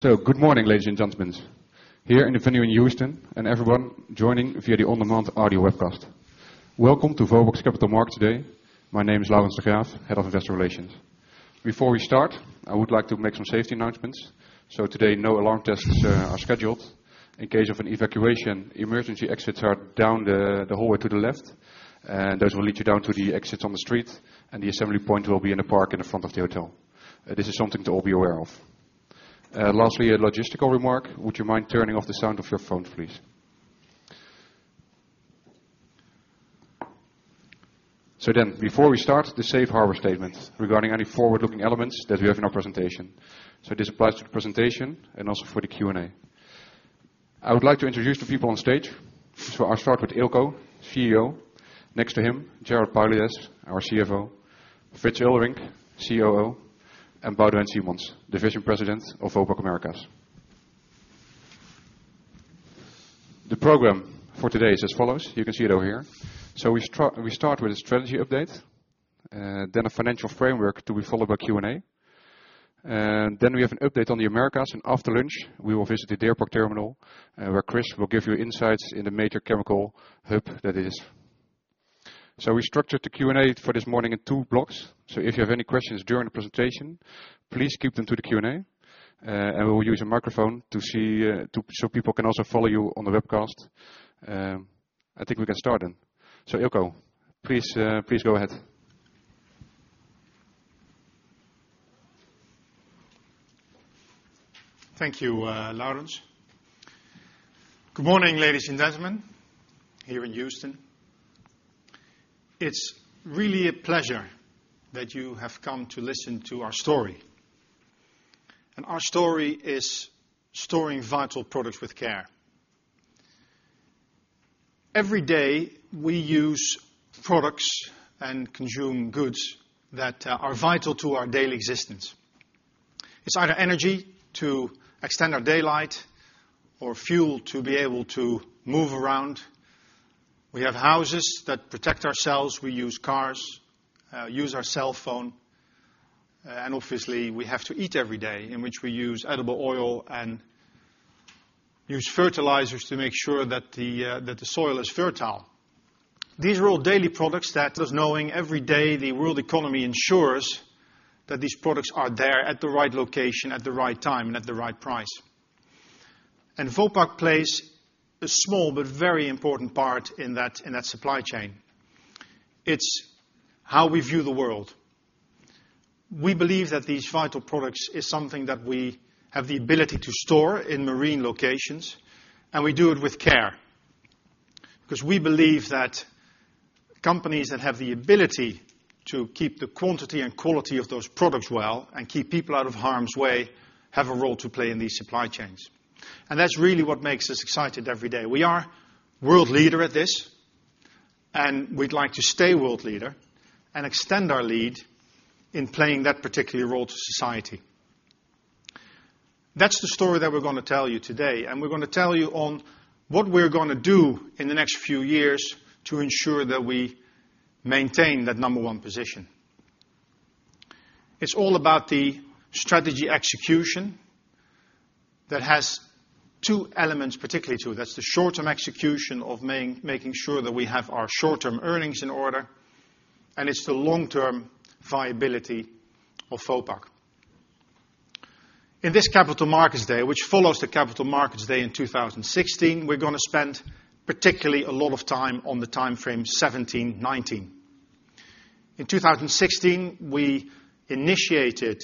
Good morning, ladies and gentlemen, here in the venue in Houston and everyone joining via the on-demand audio webcast. Welcome to Vopak's Capital Markets today. My name is Laurens de Graaf, Head of Investor Relations. Before we start, I would like to make some safety announcements. Today, no alarm tests are scheduled. In case of an evacuation, emergency exits are down the hallway to the left, and those will lead you down to the exits on the street. The assembly point will be in a park in the front of the hotel. This is something to all be aware of. Lastly, a logistical remark. Would you mind turning off the sound of your phones, please? Before we start, the safe harbor statement regarding any forward-looking elements that we have in our presentation. This applies to the presentation and also for the Q&A. I would like to introduce the people on stage. I'll start with Eelco, CEO. Next to him, Gerard Paulides, our CFO, Frits Eulderink, COO, and Boudewijn Siemons, Division President of Vopak Americas. The program for today is as follows. You can see it over here. We start with a strategy update, a financial framework to be followed by Q&A. We have an update on the Americas, and after lunch, we will visit the Deer Park Terminal, where Chris will give you insights in the major chemical hub that it is. We structured the Q&A for this morning in 2 blocks. If you have any questions during the presentation, please keep them to the Q&A. We will use a microphone so people can also follow you on the webcast. I think we can start then. Eelco, please go ahead. Thank you, Laurens. Good morning, ladies and gentlemen, here in Houston. It's really a pleasure that you have come to listen to our story. Our story is storing vital products with care. Every day we use products and consume goods that are vital to our daily existence. It's either energy to extend our daylight or fuel to be able to move around. We have houses that protect ourselves. We use cars, use our cell phone, and obviously we have to eat every day in which we use edible oil and use fertilizers to make sure that the soil is fertile. These are all daily products that us knowing every day the world economy ensures that these products are there at the right location at the right time and at the right price. Vopak plays a small but very important part in that supply chain. It's how we view the world. We believe that these vital products is something that we have the ability to store in marine locations, and we do it with care. We believe that companies that have the ability to keep the quantity and quality of those products well and keep people out of harm's way have a role to play in these supply chains. That's really what makes us excited every day. We are world leader at this, and we'd like to stay world leader and extend our lead in playing that particular role to society. That's the story that we're going to tell you today, and we're going to tell you on what we're going to do in the next few years to ensure that we maintain that number one position. It's all about the strategy execution that has two elements, particularly two. That's the short-term execution of making sure that we have our short-term earnings in order, and it's the long-term viability of Vopak. In this Capital Markets Day, which follows the Capital Markets Day in 2016, we're going to spend particularly a lot of time on the time frame 2017-2019. In 2016, we initiated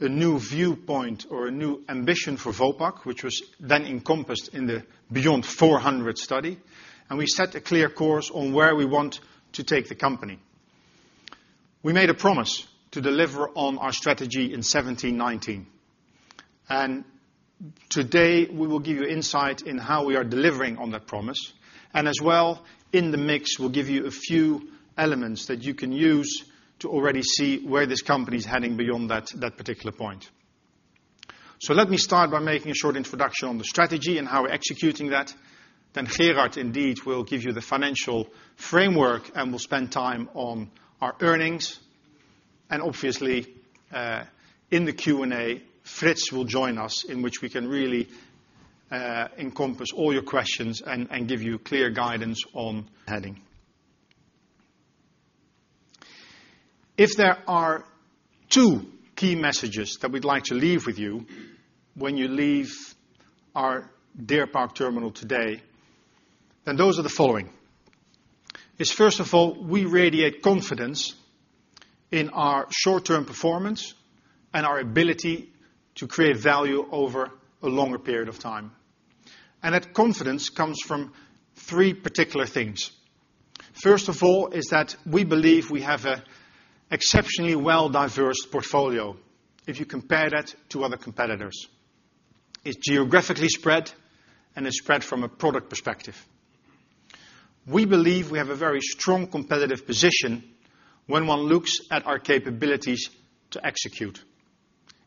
a new viewpoint or a new ambition for Vopak, which was then encompassed in the Beyond 400 study, and we set a clear course on where we want to take the company. We made a promise to deliver on our strategy in 2017-2019. Today we will give you insight in how we are delivering on that promise. As well, in the mix, we'll give you a few elements that you can use to already see where this company's heading beyond that particular point. Let me start by making a short introduction on the strategy and how we're executing that. Gerard indeed will give you the financial framework, and we'll spend time on our earnings. Obviously, in the Q&A, Frits will join us in which we can really encompass all your questions and give you clear guidance on heading. If there are two key messages that we'd like to leave with you when you leave our Deer Park Terminal today, then those are the following. First of all, we radiate confidence in our short-term performance and our ability to create value over a longer period of time. That confidence comes from three particular things. First of all, is that we believe we have an exceptionally well-diverse portfolio if you compare that to other competitors. It's geographically spread, and it's spread from a product perspective. We believe we have a very strong competitive position when one looks at our capabilities to execute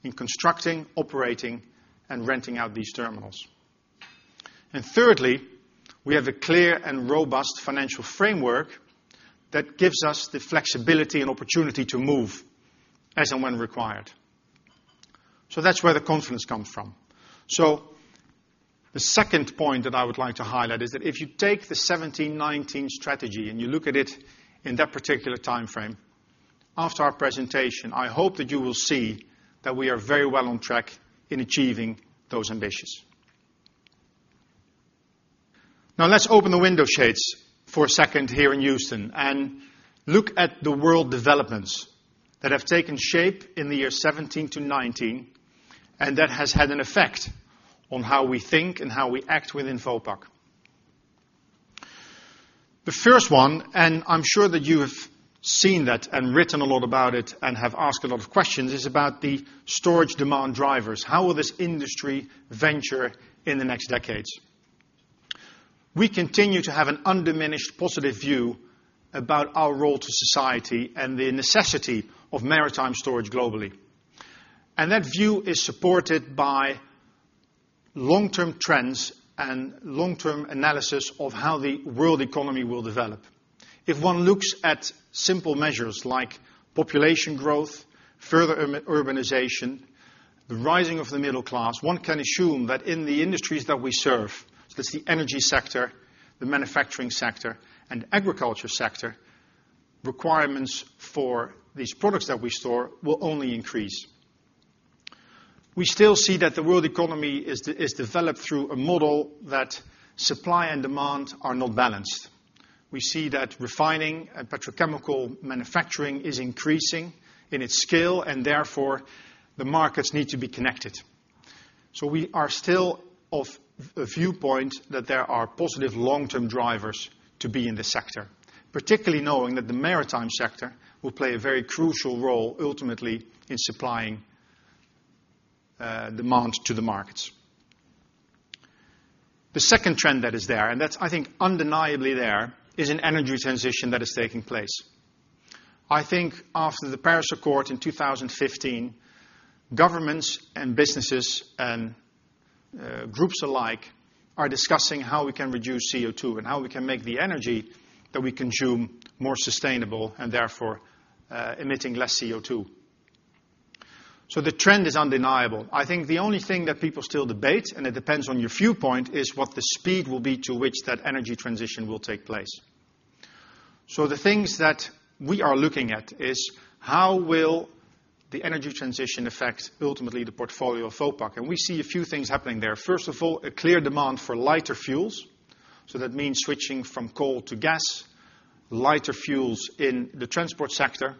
in constructing, operating, and renting out these terminals. And thirdly, we have a clear and robust financial framework that gives us the flexibility and opportunity to move as and when required. That's where the confidence comes from. The second point that I would like to highlight is that if you take the 2017-2019 strategy and you look at it in that particular timeframe, after our presentation, I hope that you will see that we are very well on track in achieving those ambitions. Let's open the window shades for a second here in Houston and look at the world developments that have taken shape in the year 2017 to 2019, and that has had an effect on how we think and how we act within Vopak. The first one, I'm sure that you have seen that and written a lot about it and have asked a lot of questions, is about the storage demand drivers. How will this industry venture in the next decades? We continue to have an undiminished positive view about our role to society and the necessity of maritime storage globally. That view is supported by long-term trends and long-term analysis of how the world economy will develop. If one looks at simple measures like population growth, further urbanization, the rising of the middle class, one can assume that in the industries that we serve, that's the energy sector, the manufacturing sector, and agriculture sector, requirements for these products that we store will only increase. We still see that the world economy is developed through a model that supply and demand are not balanced. We see that refining and petrochemical manufacturing is increasing in its scale, therefore, the markets need to be connected. We are still of a viewpoint that there are positive long-term drivers to be in this sector, particularly knowing that the maritime sector will play a very crucial role ultimately in supplying demand to the markets. The second trend that is there, that is I think undeniably there, is an energy transition that is taking place. I think after the Paris Agreement in 2015, governments and businesses and groups alike are discussing how we can reduce CO2 and how we can make the energy that we consume more sustainable and therefore emitting less CO2. The trend is undeniable. I think the only thing that people still debate, and it depends on your viewpoint, is what the speed will be to which that energy transition will take place. The things that we are looking at is how will the energy transition affect ultimately the portfolio of Vopak? We see a few things happening there. First of all, a clear demand for lighter fuels. That means switching from coal to gas, lighter fuels in the transport sector,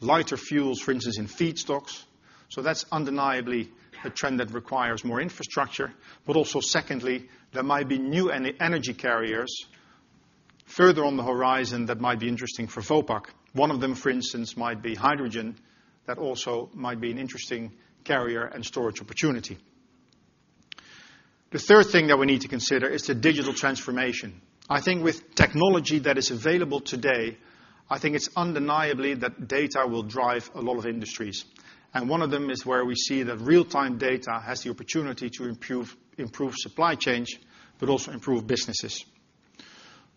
lighter fuels, for instance, in feedstocks. That is undeniably a trend that requires more infrastructure, but also secondly, there might be new energy carriers further on the horizon that might be interesting for Vopak. One of them, for instance, might be hydrogen. That also might be an interesting carrier and storage opportunity. The third thing that we need to consider is the digital transformation. I think with technology that is available today, I think it is undeniably that data will drive a lot of industries. One of them is where we see that real-time data has the opportunity to improve supply chains but also improve businesses.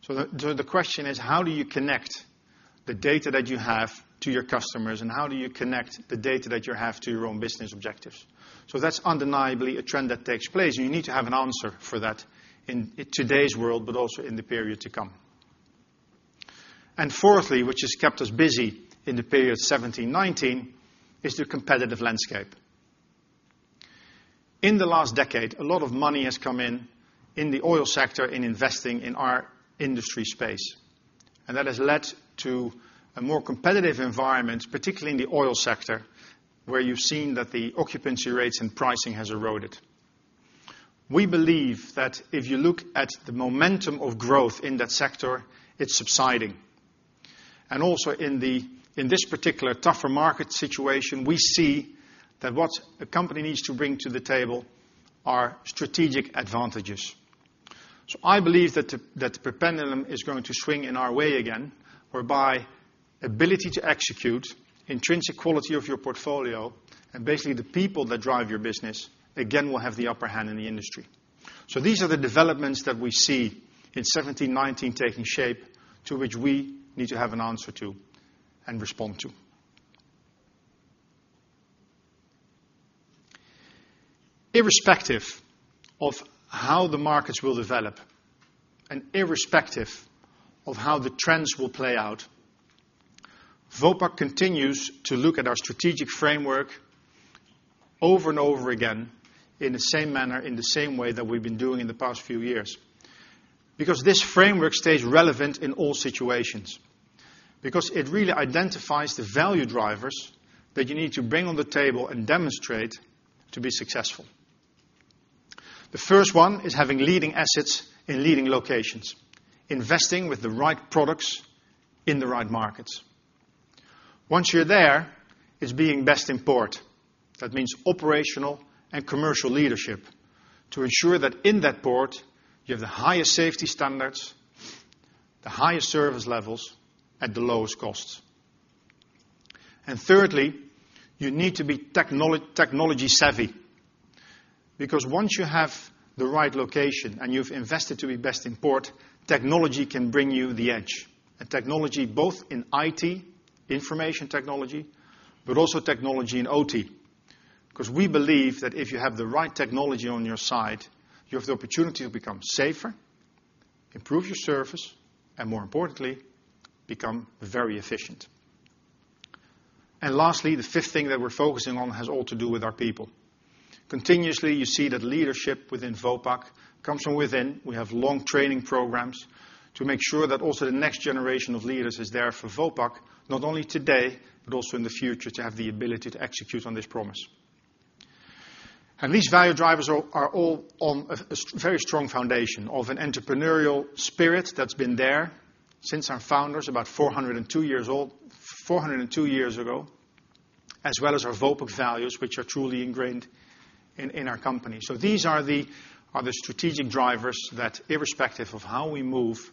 The question is, how do you connect the data that you have to your customers, and how do you connect the data that you have to your own business objectives? That is undeniably a trend that takes place, and you need to have an answer for that in today's world but also in the period to come. Fourthly, which has kept us busy in the period 2017, 2019, is the competitive landscape. In the last decade, a lot of money has come in in the oil sector in investing in our industry space, and that has led to a more competitive environment, particularly in the oil sector, where you've seen that the occupancy rates and pricing has eroded. We believe that if you look at the momentum of growth in that sector, it is subsiding. Also in this particular tougher market situation, we see that what a company needs to bring to the table are strategic advantages. I believe that the pendulum is going to swing in our way again, whereby ability to execute intrinsic quality of your portfolio and basically the people that drive your business again will have the upper hand in the industry. These are the developments that we see in 2017, 2019 taking shape to which we need to have an answer to and respond to. Irrespective of how the markets will develop and irrespective of how the trends will play out, Vopak continues to look at our strategic framework over and over again in the same manner, in the same way that we've been doing in the past few years. This framework stays relevant in all situations because it really identifies the value drivers that you need to bring on the table and demonstrate to be successful. The first one is having leading assets in leading locations, investing with the right products in the right markets. Once you're there, it's being best in port. That means operational and commercial leadership to ensure that in that port you have the highest safety standards, the highest service levels, at the lowest costs. Thirdly, you need to be technology-savvy. Once you have the right location and you've invested to be best in port, technology can bring you the edge. Technology, both in IT, information technology, but also technology in OT. We believe that if you have the right technology on your side, you have the opportunity to become safer, improve your service, and more importantly, become very efficient. Lastly, the fifth thing that we're focusing on has all to do with our people. Continuously, you see that leadership within Vopak comes from within. We have long training programs to make sure that also the next generation of leaders is there for Vopak, not only today, but also in the future, to have the ability to execute on this promise. These value drivers are all on a very strong foundation of an entrepreneurial spirit that's been there since our founders, about 402 years ago, as well as our Vopak values, which are truly ingrained in our company. These are the strategic drivers that irrespective of how we move,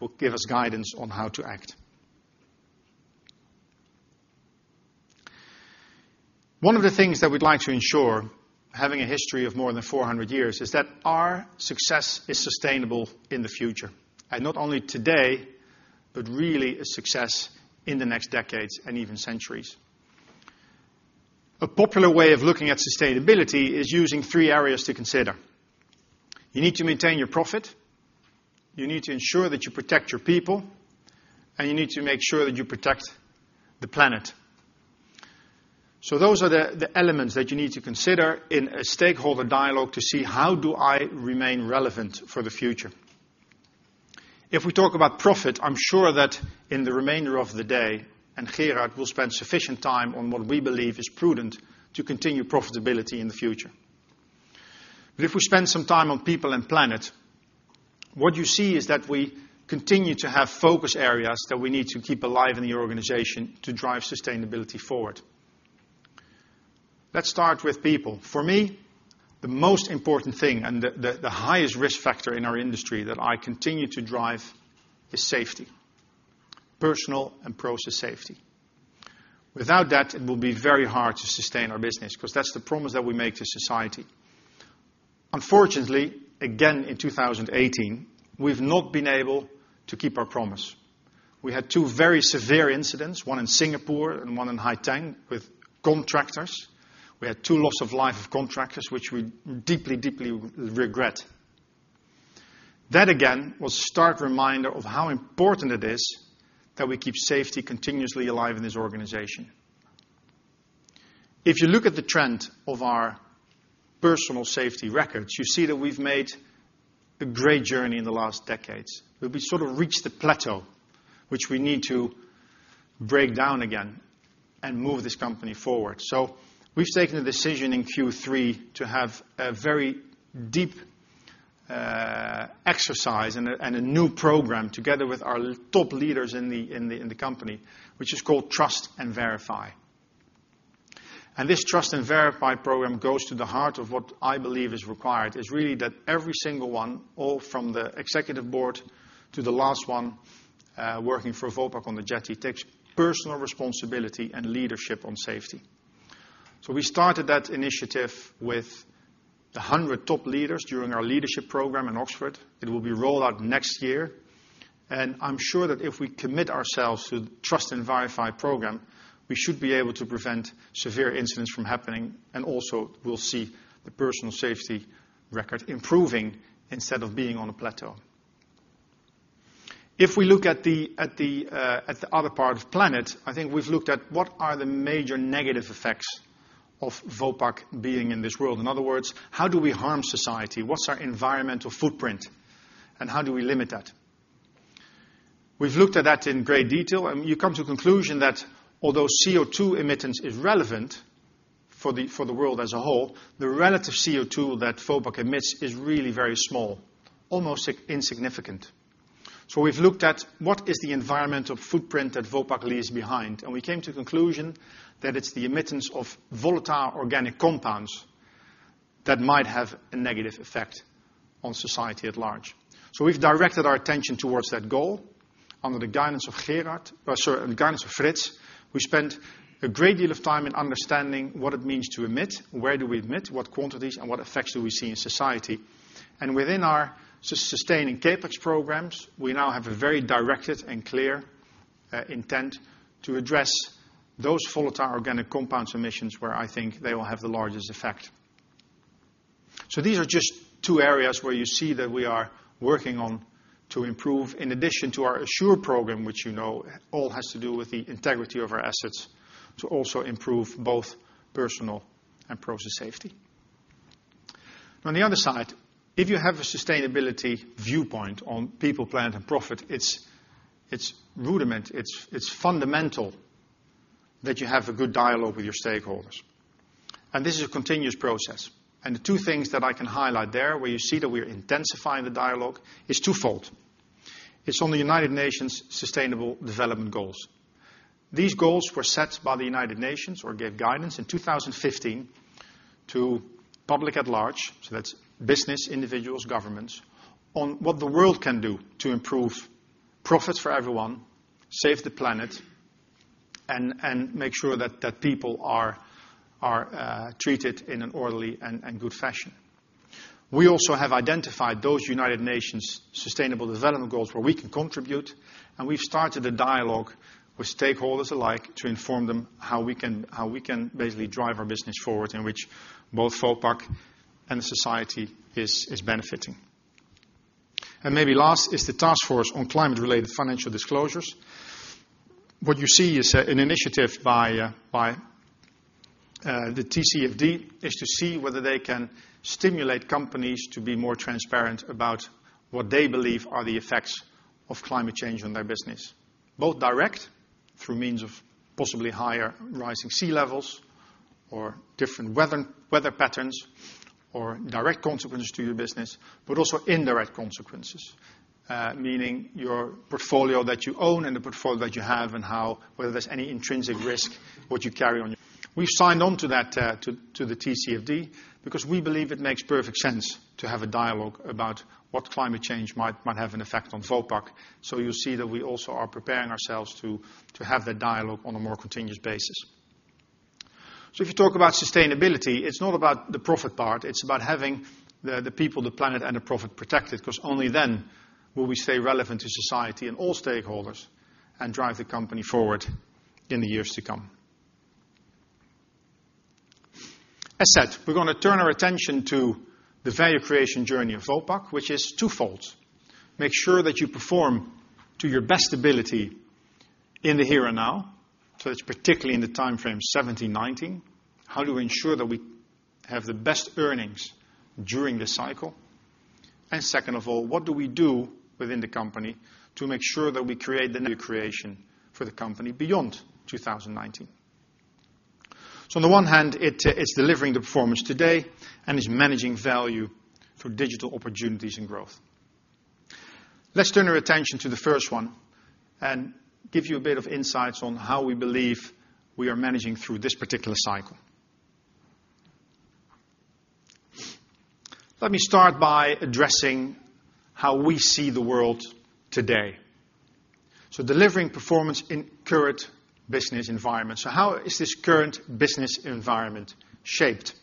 will give us guidance on how to act. One of the things that we'd like to ensure, having a history of more than 400 years, is that our success is sustainable in the future, not only today, but really a success in the next decades and even centuries. A popular way of looking at sustainability is using three areas to consider. You need to maintain your profit, you need to ensure that you protect your people, and you need to make sure that you protect the planet. Those are the elements that you need to consider in a stakeholder dialogue to see: How do I remain relevant for the future? If we talk about profit, I'm sure that in the remainder of the day, Gerard will spend sufficient time on what we believe is prudent to continue profitability in the future. If we spend some time on people and planet, what you see is that we continue to have focus areas that we need to keep alive in the organization to drive sustainability forward. Let's start with people. For me, the most important thing, and the highest risk factor in our industry that I continue to drive, is safety. Personal and process safety. Without that, it will be very hard to sustain our business because that's the promise that we make to society. Unfortunately, again, in 2018, we've not been able to keep our promise. We had two very severe incidents, one in Singapore and one in Haitang, with contractors. We had two loss of life of contractors, which we deeply regret. That, again, was a stark reminder of how important it is that we keep safety continuously alive in this organization. If you look at the trend of our personal safety records, you see that we've made a great journey in the last decades. We sort of reached the plateau, which we need to break down again and move this company forward. We've taken a decision in Q3 to have a very deep exercise and a new program together with our top leaders in the company, which is called Trust and Verify. This Trust and Verify program goes to the heart of what I believe is required, is really that every single one, all from the executive board to the last one working for Vopak on the jetty, takes personal responsibility and leadership on safety. We started that initiative with 100 top leaders during our leadership program in Oxford. It will be rolled out next year. I'm sure that if we commit ourselves to the Trust and Verify program, we should be able to prevent severe incidents from happening. Also, we'll see the personal safety record improving instead of being on a plateau. If we look at the other part of planet, I think we've looked at what are the major negative effects of Vopak being in this world. In other words, how do we harm society? What's our environmental footprint, and how do we limit that? We've looked at that in great detail. You come to the conclusion that although CO2 emittance is relevant for the world as a whole, the relative CO2 that Vopak emits is really very small, almost insignificant. We've looked at what is the environmental footprint that Vopak leaves behind. We came to the conclusion that it's the emittance of volatile organic compounds that might have a negative effect on society at large. We've directed our attention towards that goal. Under the guidance of Frits, we spent a great deal of time in understanding what it means to emit, where do we emit, what quantities, and what effects do we see in society. Within our sustaining CapEx programs, we now have a very directed and clear intent to address those volatile organic compound emissions where I think they will have the largest effect. These are just two areas where you see that we are working on to improve in addition to our Assure program, which you know all has to do with the integrity of our assets to also improve both personal and process safety. On the other side, if you have a sustainability viewpoint on people, planet, and profit, it's rudiment, it's fundamental that you have a good dialogue with your stakeholders. This is a continuous process. The two things that I can highlight there where you see that we're intensifying the dialogue is twofold. It's on the United Nations Sustainable Development Goals. These goals were set by the United Nations or gave guidance in 2015 to public at large, so that's business, individuals, governments, on what the world can do to improve profits for everyone, save the planet, and make sure that people are treated in an orderly and good fashion. We also have identified those United Nations Sustainable Development Goals where we can contribute, and we've started a dialogue with stakeholders alike to inform them how we can basically drive our business forward in which both Vopak and the society is benefiting. Maybe last is the Task Force on Climate-related Financial Disclosures. What you see is an initiative by the TCFD is to see whether they can stimulate companies to be more transparent about what they believe are the effects of climate change on their business, both direct, through means of possibly higher rising sea levels or different weather patterns or direct consequences to your business, but also indirect consequences, meaning your portfolio that you own and the portfolio that you have and whether there's any intrinsic risk, what you carry on. We've signed on to the TCFD because we believe it makes perfect sense to have a dialogue about what climate change might have an effect on Vopak. You'll see that we also are preparing ourselves to have that dialogue on a more continuous basis. If you talk about sustainability, it's not about the profit part, it's about having the people, the planet, and the profit protected, because only then will we stay relevant to society and all stakeholders and drive the company forward in the years to come. As said, we're going to turn our attention to the value creation journey of Vopak, which is twofold. Make sure that you perform to your best ability in the here and now. It's particularly in the timeframe 2017, 2019. How do we ensure that we have the best earnings during this cycle? Second of all, what do we do within the company to make sure that we create the new creation for the company beyond 2019? On the one hand, it is delivering the performance today and is managing value through digital opportunities and growth. Let's turn our attention to the first one and give you a bit of insights on how we believe we are managing through this particular cycle. Let me start by addressing how we see the world today. Delivering performance in current business environment. How is this current business environment shaped?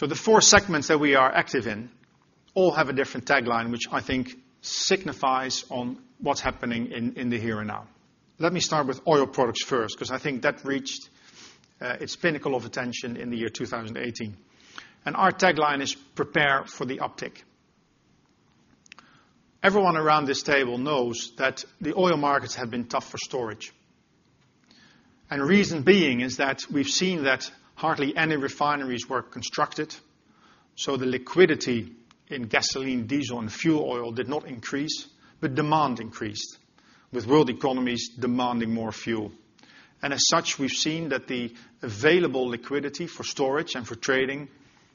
The four segments that we are active in all have a different tagline, which I think signifies on what's happening in the here and now. Let me start with oil products first, because I think that reached its pinnacle of attention in the year 2018. Our tagline is prepare for the uptick. Everyone around this table knows that the oil markets have been tough for storage. The reason being is that we've seen that hardly any refineries were constructed, the liquidity in gasoline, diesel, and fuel oil did not increase, but demand increased, with world economies demanding more fuel. As such, we've seen that the available liquidity for storage and for trading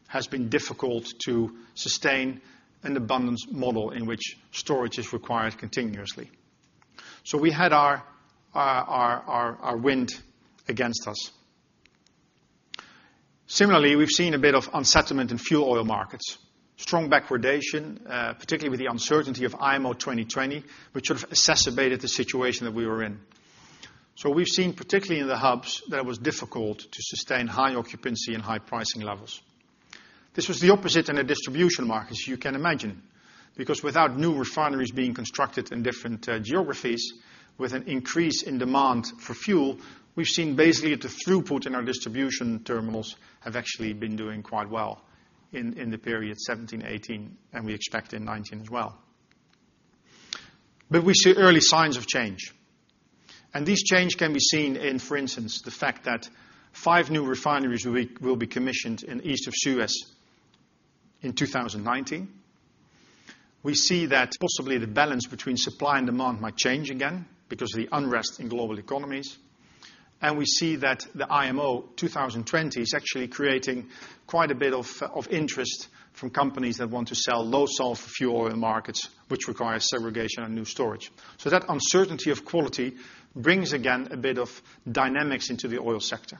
has been difficult to sustain an abundance model in which storage is required continuously. We had our wind against us. Similarly, we've seen a bit of unsettlement in fuel oil markets. Strong backwardation, particularly with the uncertainty of IMO 2020, which sort of exacerbated the situation that we were in. We've seen, particularly in the hubs, that it was difficult to sustain high occupancy and high pricing levels. This was the opposite in the distribution markets, you can imagine. Because without new refineries being constructed in different geographies, with an increase in demand for fuel, we've seen basically the throughput in our distribution terminals have actually been doing quite well in the period 2017, 2018, and we expect in 2019 as well. We see early signs of change. This change can be seen in, for instance, the fact that five new refineries will be commissioned in East of Suez in 2019. We see that possibly the balance between supply and demand might change again because of the unrest in global economies. We see that the IMO 2020 is actually creating quite a bit of interest from companies that want to sell low-sulfur fuel oil markets, which requires segregation and new storage. That uncertainty of quality brings again a bit of dynamics into the oil sector.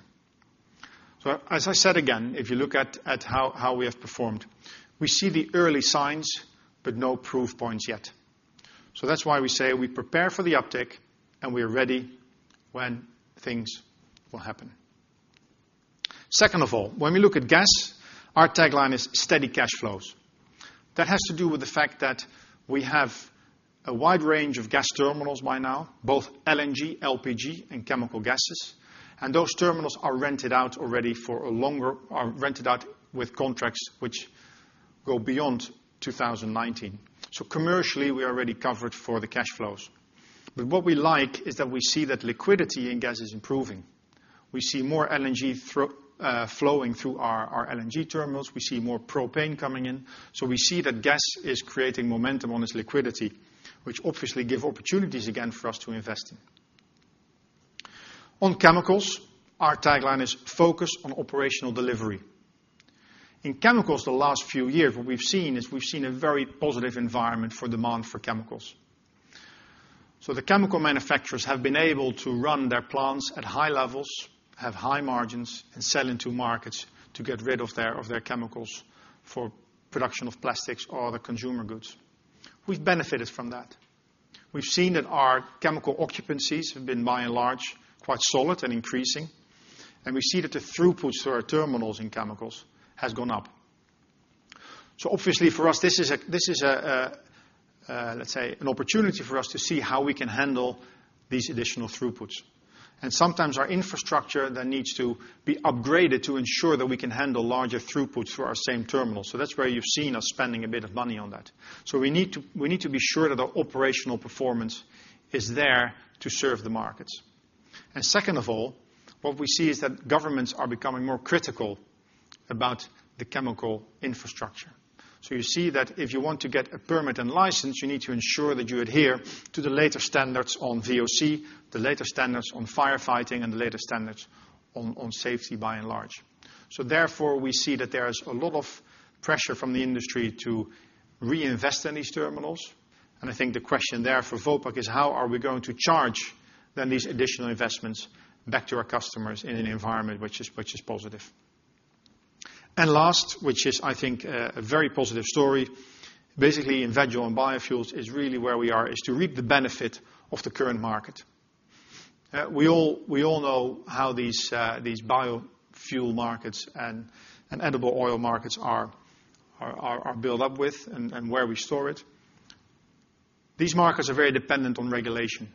As I said again, if you look at how we have performed, we see the early signs but no proof points yet. That's why we say we prepare for the uptick and we're ready when things will happen. Second of all, when we look at gas, our tagline is steady cash flows. That has to do with the fact that we have a wide range of gas terminals by now, both LNG, LPG, and chemical gases, and those terminals are rented out with contracts which go beyond 2019. Commercially, we are already covered for the cash flows. What we like is that we see that liquidity in gas is improving. We see more LNG flowing through our LNG terminals. We see more propane coming in. We see that gas is creating momentum on its liquidity, which obviously give opportunities again for us to invest in. On chemicals, our tagline is focus on operational delivery. In chemicals the last few years, what we've seen is we've seen a very positive environment for demand for chemicals. The chemical manufacturers have been able to run their plants at high levels, have high margins, and sell into markets to get rid of their chemicals for production of plastics or other consumer goods. We've benefited from that. We've seen that our chemical occupancies have been by and large, quite solid and increasing, and we see that the throughputs through our terminals in chemicals has gone up. Obviously for us, this is an opportunity for us to see how we can handle these additional throughputs. Sometimes our infrastructure then needs to be upgraded to ensure that we can handle larger throughputs for our same terminal. That's where you've seen us spending a bit of money on that. We need to be sure that our operational performance is there to serve the markets. Second of all, what we see is that governments are becoming more critical about the chemical infrastructure. You see that if you want to get a permit and license, you need to ensure that you adhere to the latest standards on VOC, the latest standards on firefighting, and the latest standards on safety by and large. Therefore, we see that there is a lot of pressure from the industry to reinvest in these terminals, and I think the question there for Vopak is how are we going to charge then these additional investments back to our customers in an environment which is positive. Last, which is I think a very positive story, basically in vegetable and biofuels is really where we are, is to reap the benefit of the current market. We all know how these biofuel markets and edible oil markets are built up with and where we store it. These markets are very dependent on regulation,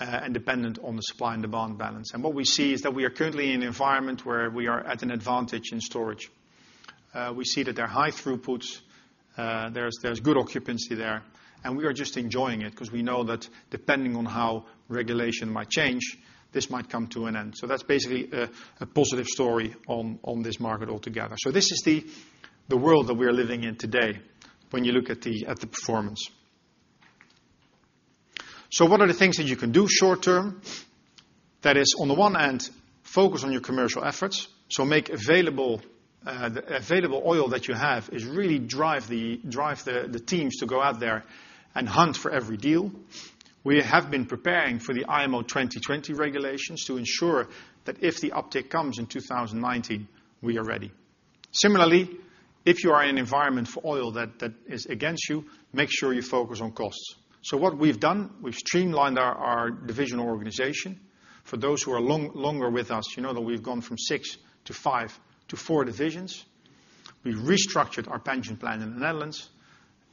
and dependent on the supply and demand balance. What we see is that we are currently in an environment where we are at an advantage in storage. We see that there are high throughputs, there's good occupancy there, and we are just enjoying it because we know that depending on how regulation might change, this might come to an end. That's basically a positive story on this market altogether. This is the world that we are living in today when you look at the performance. What are the things that you can do short-term? That is on the one hand, focus on your commercial efforts. Make available oil that you have is really drive the teams to go out there and hunt for every deal. We have been preparing for the IMO 2020 regulations to ensure that if the uptick comes in 2019, we are ready. Similarly, if you are in an environment for oil that is against you, make sure you focus on costs. What we've done, we've streamlined our divisional organization. For those who are longer with us, you know that we've gone from 6 to 5 to 4 divisions. We've restructured our pension plan in the Netherlands.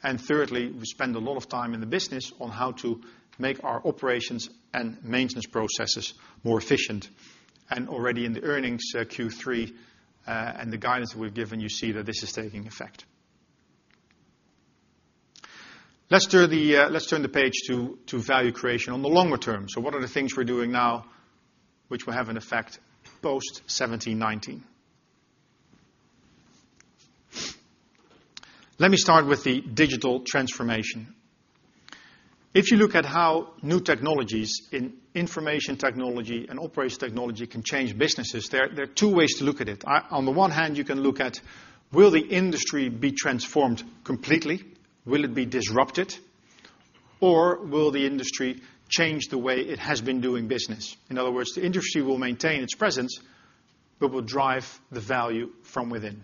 Thirdly, we spend a lot of time in the business on how to make our operations and maintenance processes more efficient. Already in the earnings Q3, and the guidance that we've given you see that this is taking effect. Let's turn the page to value creation on the longer term. What are the things we're doing now which will have an effect post 2017, 2019? Let me start with the digital transformation. If you look at how new technologies in information technology and operations technology can change businesses, there are two ways to look at it. On the one hand, you can look at will the industry be transformed completely? Will it be disrupted? Will the industry change the way it has been doing business? In other words, the industry will maintain its presence, but will drive the value from within.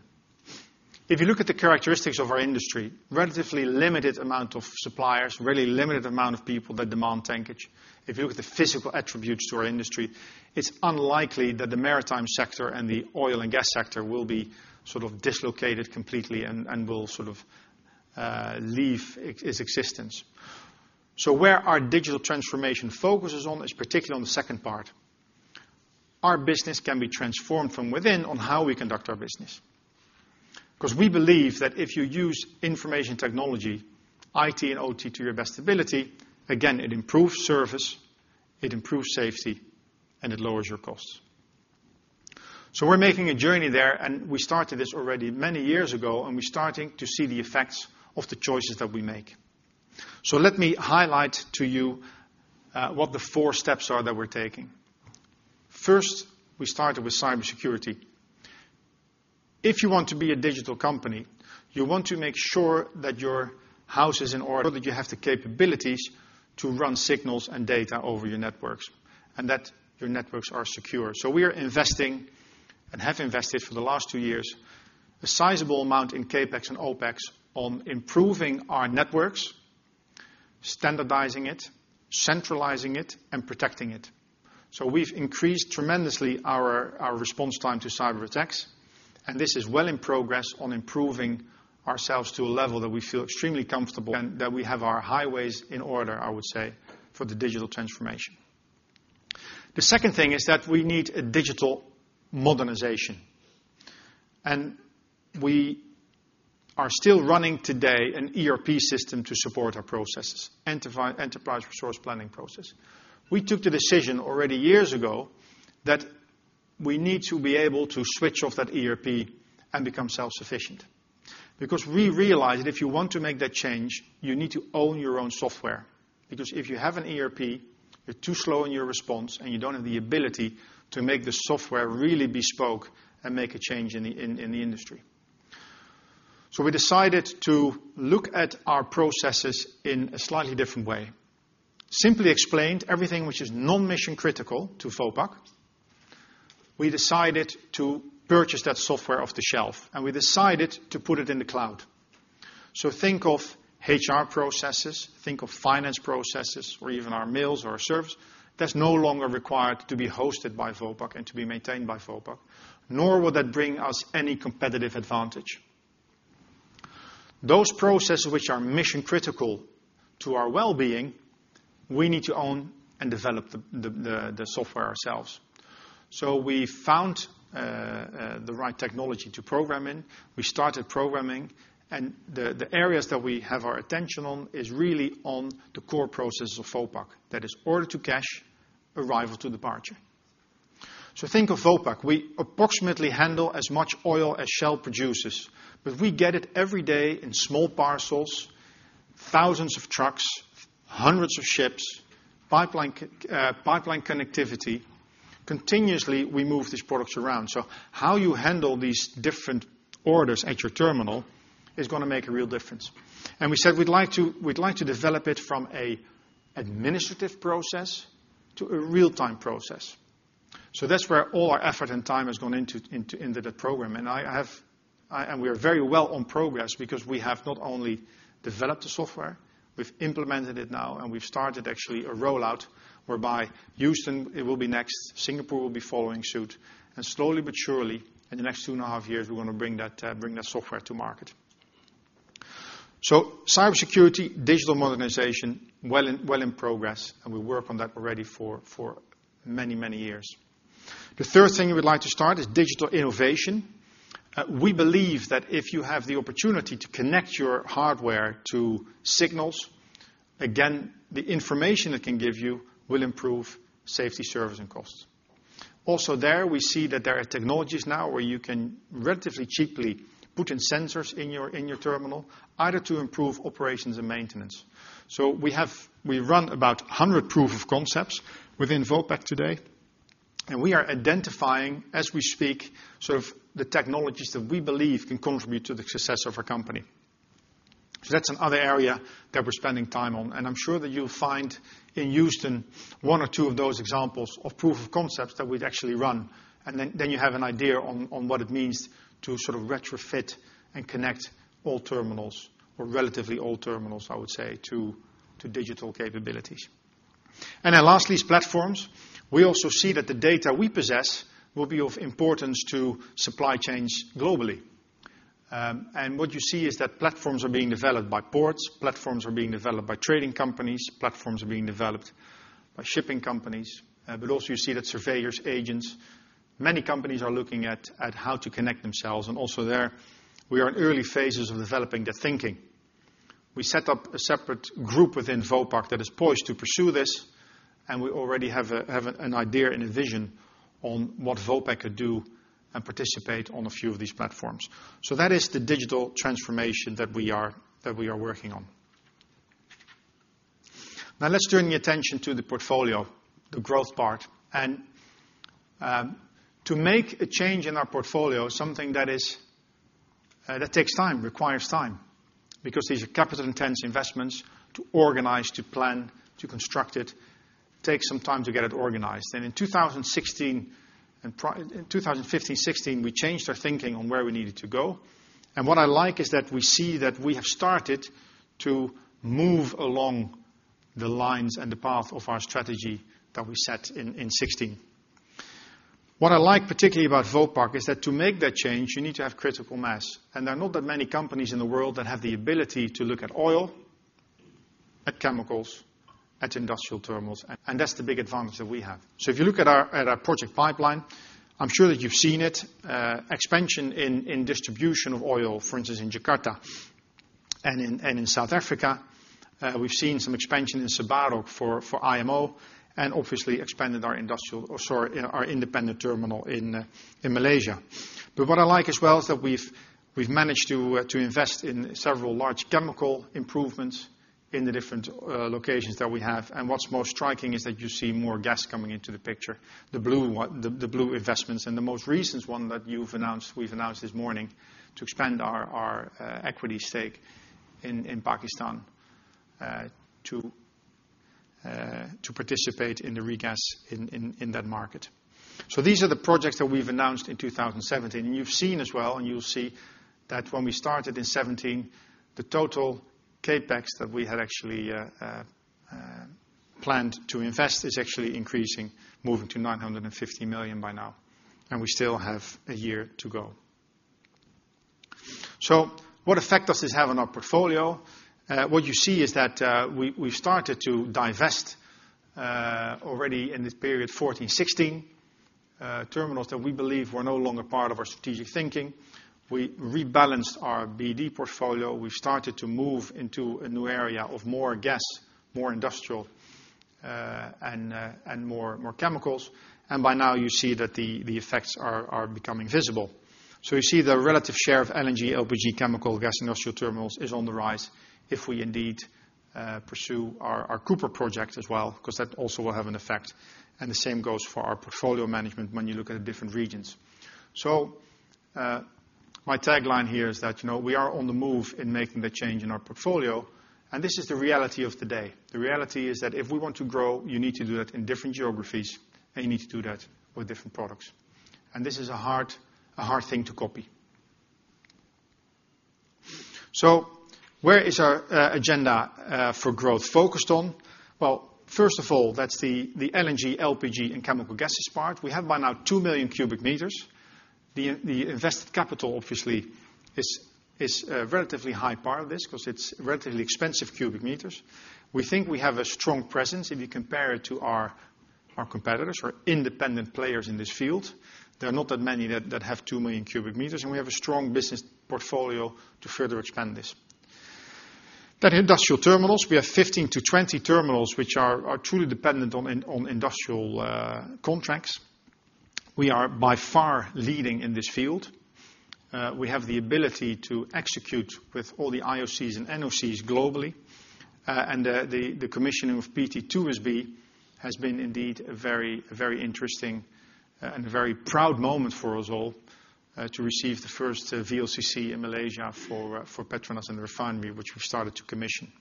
If you look at the characteristics of our industry, relatively limited amount of suppliers, really limited amount of people that demand tankage. If you look at the physical attributes to our industry, it's unlikely that the maritime sector and the oil and gas sector will be sort of dislocated completely and will sort of leave its existence. Where our digital transformation focuses on is particularly on the second part. Our business can be transformed from within on how we conduct our business. We believe that if you use information technology, IT, and OT to your best ability, again, it improves service, it improves safety, and it lowers your costs. We're making a journey there, and we started this already many years ago, and we're starting to see the effects of the choices that we make. Let me highlight to you what the four steps are that we're taking. First, we started with cybersecurity. If you want to be a digital company, you want to make sure that your house is in order, that you have the capabilities to run signals and data over your networks, and that your networks are secure. We are investing and have invested for the last two years, a sizable amount in CapEx and OpEx on improving our networks, standardizing it, centralizing it, and protecting it. We've increased tremendously our response time to cyber attacks, and this is well in progress on improving ourselves to a level that we feel extremely comfortable and that we have our highways in order, I would say, for the digital transformation. The second thing is that we need a digital modernization. We are still running today an ERP system to support our processes, enterprise resource planning process. We took the decision already years ago that we need to be able to switch off that ERP and become self-sufficient. We realized that if you want to make that change, you need to own your own software, because if you have an ERP, you're too slow in your response and you don't have the ability to make the software really bespoke and make a change in the industry. We decided to look at our processes in a slightly different way. Simply explained, everything which is non-mission critical to Vopak, we decided to purchase that software off the shelf, and we decided to put it in the cloud. Think of HR processes, think of finance processes, or even our mails or our service, that's no longer required to be hosted by Vopak and to be maintained by Vopak, nor would that bring us any competitive advantage. Those processes which are mission-critical to our well-being, we need to own and develop the software ourselves. We found the right technology to program in. We started programming, and the areas that we have our attention on is really on the core processes of Vopak, that is order to cash, arrival to departure. Think of Vopak. We approximately handle as much oil as Shell produces. We get it every day in small parcels, thousands of trucks, hundreds of ships, pipeline connectivity. Continuously, we move these products around. How you handle these different orders at your terminal is going to make a real difference. We said we'd like to develop it from an administrative process to a real-time process. That's where all our effort and time has gone into that program. We are very well on progress because we have not only developed the software, we've implemented it now and we've started actually a rollout whereby Houston it will be next, Singapore will be following suit, and slowly but surely in the next two and a half years, we want to bring that software to market. Cybersecurity, digital modernization, well in progress, and we work on that already for many, many years. The third thing we'd like to start is digital innovation. We believe that if you have the opportunity to connect your hardware to signals, again, the information it can give you will improve safety, service, and costs. There, we see that there are technologies now where you can relatively cheaply put in sensors in your terminal, either to improve operations and maintenance. We run about 100 proof of concepts within Vopak today, and we are identifying, as we speak, the technologies that we believe can contribute to the success of our company. That's another area that we're spending time on, and I'm sure that you'll find in Houston, one or two of those examples of proof of concepts that we'd actually run, and then you have an idea on what it means to sort of retrofit and connect old terminals or relatively old terminals, I would say, to digital capabilities. Lastly, is platforms. We see that the data we possess will be of importance to supply chains globally. What you see is that platforms are being developed by ports, platforms are being developed by trading companies, platforms are being developed by shipping companies. You see that surveyors, agents, many companies are looking at how to connect themselves. There, we are in early phases of developing the thinking. We set up a separate group within Vopak that is poised to pursue this, and we already have an idea and a vision on what Vopak could do and participate on a few of these platforms. That is the digital transformation that we are working on. Now let's turn the attention to the portfolio, the growth part. To make a change in our portfolio, something that takes time, requires time, because these are capital-intense investments to organize, to plan, to construct it, takes some time to get it organized. In 2015, 2016, we changed our thinking on where we needed to go. What I like is that we see that we have started to move along the lines and the path of our strategy that we set in 2016. What I like particularly about Vopak is that to make that change, you need to have critical mass. There are not that many companies in the world that have the ability to look at oil, at chemicals, at industrial terminals, and that's the big advantage that we have. If you look at our project pipeline, I'm sure that you've seen it, expansion in distribution of oil, for instance, in Jakarta and in South Africa. We've seen some expansion in Sebarok for IMO and obviously expanded our independent terminal in Malaysia. What I like as well is that we've managed to invest in several large chemical improvements in the different locations that we have. What's most striking is that you see more gas coming into the picture, the blue investments, and the most recent one that we've announced this morning to expand our equity stake in Pakistan to participate in the regas in that market. These are the projects that we've announced in 2017. You've seen as well, and you'll see that when we started in 2017, the total CapEx that we had actually planned to invest is actually increasing, moving to 950 million by now, and we still have a year to go. What effect does this have on our portfolio? You see that we started to divest already in this period, 2014, 2016, terminals that we believe were no longer part of our strategic thinking. We rebalanced our BD portfolio. We started to move into a new area of more gas, more industrial, and more chemicals. By now you see that the effects are becoming visible. You see the relative share of LNG, LPG, chemical, gas, and industrial terminals is on the rise if we indeed pursue our Project Cooper as well, because that also will have an effect, and the same goes for our portfolio management when you look at the different regions. My tagline here is that we are on the move in making the change in our portfolio, and this is the reality of today. The reality is that if we want to grow, you need to do that in different geographies, and you need to do that with different products. This is a hard thing to copy. Where is our agenda for growth focused on? Well, first of all, that's the LNG, LPG and chemical gases part. We have by now 2 million cubic meters. The invested capital obviously is a relatively high part of this because it's relatively expensive cubic meters. We think we have a strong presence if you compare it to our competitors or independent players in this field. There are not that many that have 2 million cubic meters, and we have a strong business portfolio to further expand this. Industrial terminals, we have 15-20 terminals, which are truly dependent on industrial contracts. We are by far leading in this field. We have the ability to execute with all the IOCs and NOCs globally. The commissioning of PT2SB has been indeed a very interesting and a very proud moment for us all to receive the first VLCC in Malaysia for Petronas and the refinery, which we've started to commission.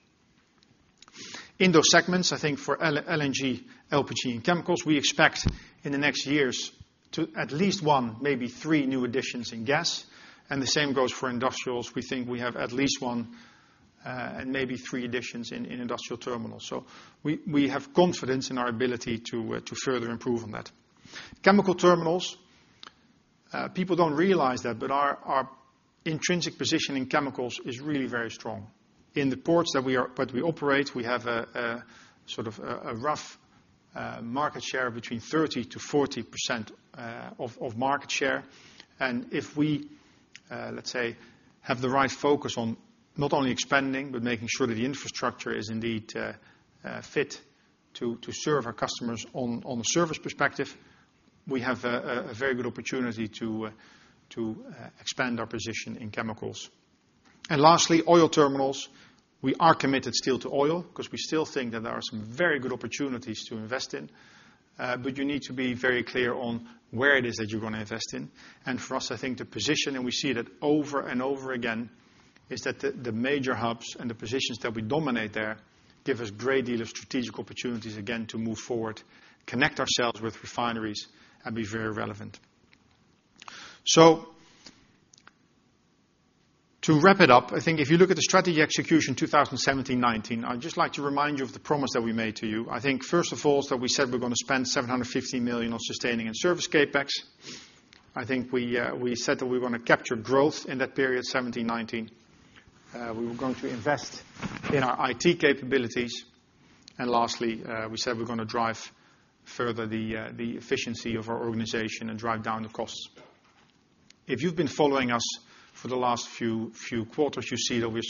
In those segments, I think for LNG, LPG and chemicals, we expect in the next years to at least one, maybe three new additions in gas. The same goes for industrials. We think we have at least one, and maybe three additions in industrial terminals. We have confidence in our ability to further improve on that. Chemical terminals, people don't realize that, but our intrinsic position in chemicals is really very strong. In the ports that we operate, we have a rough market share between 30%-40% of market share. If we, let's say, have the right focus on not only expanding, but making sure that the infrastructure is indeed fit to serve our customers on the service perspective, we have a very good opportunity to expand our position in chemicals. Lastly, oil terminals. We are committed still to oil because we still think that there are some very good opportunities to invest in. You need to be very clear on where it is that you're going to invest in. For us, I think the position, and we see that over and over again, is that the major hubs and the positions that we dominate there give us great deal of strategic opportunities again to move forward, connect ourselves with refineries and be very relevant. To wrap it up, I think if you look at the strategy execution 2017-2019, I'd just like to remind you of the promise that we made to you. I think, first of all, that we said we're going to spend 750 million on sustaining and service CapEx. I think we said that we were going to capture growth in that period 2017-2019. We were going to invest in our IT capabilities. Lastly, we said we're going to drive further the efficiency of our organization and drive down the costs. If you've been following us for the last few quarters, you see that we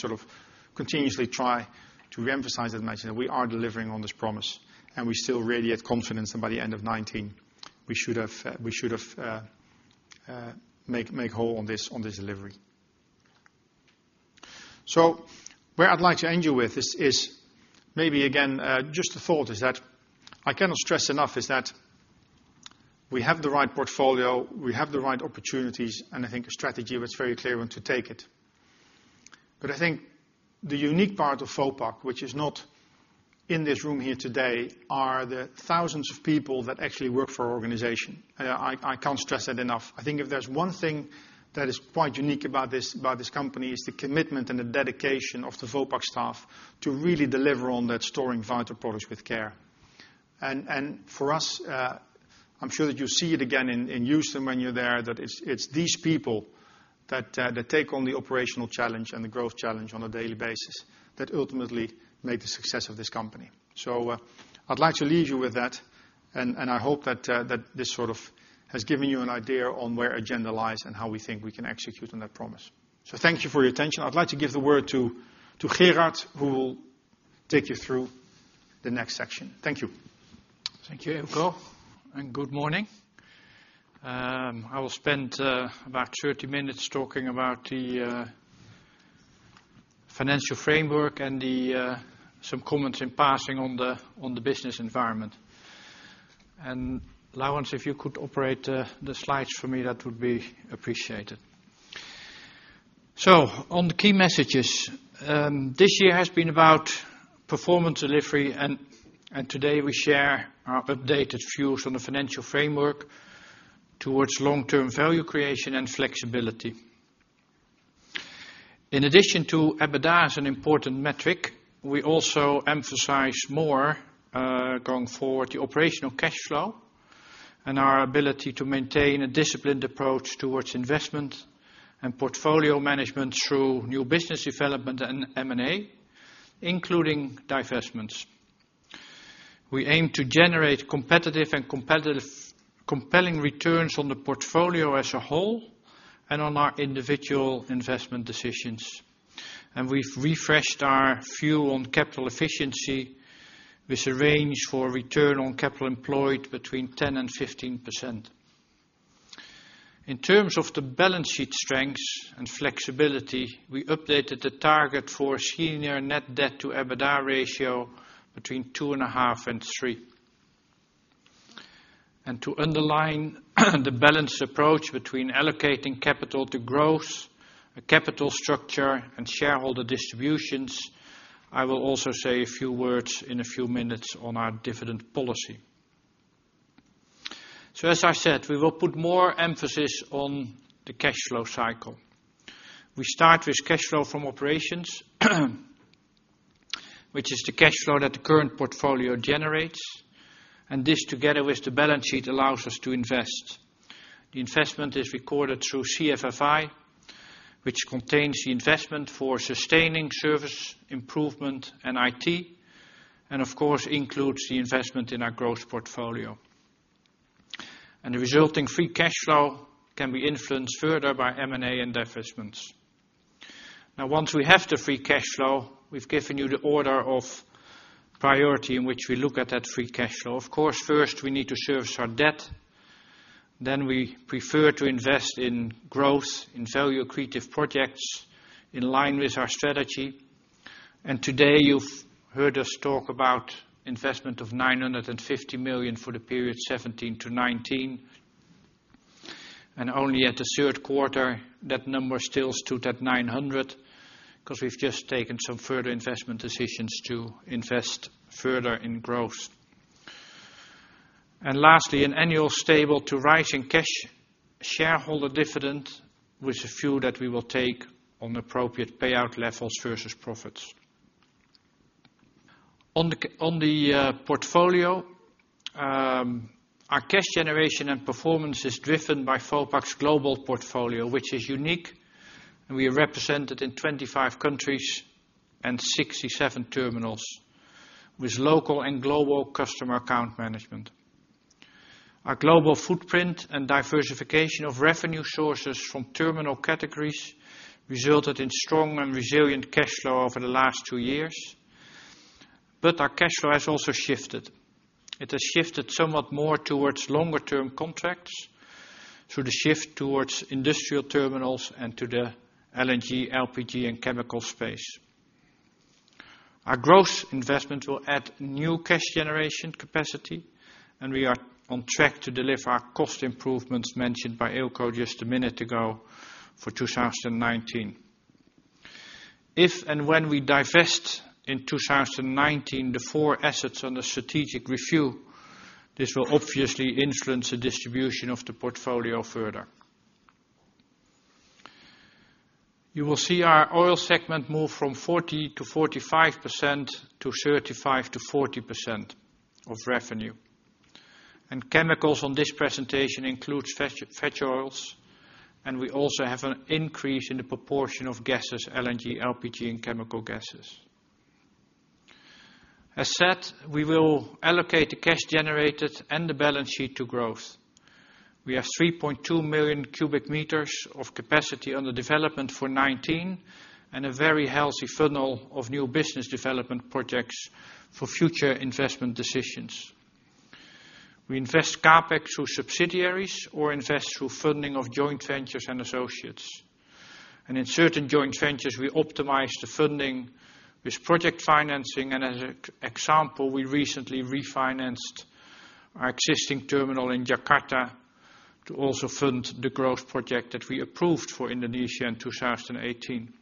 continuously try to reemphasize and mention that we are delivering on this promise, and we still really have confidence that by the end of 2019, we should have make whole on this delivery. Where I'd like to end you with is maybe again, just a thought is that I cannot stress enough is that we have the right portfolio, we have the right opportunities, and I think a strategy was very clear when to take it. I think the unique part of Vopak, which is not in this room here today, are the thousands of people that actually work for our organization. I can't stress that enough. I think if there's one thing that is quite unique about this company is the commitment and the dedication of the Vopak staff to really deliver on that storing vital products with care. For us, I'm sure that you see it again in Houston when you're there, that it's these people that take on the operational challenge and the growth challenge on a daily basis that ultimately make the success of this company. I'd like to leave you with that, and I hope that this sort of has given you an idea on where agenda lies and how we think we can execute on that promise. Thank you for your attention. I'd like to give the word to Gerard, who will take you through the next section. Thank you. Thank you, Eelco, and good morning. I will spend about 30 minutes talking about the financial framework and some comments in passing on the business environment. Laurens, if you could operate the slides for me, that would be appreciated. On the key messages. This year has been about performance delivery, and today we share our updated views on the financial framework towards long-term value creation and flexibility. In addition to EBITDA as an important metric, we also emphasize more, going forward, the operational cash flow and our ability to maintain a disciplined approach towards investment and portfolio management through new business development and M&A, including divestments. We aim to generate competitive and compelling returns on the portfolio as a whole and on our individual investment decisions. We've refreshed our view on capital efficiency with a range for return on capital employed between 10% and 15%. In terms of the balance sheet strengths and flexibility, we updated the target for a senior net debt to EBITDA ratio between 2.5 and 3. To underline the balanced approach between allocating capital to growth, capital structure, and shareholder distributions, I will also say a few words in a few minutes on our dividend policy. As I said, we will put more emphasis on the cash flow cycle. We start with cash flow from operations, which is the cash flow that the current portfolio generates. This, together with the balance sheet, allows us to invest. The investment is recorded through CFFI, which contains the investment for sustaining service improvement and IT, and of course, includes the investment in our growth portfolio. The resulting free cash flow can be influenced further by M&A and divestments. Once we have the free cash flow, we've given you the order of priority in which we look at that free cash flow. Of course, first we need to service our debt, then we prefer to invest in growth, in value-accretive projects in line with our strategy. Today you've heard us talk about investment of 950 million for the period 2017 to 2019, and only at the third quarter that number still stood at 900 million, because we've just taken some further investment decisions to invest further in growth. Lastly, an annual stable to rising cash shareholder dividend with a view that we will take on appropriate payout levels versus profits. On the portfolio, our cash generation and performance is driven by Vopak's global portfolio, which is unique, and we are represented in 25 countries and 67 terminals with local and global customer account management. Our global footprint and diversification of revenue sources from terminal categories resulted in strong and resilient cash flow over the last two years. Our cash flow has also shifted. It has shifted somewhat more towards longer term contracts through the shift towards industrial terminals and to the LNG, LPG, and chemical space. Our growth investment will add new cash generation capacity, and we are on track to deliver our cost improvements mentioned by Eelco just a minute ago for 2019. If and when we divest in 2019 the four assets on the strategic review, this will obviously influence the distribution of the portfolio further. You will see our oil segment move from 40%-45% to 35%-40% of revenue. Chemicals on this presentation includes veg oils, and we also have an increase in the proportion of gases, LNG, LPG, and chemical gases. As said, we will allocate the cash generated and the balance sheet to growth. We have 3.2 million cubic meters of capacity under development for 2019, and a very healthy funnel of new business development projects for future investment decisions. We invest CapEx through subsidiaries or invest through funding of joint ventures and associates. In certain joint ventures, we optimize the funding with project financing and as an example, we recently refinanced our existing terminal in Jakarta to also fund the growth project that we approved for Indonesia in 2018.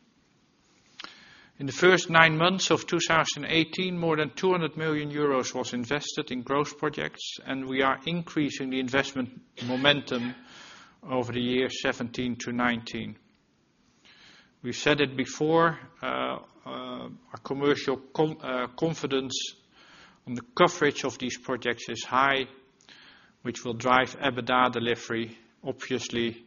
In the first nine months of 2018, more than 200 million euros was invested in growth projects, and we are increasing the investment momentum over the year 2017 to 2019. We've said it before, our commercial confidence on the coverage of these projects is high, which will drive EBITDA delivery. Obviously,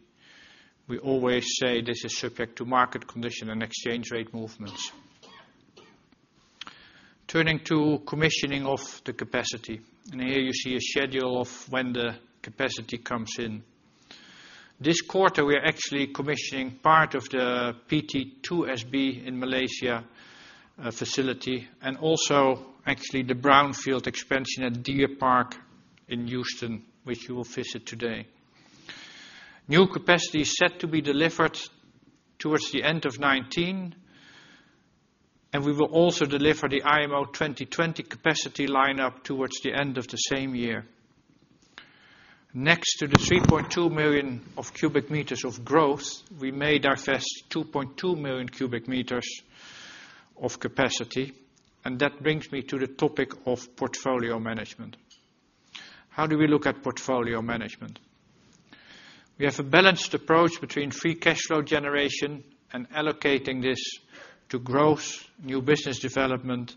we always say this is subject to market condition and exchange rate movements. Turning to commissioning of the capacity. Here you see a schedule of when the capacity comes in. This quarter, we are actually commissioning part of the PT2SB in Malaysia facility, and also actually the brownfield expansion at Deer Park in Houston, which you will visit today. New capacity is set to be delivered towards the end of 2019, and we will also deliver the IMO 2020 capacity lineup towards the end of the same year. Next to the 3.2 million of cubic meters of growth, we may divest 2.2 million cubic meters of capacity, and that brings me to the topic of portfolio management. How do we look at portfolio management? We have a balanced approach between free cash flow generation and allocating this to growth, new business development,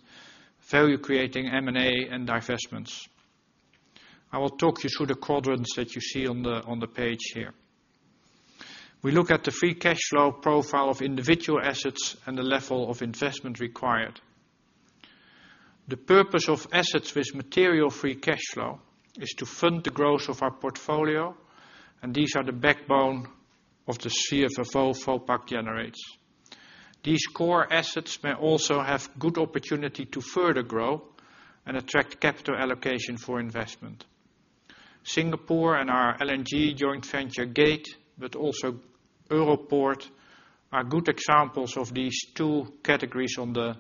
value creating M&A, and divestments. I will talk you through the quadrants that you see on the page here. We look at the free cash flow profile of individual assets and the level of investment required. The purpose of assets with material free cash flow is to fund the growth of our portfolio, these are the backbone of the CFFO Vopak generates. These core assets may also have good opportunity to further grow and attract capital allocation for investment. Singapore and our LNG joint venture Gate, also Europoort are good examples of these two categories on the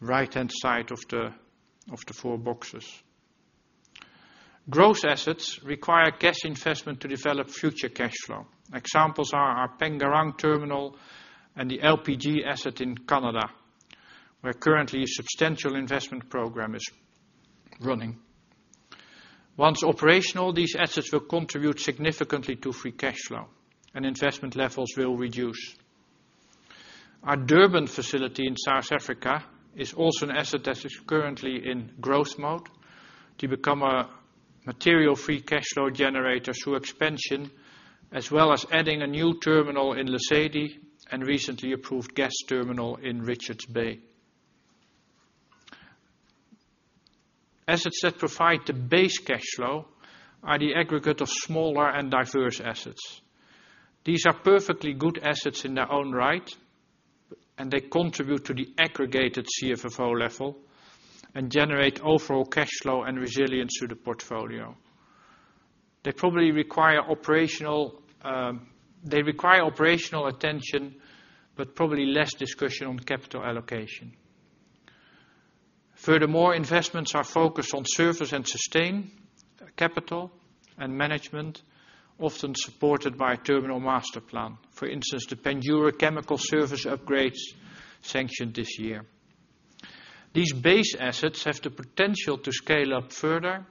right-hand side of the four boxes. Growth assets require cash investment to develop future cash flow. Examples are our Pengerang Terminal and the LPG asset in Canada, where currently a substantial investment program is running. Once operational, these assets will contribute significantly to free cash flow and investment levels will reduce. Our Durban facility in South Africa is also an asset that is currently in growth mode to become a material free cash flow generator through expansion, as well as adding a new terminal in Lae and recently approved gas terminal in Richards Bay. Assets that provide the base cash flow are the aggregate of smaller and diverse assets. These are perfectly good assets in their own right, they contribute to the aggregated CFFO level and generate overall cash flow and resilience through the portfolio. They require operational attention, probably less discussion on capital allocation. Furthermore, investments are focused on service and sustain capital and management, often supported by a terminal master plan. For instance, the Paranaguá chemical service upgrades sanctioned this year. These base assets have the potential to scale up further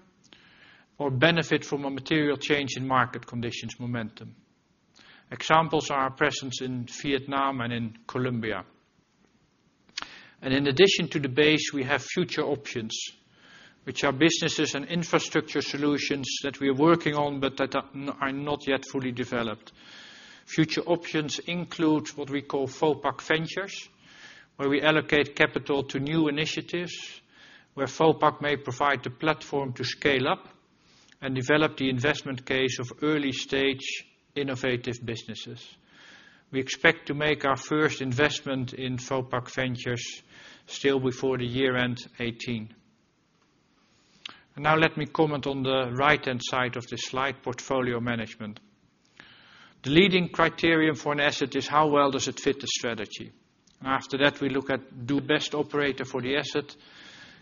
or benefit from a material change in market conditions momentum. Examples are presence in Vietnam and in Colombia. In addition to the base, we have future options, which are businesses and infrastructure solutions that we are working on but that are not yet fully developed. Future options include what we call Vopak Ventures, where we allocate capital to new initiatives, where Vopak may provide the platform to scale up and develop the investment case of early-stage innovative businesses. We expect to make our first investment in Vopak Ventures still before the year-end 2018. Now let me comment on the right-hand side of this slide, portfolio management. The leading criterion for an asset is how well does it fit the strategy. After that, we look at do best operator for the asset.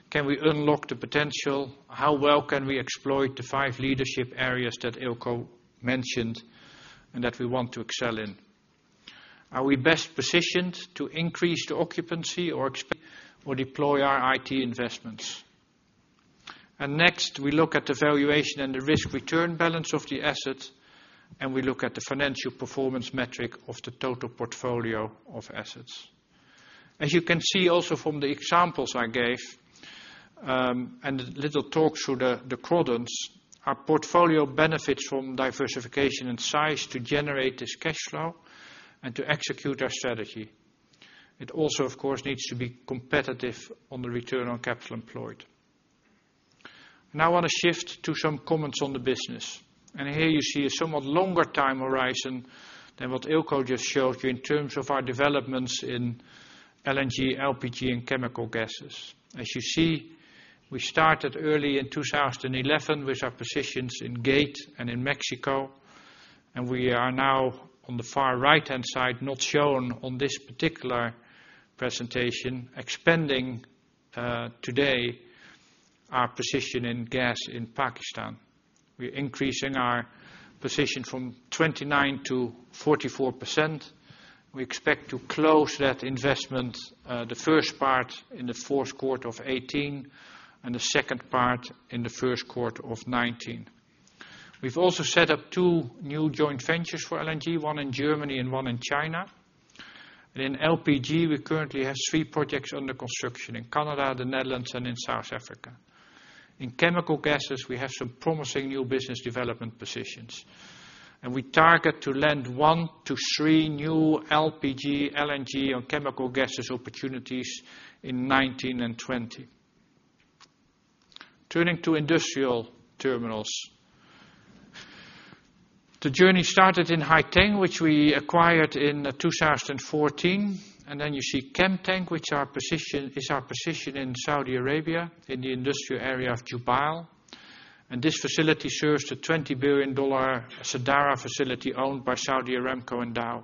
Can we unlock the potential? How well can we exploit the five leadership areas that Eelco mentioned and that we want to excel in? Are we best positioned to increase the occupancy or expand or deploy our IT investments? Next, we look at the valuation and the risk-return balance of the asset, and we look at the financial performance metric of the total portfolio of assets. As you can see also from the examples I gave, and little talks through the quadrants, our portfolio benefits from diversification and size to generate this cash flow and to execute our strategy. It also, of course, needs to be competitive on the return on capital employed. Now I want to shift to some comments on the business. Here you see a somewhat longer time horizon than what Eelco just showed you in terms of our developments in LNG, LPG, and chemical gases. As you see, we started early in 2011 with our positions in Gate and in Mexico, and we are now on the far right-hand side, not shown on this particular presentation, expanding today our position in gas in Pakistan. We're increasing our position from 29% to 44%. We expect to close that investment, the first part in the fourth quarter of 2018 and the second part in the first quarter of 2019. We've also set up two new joint ventures for LNG, one in Germany and one in China. In LPG, we currently have three projects under construction, in Canada, the Netherlands, and in South Africa. In chemical gases, we have some promising new business development positions. We target to land one to three new LPG, LNG or chemical gases opportunities in 2019 and 2020. Turning to industrial terminals. The journey started in Haiteng, which we acquired in 2014. You see Chemtank, which is our position in Saudi Arabia in the industrial area of Jubail. This facility serves the EUR 20 billion Sadara facility owned by Saudi Aramco and Dow.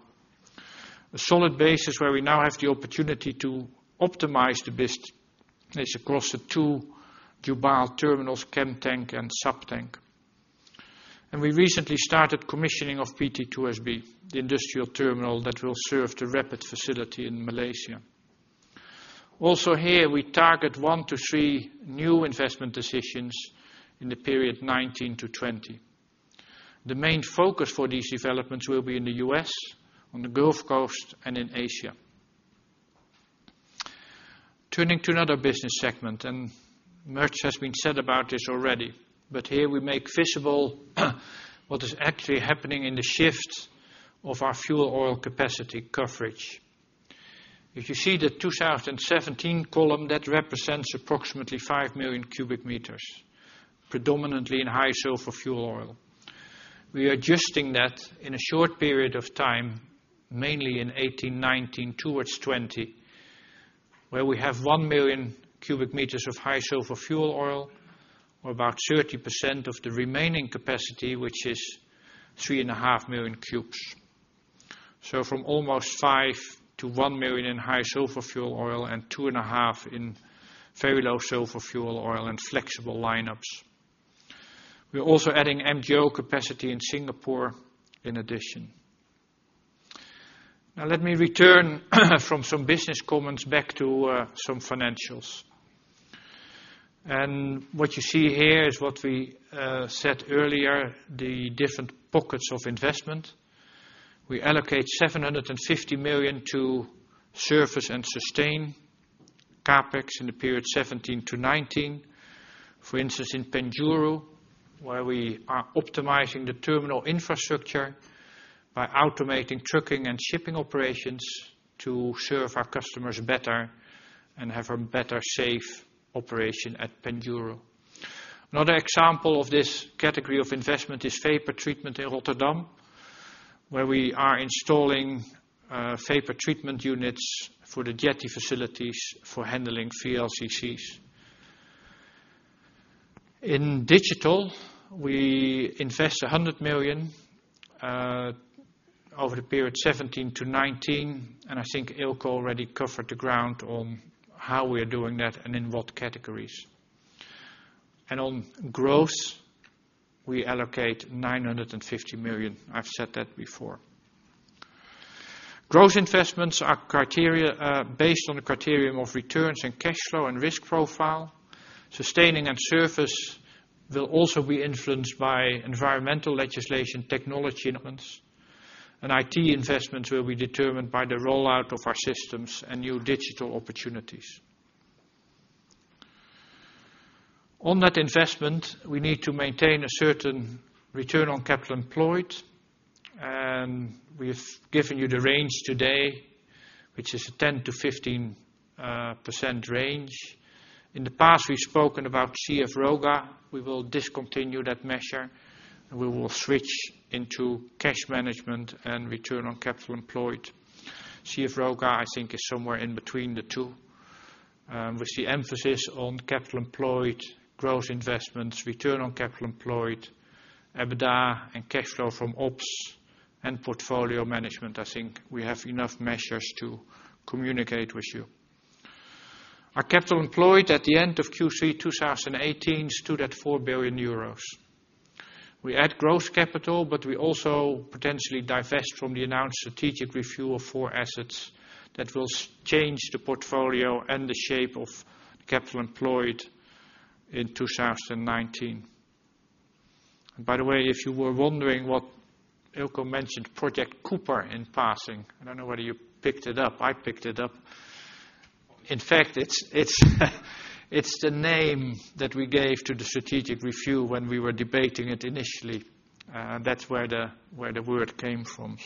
A solid basis where we now have the opportunity to optimize the business across the two Jubail terminals, Chemtank and Sabtank. We recently started commissioning of PT2SB, the industrial terminal that will serve the RAPID facility in Malaysia. Also here, we target one to three new investment decisions in the period 2019 to 2020. The main focus for these developments will be in the U.S., on the Gulf Coast, and in Asia. Turning to another business segment, much has been said about this already, but here we make visible what is actually happening in the shift of our fuel oil capacity coverage. If you see the 2017 column, that represents approximately 5 million cubic meters, predominantly in high sulfur fuel oil. We are adjusting that in a short period of time, mainly in 2018, 2019, towards 2020, where we have 1 million cubic meters of high sulfur fuel oil, or about 30% of the remaining capacity, which is 3.5 million cubes. From almost 5 to 1 million in high sulfur fuel oil and 2.5 in very low sulfur fuel oil and flexible lineups. We're also adding MGO capacity in Singapore in addition. Now, let me return from some business comments back to some financials. What you see here is what we said earlier, the different pockets of investment. We allocate 750 million to service and sustain CapEx in the period 2017-2019, for instance, in Penjuru, where we are optimizing the terminal infrastructure by automating trucking and shipping operations to serve our customers better and have a better safe operation at Penjuru. Another example of this category of investment is vapor treatment in Rotterdam, where we are installing vapor treatment units for the jetty facilities for handling VLCCs. In digital, we invest 100 million over the period 2017-2019, and I think Eelco already covered the ground on how we are doing that and in what categories. On growth, we allocate 950 million. I've said that before. Growth investments are based on the criterion of returns and cash flow and risk profile. Sustaining and service will also be influenced by environmental legislation technology elements, and IT investments will be determined by the rollout of our systems and new digital opportunities. On that investment, we need to maintain a certain return on capital employed, and we've given you the range today, which is a 10%-15% range. In the past, we've spoken about CFROGA. We will discontinue that measure, and we will switch into cash management and return on capital employed. CFROGA, I think, is somewhere in between the two. With the emphasis on capital employed, growth investments, return on capital employed, EBITDA and cash flow from ops and portfolio management, I think we have enough measures to communicate with you. Our capital employed at the end of Q3 2018 stood at 4 billion euros. We add growth capital, but we also potentially divest from the announced strategic review of four assets that will change the portfolio and the shape of capital employed in 2019. By the way, if you were wondering what Eelco mentioned Project Cooper in passing. I don't know whether you picked it up. I picked it up. In fact, it's the name that we gave to the strategic review when we were debating it initially. That's where the word came from.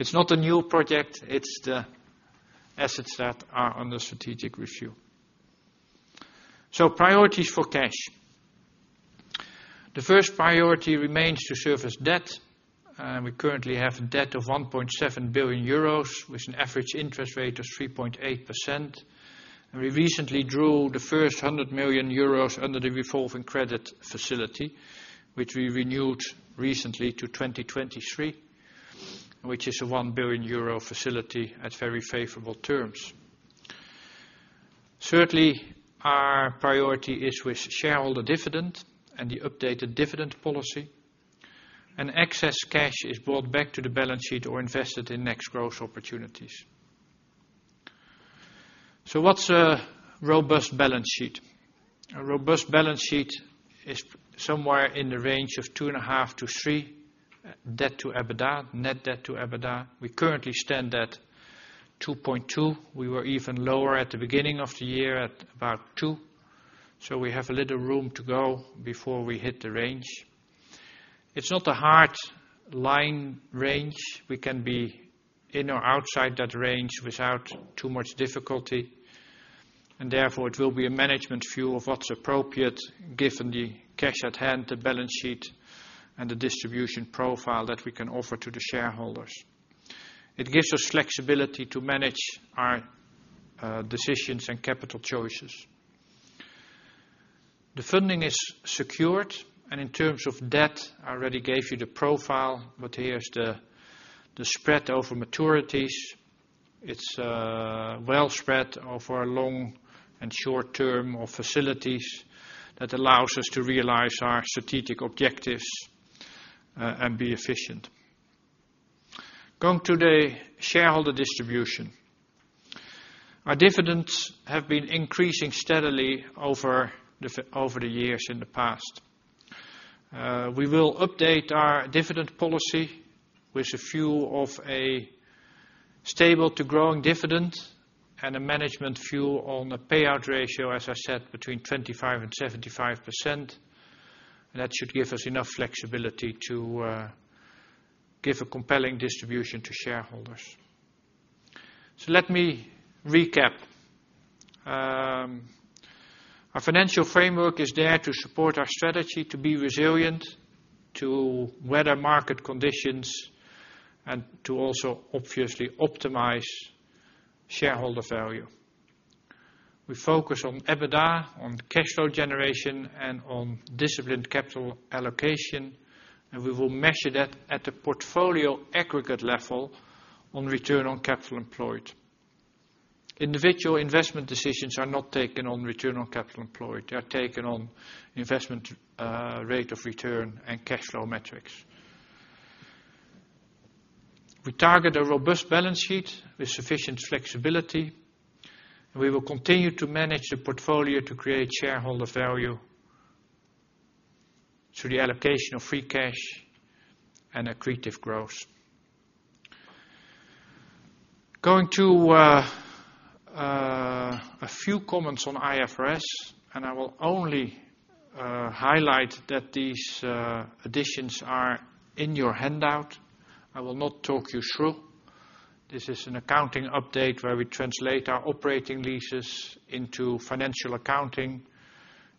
It's not a new project, it's the assets that are on the strategic review. Priorities for cash. The first priority remains to service debt. We currently have a debt of 1.7 billion euros with an average interest rate of 3.8%, and we recently drew the first 100 million euros under the revolving credit facility, which we renewed recently to 2023, which is a 1 billion euro facility at very favorable terms. Thirdly, our priority is with shareholder dividend and the updated dividend policy. Excess cash is brought back to the balance sheet or invested in next growth opportunities. What's a robust balance sheet? A robust balance sheet is somewhere in the range of 2.5-3, net debt to EBITDA. We currently stand at 2.2. We were even lower at the beginning of the year at about 2. We have a little room to go before we hit the range. It's not a hardline range. We can be in or outside that range without too much difficulty, therefore it will be a management view of what's appropriate given the cash at hand, the balance sheet, and the distribution profile that we can offer to the shareholders. It gives us flexibility to manage our decisions and capital choices. The funding is secured, in terms of debt, I already gave you the profile, but here is the spread over maturities. It's well spread over our long and short term of facilities that allows us to realize our strategic objectives, be efficient. Going to the shareholder distribution. Our dividends have been increasing steadily over the years in the past. We will update our dividend policy with a view of a stable to growing dividend and a management view on the payout ratio, as I said, between 25% and 75%, that should give us enough flexibility to give a compelling distribution to shareholders. Let me recap. Our financial framework is there to support our strategy to be resilient to weather market conditions and to also obviously optimize shareholder value. We focus on EBITDA, on cash flow generation, and on disciplined capital allocation. We will measure that at the portfolio aggregate level on return on capital employed. Individual investment decisions are not taken on return on capital employed. They are taken on investment rate of return and cash flow metrics. We target a robust balance sheet with sufficient flexibility, we will continue to manage the portfolio to create shareholder value through the allocation of free cash and accretive growth. Going to a few comments on IFRS, I will only highlight that these additions are in your handout. I will not talk you through. This is an accounting update where we translate our operating leases into financial accounting.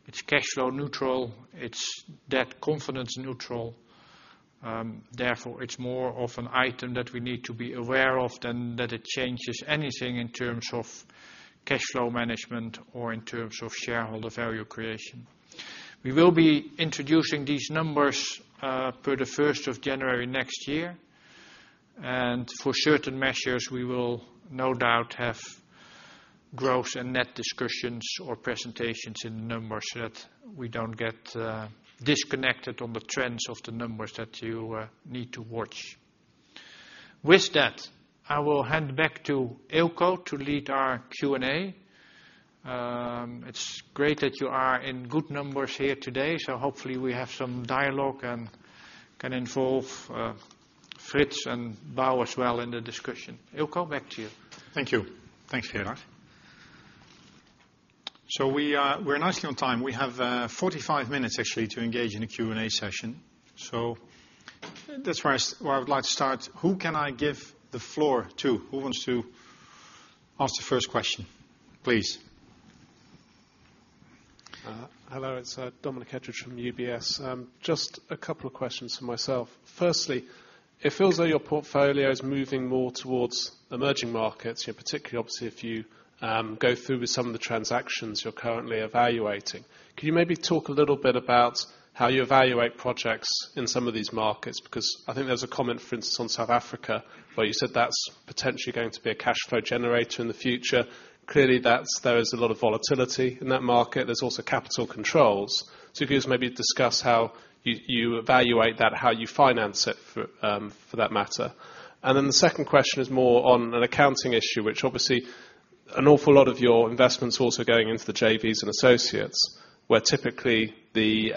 It's cash flow neutral. It's debt covenant neutral. It's more of an item that we need to be aware of than that it changes anything in terms of cash flow management or in terms of shareholder value creation. We will be introducing these numbers per the 1st of January next year. For certain measures, we will no doubt have gross and net discussions or presentations in the numbers that we don't get disconnected on the trends of the numbers that you need to watch. With that, I will hand back to Eelco to lead our Q&A. It's great that you are in good numbers here today, hopefully we have some dialogue and can involve Frits and Boudewijn as well in the discussion. Eelco, back to you. Thank you. Thanks, Gerard. We are nicely on time. We have 45 minutes, actually, to engage in a Q&A session. That's where I would like to start. Who can I give the floor to? Who wants to ask the first question, please? Hello, it's Dominic Hedgerich from UBS. Just a couple of questions from myself. Firstly, it feels like your portfolio is moving more towards emerging markets, particularly, obviously, if you go through with some of the transactions you're currently evaluating. Could you maybe talk a little bit about how you evaluate projects in some of these markets? I think there's a comment, for instance, on South Africa, where you said that's potentially going to be a cash flow generator in the future. Clearly, there is a lot of volatility in that market. There's also capital controls. If you could just maybe discuss how you evaluate that, how you finance it, for that matter. The second question is more on an accounting issue, which obviously an awful lot of your investments also going into the JVs and associates, where typically the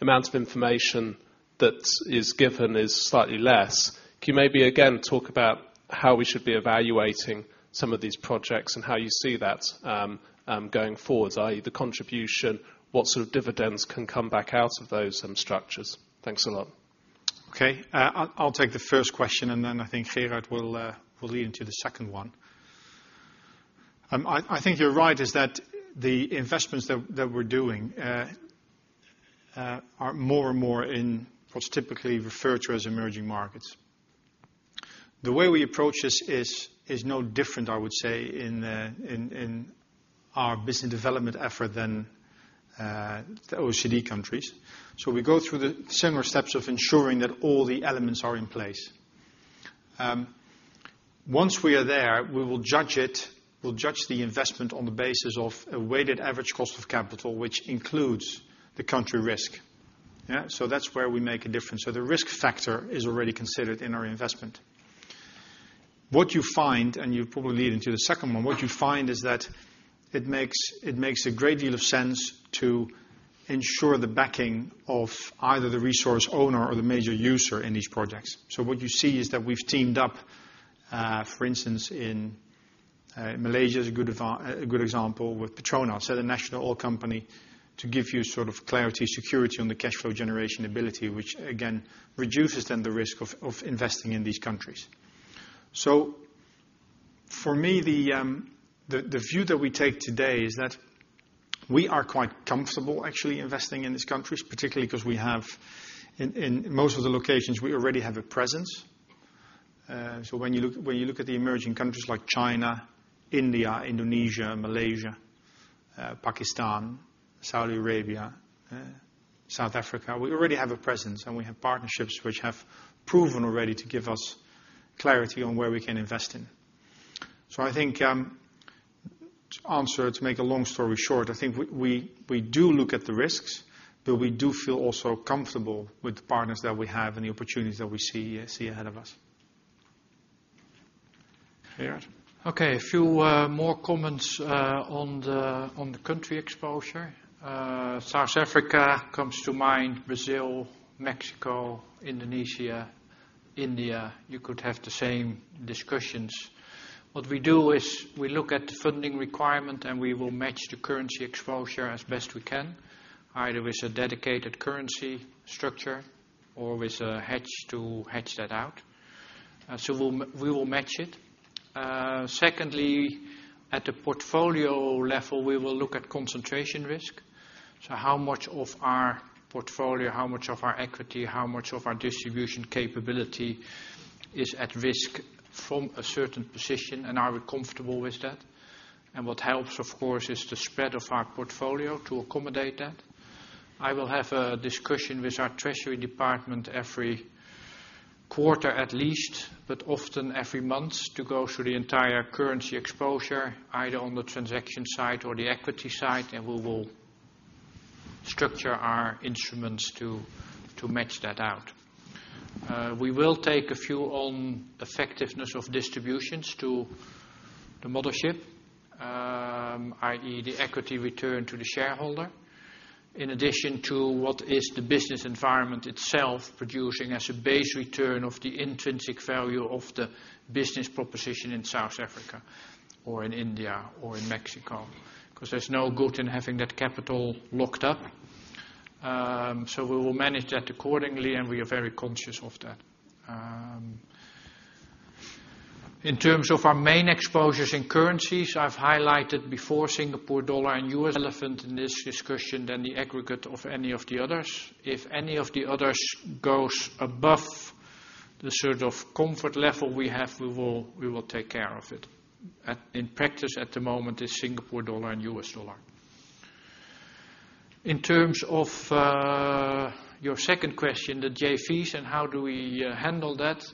amount of information that is given is slightly less. Can you maybe, again, talk about how we should be evaluating some of these projects and how you see that going forwards, i.e. the contribution, what sort of dividends can come back out of those structures? Thanks a lot. Okay. I'll take the first question. I think Gerard will lead into the second one. I think you're right, is that the investments that we're doing are more and more in what's typically referred to as emerging markets. The way we approach this is no different, I would say, in our business development effort than the OECD countries. We go through the similar steps of ensuring that all the elements are in place. Once we are there, we will judge the investment on the basis of a weighted average cost of capital, which includes the country risk. That's where we make a difference. The risk factor is already considered in our investment. What you find, and you probably lead into the second one, what you find is that it makes a great deal of sense to ensure the backing of either the resource owner or the major user in these projects. What you see is that we've teamed up, for instance, Malaysia is a good example with Petronas, the national oil company, to give you sort of clarity, security on the cash flow generation ability, which again, reduces then the risk of investing in these countries. For me, the view that we take today is that we are quite comfortable actually investing in these countries, particularly because we have, in most of the locations, we already have a presence. When you look at the emerging countries like China, India, Indonesia, Malaysia, Pakistan, Saudi Arabia, South Africa, we already have a presence and we have partnerships which have proven already to give us clarity on where we can invest in. I think to answer, to make a long story short, I think we do look at the risks, but we do feel also comfortable with the partners that we have and the opportunities that we see ahead of us. Gerard? Okay, a few more comments on the country exposure. South Africa comes to mind, Brazil, Mexico, Indonesia, India. You could have the same discussions. What we do is we look at the funding requirement and we will match the currency exposure as best we can, either with a dedicated currency structure or with a hedge to hedge that out. We will match it. Secondly, at the portfolio level, we will look at concentration risk. How much of our portfolio, how much of our equity, how much of our distribution capability is at risk from a certain position, and are we comfortable with that? What helps, of course, is the spread of our portfolio to accommodate that. I will have a discussion with our treasury department every quarter at least, but often every month, to go through the entire currency exposure, either on the transaction side or the equity side, and we will structure our instruments to match that out. We will take a view on effectiveness of distributions to the mothership, i.e., the equity return to the shareholder, in addition to what is the business environment itself producing as a base return of the intrinsic value of the business proposition in South Africa or in India or in Mexico, because there's no good in having that capital locked up. We will manage that accordingly, and we are very conscious of that. In terms of our main exposures in currencies, I've highlighted before Singapore dollar and US relevant in this discussion than the aggregate of any of the others. If any of the others goes above the sort of comfort level we have, we will take care of it. In practice at the moment, it's SGD and USD. In terms of your second question, the JVs and how do we handle that?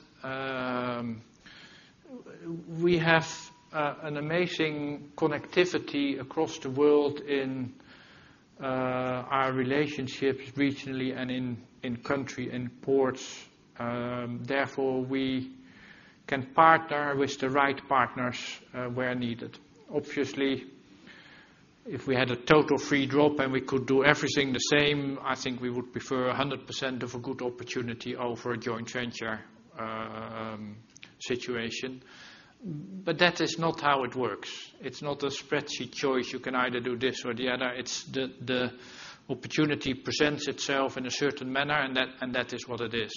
We have an amazing connectivity across the world in our relationships regionally and in country, in ports. Therefore, we can partner with the right partners where needed. Obviously, if we had a total free drop and we could do everything the same, I think we would prefer 100% of a good opportunity over a joint venture situation. That is not how it works. It's not a spreadsheet choice, you can either do this or the other. It's the opportunity presents itself in a certain manner, and that is what it is.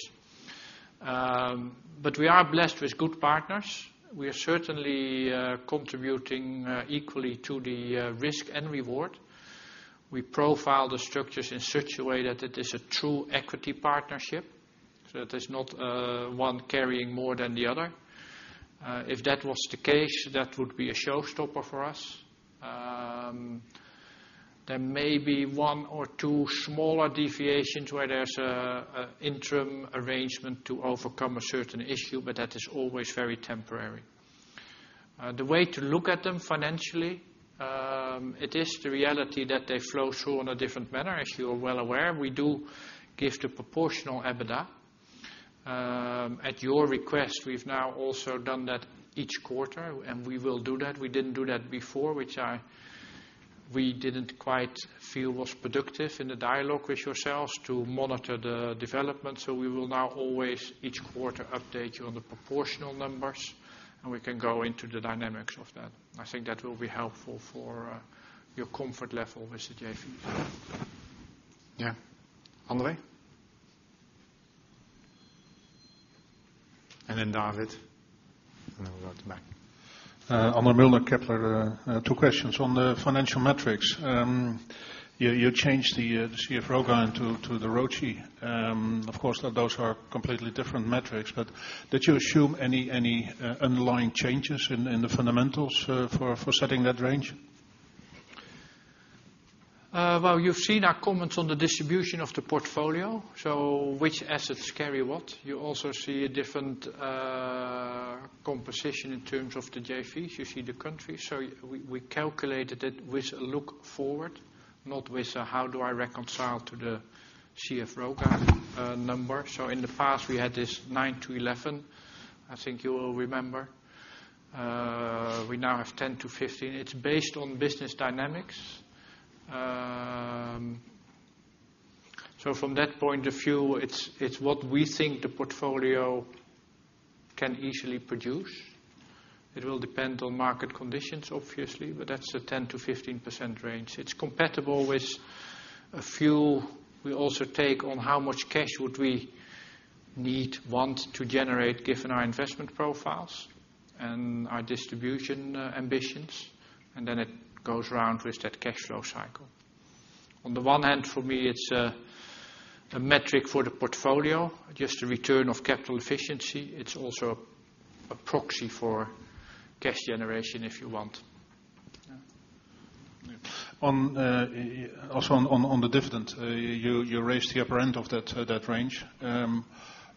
We are blessed with good partners. We are certainly contributing equally to the risk and reward. We profile the structures in such a way that it is a true equity partnership, so that there's not one carrying more than the other. If that was the case, that would be a showstopper for us. There may be one or two smaller deviations where there's an interim arrangement to overcome a certain issue, but that is always very temporary. The way to look at them financially, it is the reality that they flow through in a different manner. As you are well aware, we do give the proportional EBITDA. At your request, we've now also done that each quarter, and we will do that. We didn't do that before, which we didn't quite feel was productive in the dialogue with yourselves to monitor the development. We will now always each quarter update you on the proportional numbers, and we can go into the dynamics of that. I think that will be helpful for your comfort level with the JV. Yeah. Andre? Then David, then we go to back. André Mulder, Kepler. Two questions. On the financial metrics, you changed the CFROGA to the ROCE. Of course, those are completely different metrics, but did you assume any underlying changes in the fundamentals for setting that range? You've seen our comments on the distribution of the portfolio, so which assets carry what. You also see a different composition in terms of the JVs. You see the countries. We calculated it with a look forward, not with a how do I reconcile to the CFROGA number. In the past, we had this 9-11, I think you will remember. We now have 10-15. It's based on business dynamics. From that point of view, it's what we think the portfolio can easily produce. It will depend on market conditions, obviously, but that's a 10%-15% range. It's compatible with a view we also take on how much cash would we need, want to generate given our investment profiles and our distribution ambitions, and then it goes around with that cash flow cycle. On the one hand, for me, it's a metric for the portfolio, just a return of capital efficiency. It's also a proxy for cash generation, if you want. Yeah. Also, on the dividend, you raised the upper end of that range.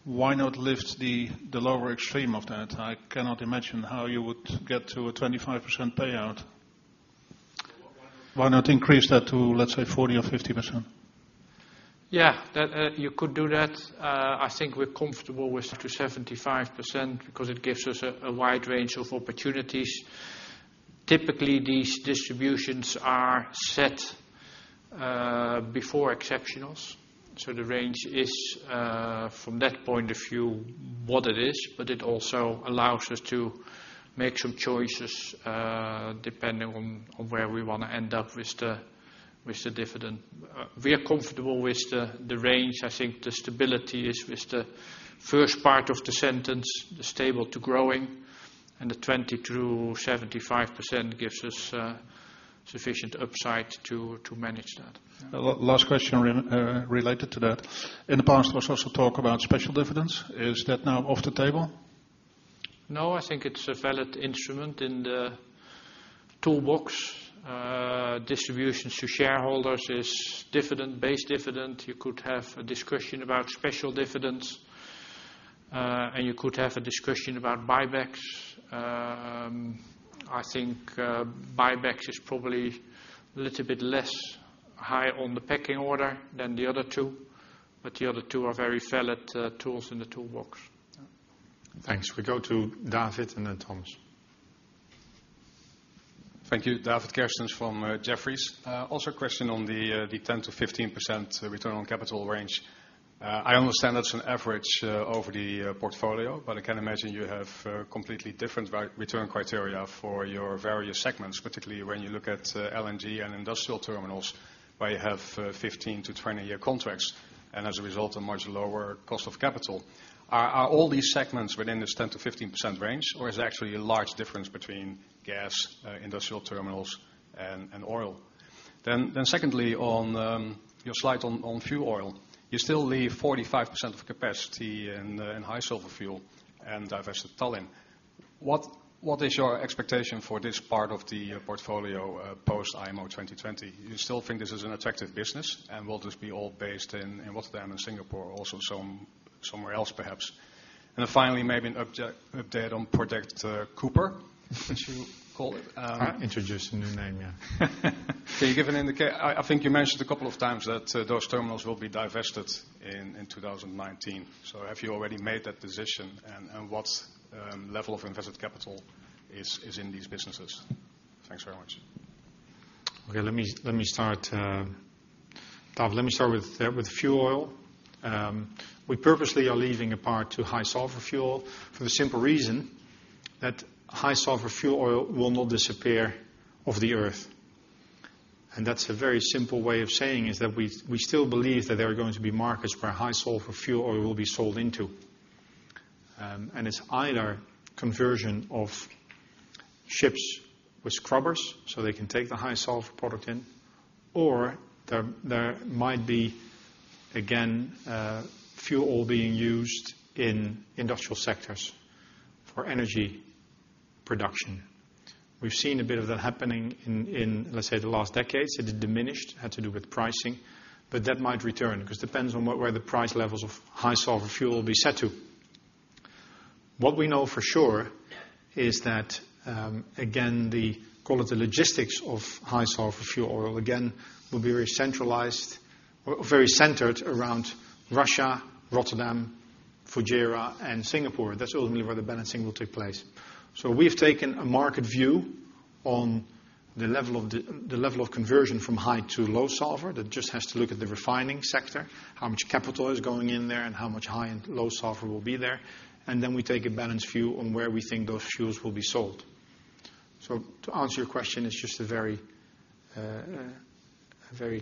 Why not lift the lower extreme of that? I cannot imagine how you would get to a 25% payout. Why not increase that to, let's say, 40% or 50%? Yeah. You could do that. I think we're comfortable with to 75% because it gives us a wide range of opportunities. Typically, these distributions are set before exceptionals. The range is, from that point of view, what it is, but it also allows us to make some choices, depending on where we want to end up with the dividend. We are comfortable with the range. I think the stability is with the first part of the sentence, the stable to growing and the 20% to 75% gives us sufficient upside to manage that. Last question related to that. In the past, there was also talk about special dividends. Is that now off the table? No, I think it's a valid instrument in the toolbox. Distribution to shareholders is base dividend. You could have a discussion about special dividends, and you could have a discussion about buybacks. I think buybacks is probably a little bit less high on the pecking order than the other two, but the other two are very valid tools in the toolbox. Thanks. We go to David and then Thomas. Thank you. David Kerstens from Jefferies. A question on the 10%-15% return on capital range. I understand that's an average over the portfolio, I can imagine you have completely different return criteria for your various segments, particularly when you look at LNG and industrial terminals, where you have 15-20-year contracts, and as a result, a much lower cost of capital. Are all these segments within this 10%-15% range, or is it actually a large difference between gas, industrial terminals, and oil? Secondly, on your slide on fuel oil, you still leave 45% of capacity in high sulfur fuel and divest at Tallinn. What is your expectation for this part of the portfolio post IMO 2020? You still think this is an attractive business and will just be all based in Rotterdam and Singapore, also somewhere else perhaps? Finally, maybe an update on Project Cooper, as you call it. I introduced a new name. Can you give an I think you mentioned a couple of times that those terminals will be divested in 2019. Have you already made that decision, and what level of invested capital is in these businesses? Thanks very much. Okay, David, let me start with fuel oil. We purposely are leaving a part to high sulfur fuel for the simple reason that high sulfur fuel oil will not disappear off the Earth. That's a very simple way of saying is that we still believe that there are going to be markets where high sulfur fuel oil will be sold into. It's either conversion of ships with scrubbers, so they can take the high sulfur product in, or there might be, again, fuel oil being used in industrial sectors for energy production. We've seen a bit of that happening in, let's say, the last decades. It had diminished, had to do with pricing, but that might return because it depends on where the price levels of high sulfur fuel will be set to. What we know for sure is that, again, the quality logistics of high sulfur fuel oil will be very centralized or very centered around Russia, Rotterdam, Fujairah, and Singapore. That's ultimately where the balancing will take place. We've taken a market view on the level of conversion from high to low sulfur. That just has to look at the refining sector, how much capital is going in there, and how much high and low sulfur will be there. Then we take a balanced view on where we think those fuels will be sold. To answer your question, it's just a very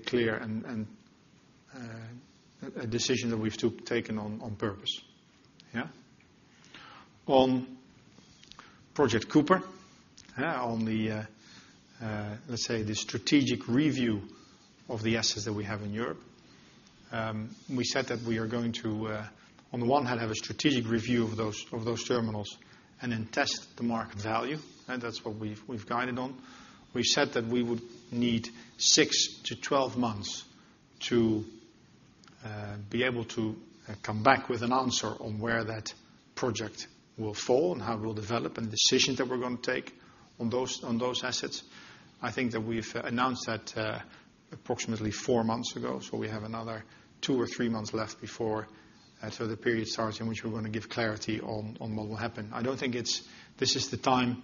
clear and a decision that we've taken on purpose. Yeah? On Project Cooper, on the, let's say, the strategic review of the assets that we have in Europe. We said that we are going to, on the one hand, have a strategic review of those terminals and then test the market value, and that's what we've guided on. We said that we would need 6 to 12 months to be able to come back with an answer on where that project will fall and how it will develop, and the decisions that we're going to take on those assets. I think that we've announced that approximately four months ago, we have another two or three months left before the period starts in which we're going to give clarity on what will happen. I don't think this is the time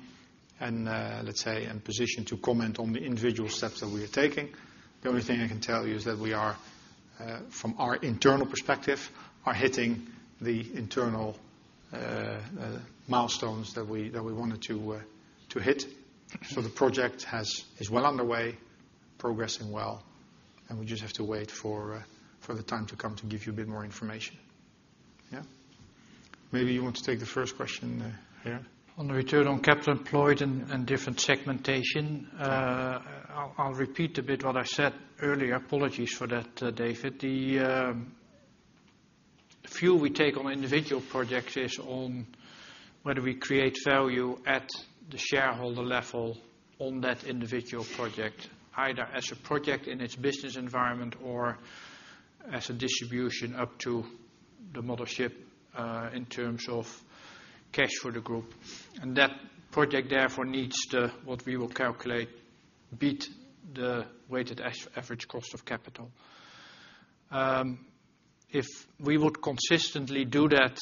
and, let's say, position to comment on the individual steps that we are taking. The only thing I can tell you is that we are, from our internal perspective, are hitting the internal milestones that we wanted to hit. The project is well underway, progressing well, and we just have to wait for the time to come to give you a bit more information. Yeah? Maybe you want to take the first question there. On the return on capital employed and different segmentation, I'll repeat a bit what I said earlier. Apologies for that, David. The view we take on individual projects is on whether we create value at the shareholder level on that individual project, either as a project in its business environment or as a distribution up to the mothership in terms of cash for the group. That project, therefore, needs what we will calculate, beat the weighted average cost of capital. If we would consistently do that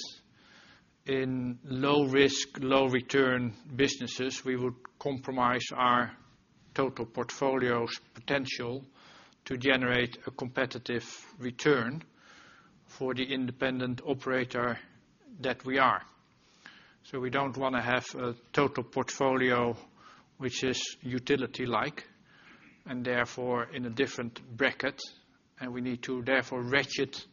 in low risk, low return businesses, we would compromise our total portfolio's potential to generate a competitive return for the independent operator that we are. We don't want to have a total portfolio which is utility-like, and therefore in a different bracket. We need to therefore ratchet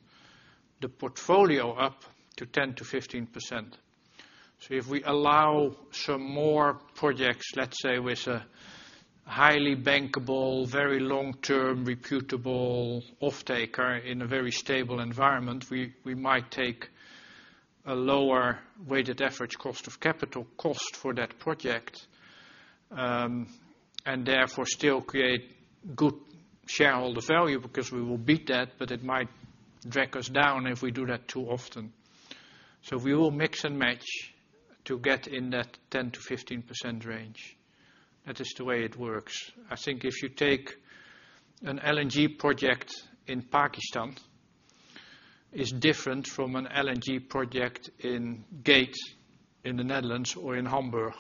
the portfolio up to 10%-15%. If we allow some more projects, let's say with a highly bankable, very long-term reputable offtaker in a very stable environment, we might take a lower weighted average cost of capital cost for that project. Therefore still create good shareholder value because we will beat that, but it might drag us down if we do that too often. We will mix and match to get in that 10%-15% range. That is the way it works. I think if you take an LNG project in Pakistan, is different from an LNG project in Gate, in the Netherlands or in Hamburg.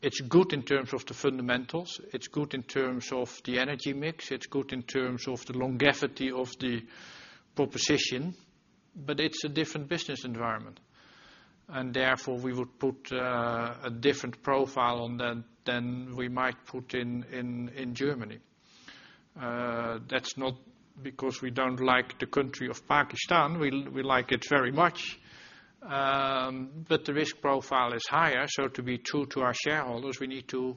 It's good in terms of the fundamentals, it's good in terms of the energy mix, it's good in terms of the longevity of the proposition, but it's a different business environment. Therefore, we would put a different profile on that than we might put in Germany. That's not because we don't like the country of Pakistan, we like it very much. The risk profile is higher, so to be true to our shareholders, we need to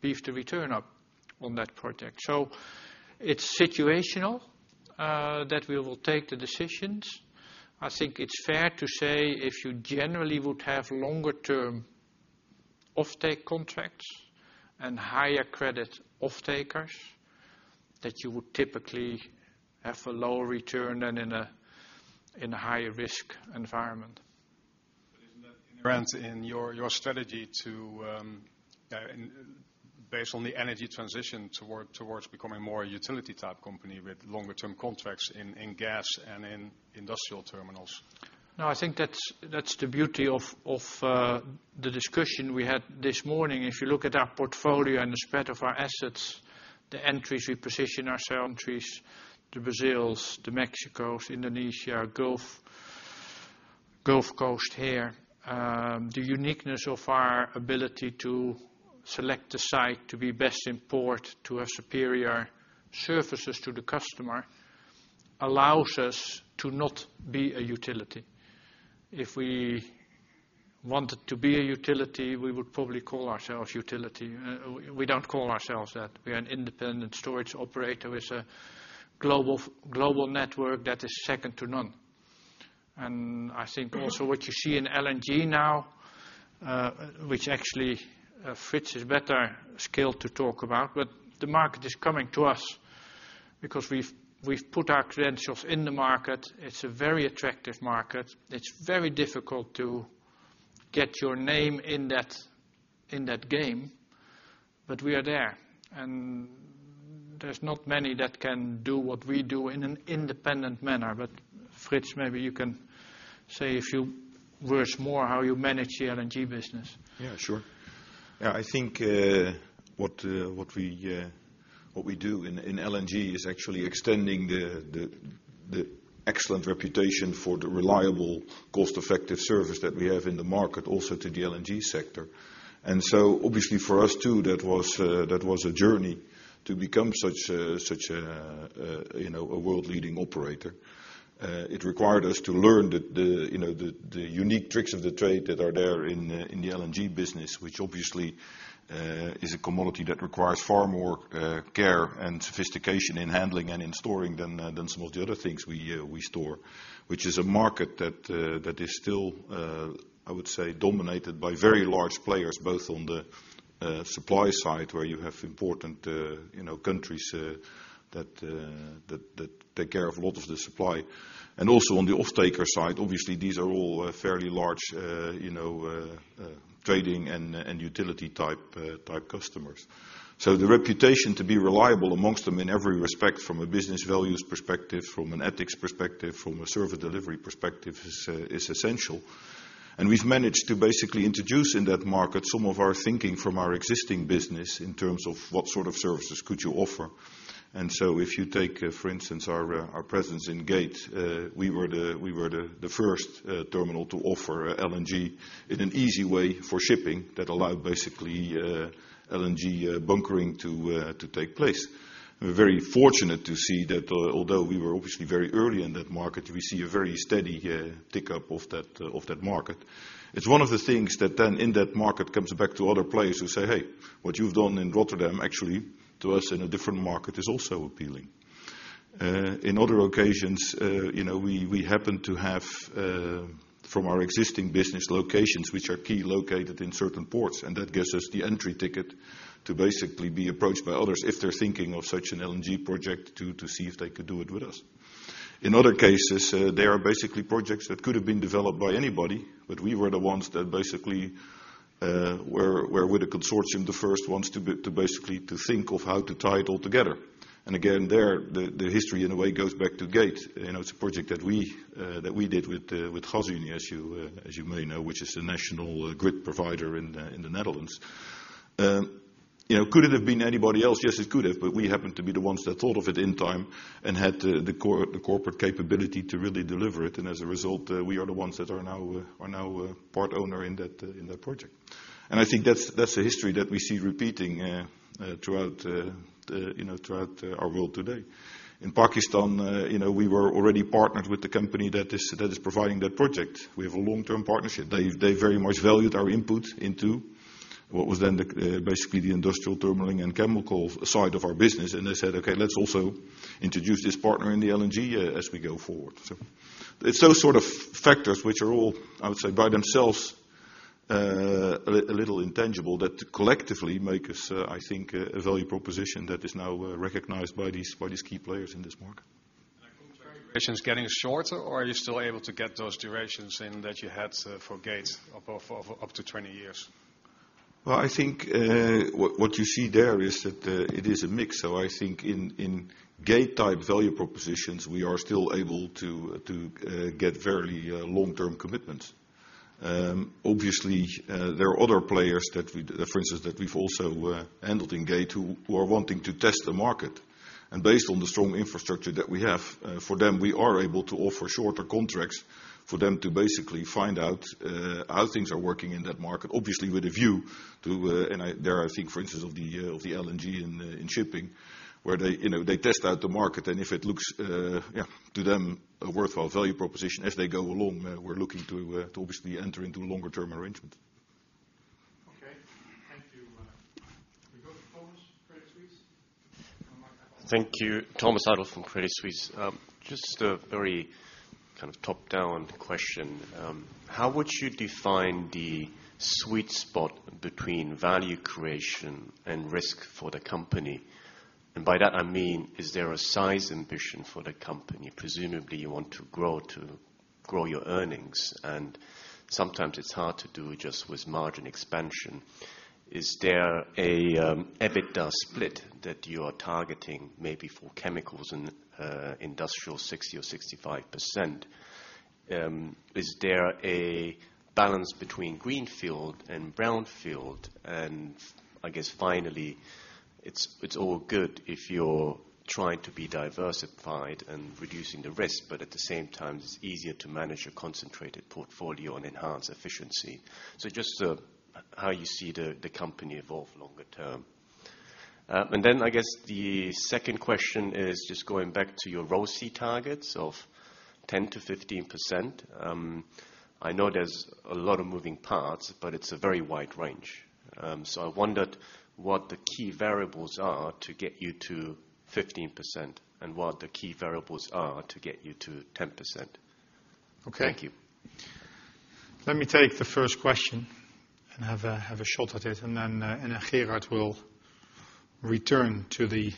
beef the return up on that project. It's situational, that we will take the decisions. I think it's fair to say if you generally would have longer term offtake contracts and higher credit offtakers, that you would typically have a lower return than in a higher risk environment. Isn't that apparent in your strategy based on the energy transition towards becoming more a utility type company with longer term contracts in gas and in industrial terminals? I think that's the beauty of the discussion we had this morning. If you look at our portfolio and the spread of our assets, the entries, we position ourselves entries to Brazil, to Mexico, Indonesia, Gulf Coast here. The uniqueness of our ability to select the site to be best in port to a superior services to the customer, allows us to not be a utility. If we wanted to be a utility, we would probably call ourselves utility. We don't call ourselves that. We're an independent storage operator with a global network that is second to none. I think also what you see in LNG now, which actually Frits is better scaled to talk about, the market is coming to us because we've put our credentials in the market. It's a very attractive market. It's very difficult to get your name in that game, we are there. There's not many that can do what we do in an independent manner. Frits, maybe you can say a few words more how you manage the LNG business. Yeah, sure. I think what we do in LNG is actually extending the excellent reputation for the reliable, cost-effective service that we have in the market also to the LNG sector. Obviously for us too, that was a journey to become such a world leading operator. It required us to learn the unique tricks of the trade that are there in the LNG business, which obviously, is a commodity that requires far more care and sophistication in handling and in storing than some of the other things we store. Which is a market that is still, I would say, dominated by very large players, both on the supply side, where you have important countries that take care of a lot of the supply. Also on the offtaker side, obviously, these are all fairly large trading and utility type customers. The reputation to be reliable amongst them in every respect from a business values perspective, from an ethics perspective, from a service delivery perspective is essential. We've managed to basically introduce in that market some of our thinking from our existing business in terms of what sort of services could you offer. If you take, for instance, our presence in Gate, we were the first terminal to offer LNG in an easy way for shipping that allowed basically LNG bunkering to take place. We're very fortunate to see that although we were obviously very early in that market, we see a very steady tick up of that market. It's one of the things that in that market comes back to other players who say, "Hey, what you've done in Rotterdam, actually to us in a different market is also appealing." In other occasions, we happen to have, from our existing business locations, which are key located in certain ports, and that gives us the entry ticket to basically be approached by others if they're thinking of such an LNG project to see if they could do it with us. In other cases, they are basically projects that could have been developed by anybody, but we were the ones that basically, were with the consortium, the first ones to basically to think of how to tie it all together. Again, there, the history in a way goes back to Gate. It's a project that we did with Gasunie, as you may know, which is the national grid provider in the Netherlands. Could it have been anybody else? Yes, it could have, but we happened to be the ones that thought of it in time and had the corporate capability to really deliver it. As a result, we are the ones that are now a part owner in that project. I think that's a history that we see repeating throughout our world today. In Pakistan, we were already partnered with the company that is providing that project. We have a long-term partnership. They very much valued our input into what was then basically the industrial terminalling and chemical side of our business, and they said, "Okay, let's also introduce this partner in the LNG as we go forward." It's those sort of factors which are all, I would say, by themselves, a little intangible, that collectively make us, I think, a value proposition that is now recognized by these key players in this market. Are contract durations getting shorter, or are you still able to get those durations in that you had for Gate up to 20 years? I think what you see there is that it is a mix. I think in Gate type value propositions, we are still able to get fairly long-term commitments. Obviously, there are other players, for instance, that we've also handled in Gate who are wanting to test the market. Based on the strong infrastructure that we have for them, we are able to offer shorter contracts for them to basically find out how things are working in that market, obviously with a view to, and there I think, for instance, of the LNG in shipping, where they test out the market and if it looks to them a worthwhile value proposition as they go along, we're looking to obviously enter into a longer term arrangement. Okay. Thank you. We go to Thomas, Credit Suisse. One moment. Thank you. Thomas Adolff from Credit Suisse. Just a very kind of top-down question. How would you define the sweet spot between value creation and risk for the company? By that I mean, is there a size ambition for the company? Presumably, you want to grow your earnings, and sometimes it's hard to do just with margin expansion. Is there an EBITDA split that you are targeting, maybe for chemicals and industrial 60% or 65%? Is there a balance between greenfield and brownfield? I guess finally, it's all good if you're trying to be diversified and reducing the risk, but at the same time, it's easier to manage a concentrated portfolio and enhance efficiency. Just how you see the company evolve longer term. Then I guess the second question is just going back to your ROCE targets of 10%-15%. I know there's a lot of moving parts, but it's a very wide range. I wondered what the key variables are to get you to 15% and what the key variables are to get you to 10%. Okay. Thank you. Let me take the first question and have a shot at it, then Gerard will return to the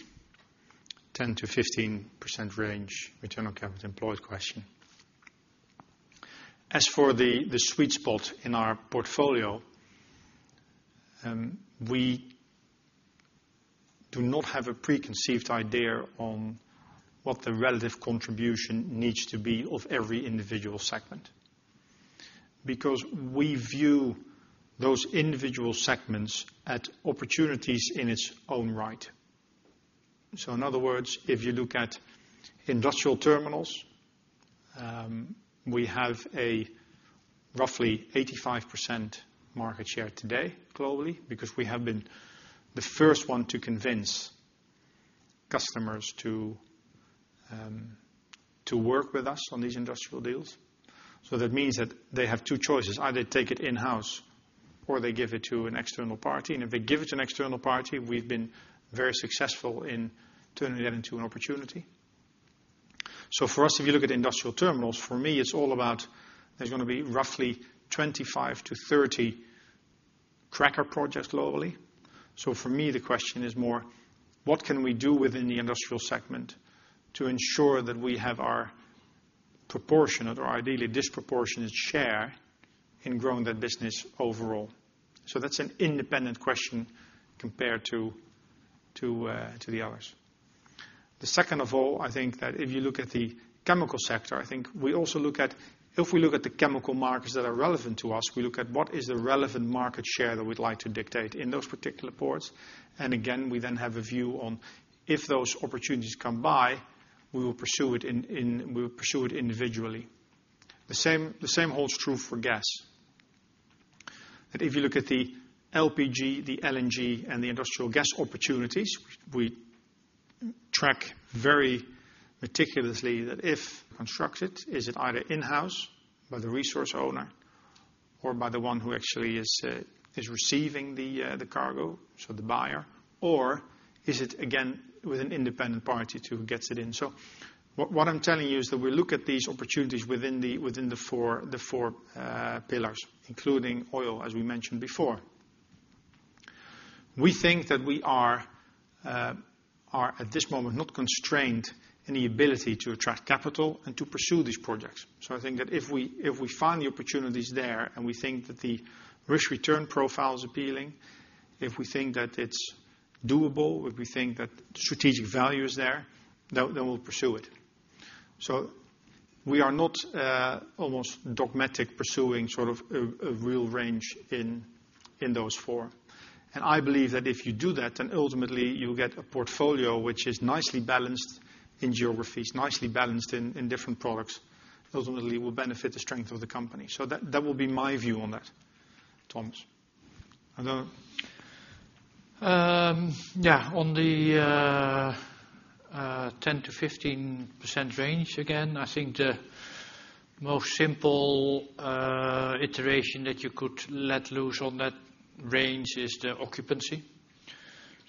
10%-15% range return on capital employed question. As for the sweet spot in our portfolio, we do not have a preconceived idea on what the relative contribution needs to be of every individual segment, because we view those individual segments at opportunities in its own right. In other words, if you look at industrial terminals, we have a roughly 85% market share today globally because we have been the first one to convince customers to work with us on these industrial deals. That means that they have two choices, either take it in-house or they give it to an external party. If they give it to an external party, we've been very successful in turning that into an opportunity. For us, if you look at industrial terminals, for me, it's all about there's going to be roughly 25-30 cracker projects globally. For me, the question is more, what can we do within the industrial segment to ensure that we have our proportionate or ideally disproportionate share in growing that business overall? That's an independent question compared to the others. The second of all, I think that if you look at the chemical sector, I think if we look at the chemical markets that are relevant to us, we look at what is the relevant market share that we'd like to dictate in those particular ports. Again, we then have a view on if those opportunities come by, we will pursue it individually. The same holds true for gas. That if you look at the LPG, the LNG, and the industrial gas opportunities, we track very meticulously that if constructed, is it either in-house by the resource owner or by the one who actually is receiving the cargo, the buyer, or is it again with an independent party who gets it in? What I'm telling you is that we look at these opportunities within the four pillars, including oil, as we mentioned before. We think that we are at this moment not constrained in the ability to attract capital and to pursue these projects. I think that if we find the opportunities there and we think that the risk return profile is appealing, if we think that it's doable, if we think that strategic value is there, then we'll pursue it. We are not almost dogmatic pursuing a real range in those four. I believe that if you do that, ultimately you get a portfolio which is nicely balanced in geographies, nicely balanced in different products. Ultimately will benefit the strength of the company. That will be my view on that, Thomas. Other? On the 10%-15% range, again, I think the most simple iteration that you could let loose on that range is the occupancy.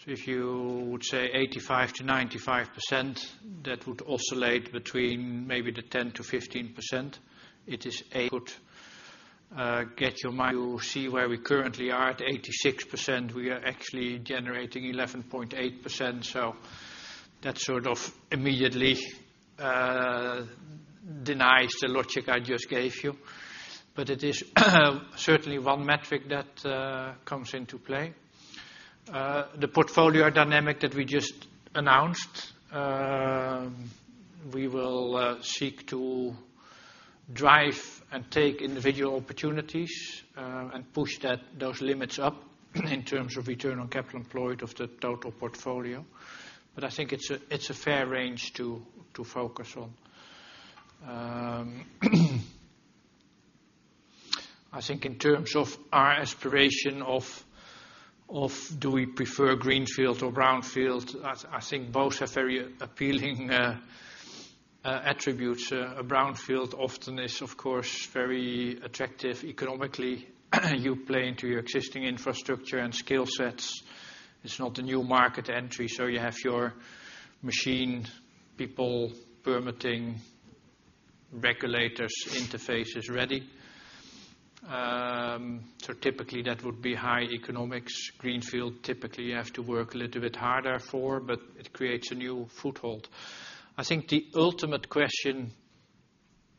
If you would say 85%-95%, that would oscillate between maybe the 10%-15%. It is a good. You see where we currently are at 86%, we are actually generating 11.8%, so that sort of immediately denies the logic I just gave you. It is certainly one metric that comes into play. The portfolio dynamic that we just announced, we will seek to drive and take individual opportunities, and push those limits up in terms of return on capital employed of the total portfolio. I think it's a fair range to focus on. I think in terms of our aspiration of, do we prefer greenfield or brownfield? I think both are very appealing attributes. A brownfield often is, of course, very attractive economically. You play into your existing infrastructure and skill sets. It's not a new market entry, so you have your machine people permitting regulators interfaces ready. Typically that would be high economics. Greenfield, typically, you have to work a little bit harder for, but it creates a new foothold. I think the ultimate question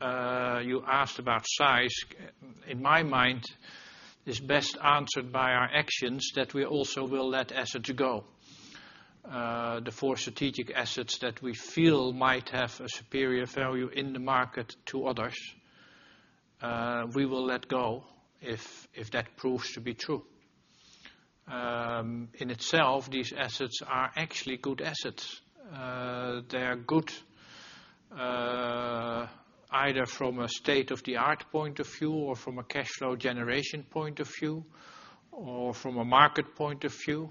you asked about size, in my mind, is best answered by our actions that we also will let assets go. The four strategic assets that we feel might have a superior value in the market to others, we will let go if that proves to be true. In itself, these assets are actually good assets. They are good either from a state-of-the-art point of view, or from a cash flow generation point of view, or from a market point of view.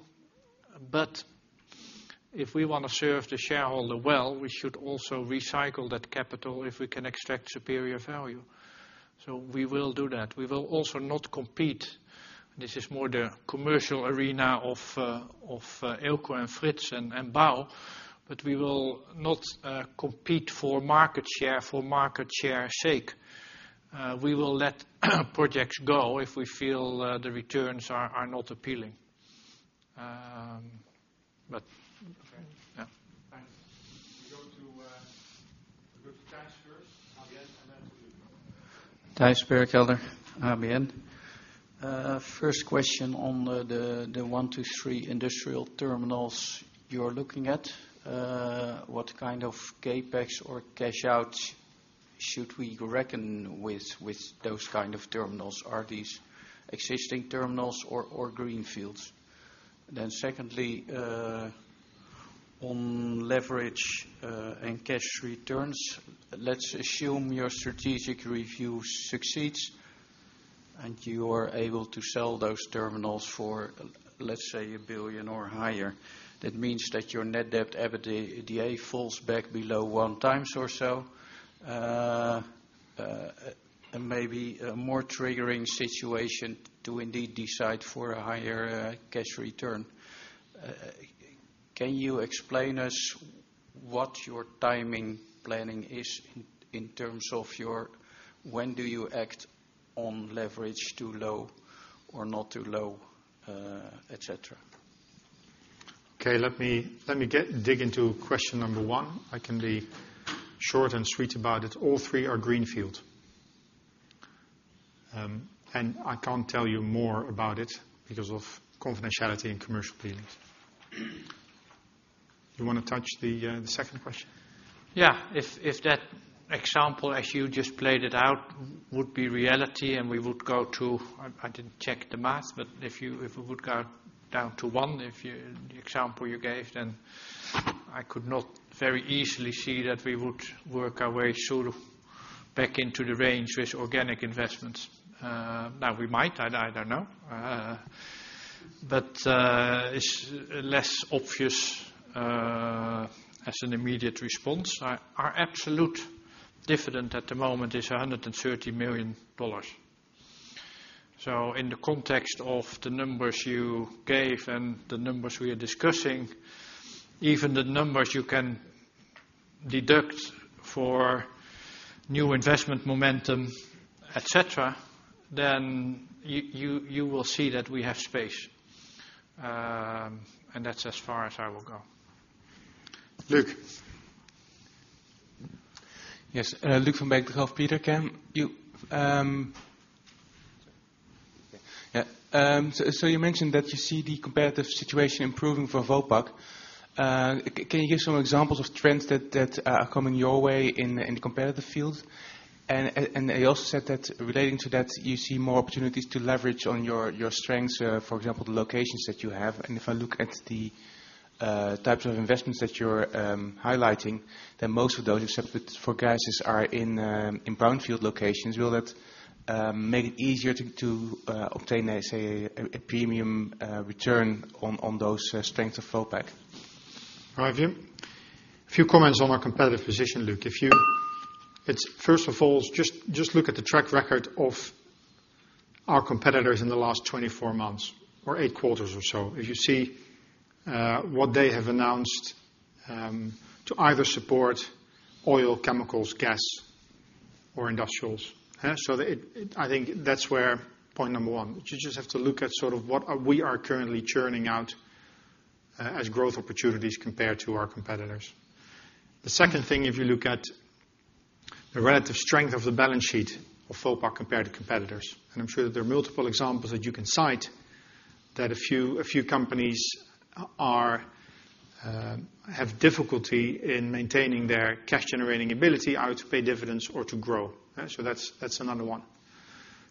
If we want to serve the shareholder well, we should also recycle that capital if we can extract superior value. We will do that. We will also not compete. This is more the commercial arena of Eelco and Frits and Bao, but we will not compete for market share for market share sake. We will let projects go if we feel the returns are not appealing. Thanks. We go to the group of Thijs first, ABN, and then to Luuk. Thijs Berkelder, ABN. First question on the one to three industrial terminals you're looking at. What kind of CapEx or cash outs should we reckon with those kind of terminals? Are these existing terminals or greenfields? Secondly, on leverage, and cash returns, let's assume your strategic review succeeds, and you are able to sell those terminals for, let's say, 1 billion or higher. That means that your net debt EBITDA falls back below one times or so. Maybe a more triggering situation to indeed decide for a higher cash return. Can you explain us what your timing planning is in terms of your, when do you act on leverage too low or not too low, et cetera? Okay. Let me dig into question number 1. I can be short and sweet about it. All three are greenfield. I can't tell you more about it because of confidentiality and commercial dealings. You want to touch the second question? Yeah. If that example, as you just played it out, would be reality and we would go to I didn't check the math, but if we would go down to 1, the example you gave, I could not very easily see that we would work our way back into the range with organic investments. Now we might, I don't know. It's less obvious as an immediate response. Our absolute dividend at the moment is EUR 130 million. In the context of the numbers you gave and the numbers we are discussing, even the numbers you can deduct for new investment momentum, et cetera, you will see that we have space. That's as far as I will go. Luuk. Yes. Luuk van Beek, Petercam. Yeah. You mentioned that you see the competitive situation improving for Vopak. Can you give some examples of trends that are coming your way in the competitive field? You also said that relating to that, you see more opportunities to leverage on your strengths, for example, the locations that you have. If I look at the types of investments that you're highlighting, most of those, except for gases, are in brownfield locations. Will that make it easier to obtain, let's say, a premium return on those strengths of Vopak? Right. A few comments on our competitive position, Luuk. First of all, just look at the track record of our competitors in the last 24 months or 8 quarters or so. If you see what they have announced to either support oil, chemicals, gas, or industrials. I think that's where point number one, you just have to look at sort of what we are currently churning out as growth opportunities compared to our competitors. The second thing, if you look at the relative strength of the balance sheet of Vopak compared to competitors, and I'm sure that there are multiple examples that you can cite, that a few companies have difficulty in maintaining their cash generating ability either to pay dividends or to grow. That's another one.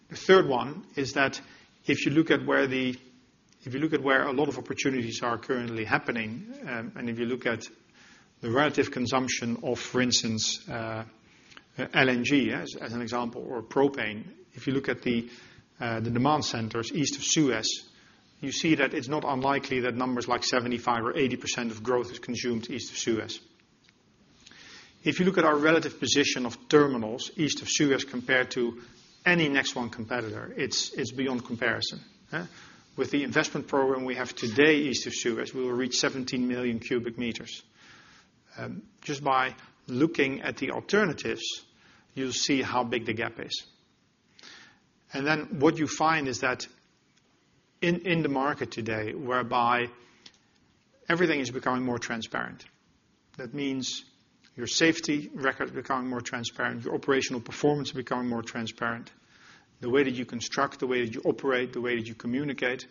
The third one is that if you look at where a lot of opportunities are currently happening, and if you look at the relative consumption of, for instance, LNG as an example, or propane. If you look at the demand centers east of Suez, you see that it's not unlikely that numbers like 75% or 80% of growth is consumed east of Suez. If you look at our relative position of terminals east of Suez compared to any next one competitor, it's beyond comparison. With the investment program we have today east of Suez, we will reach 17 million cubic meters. Just by looking at the alternatives, you'll see how big the gap is. What you find is that in the market today, whereby everything is becoming more transparent. That means your safety record becoming more transparent, your operational performance becoming more transparent, the way that you construct, the way that you operate, the way that you communicate.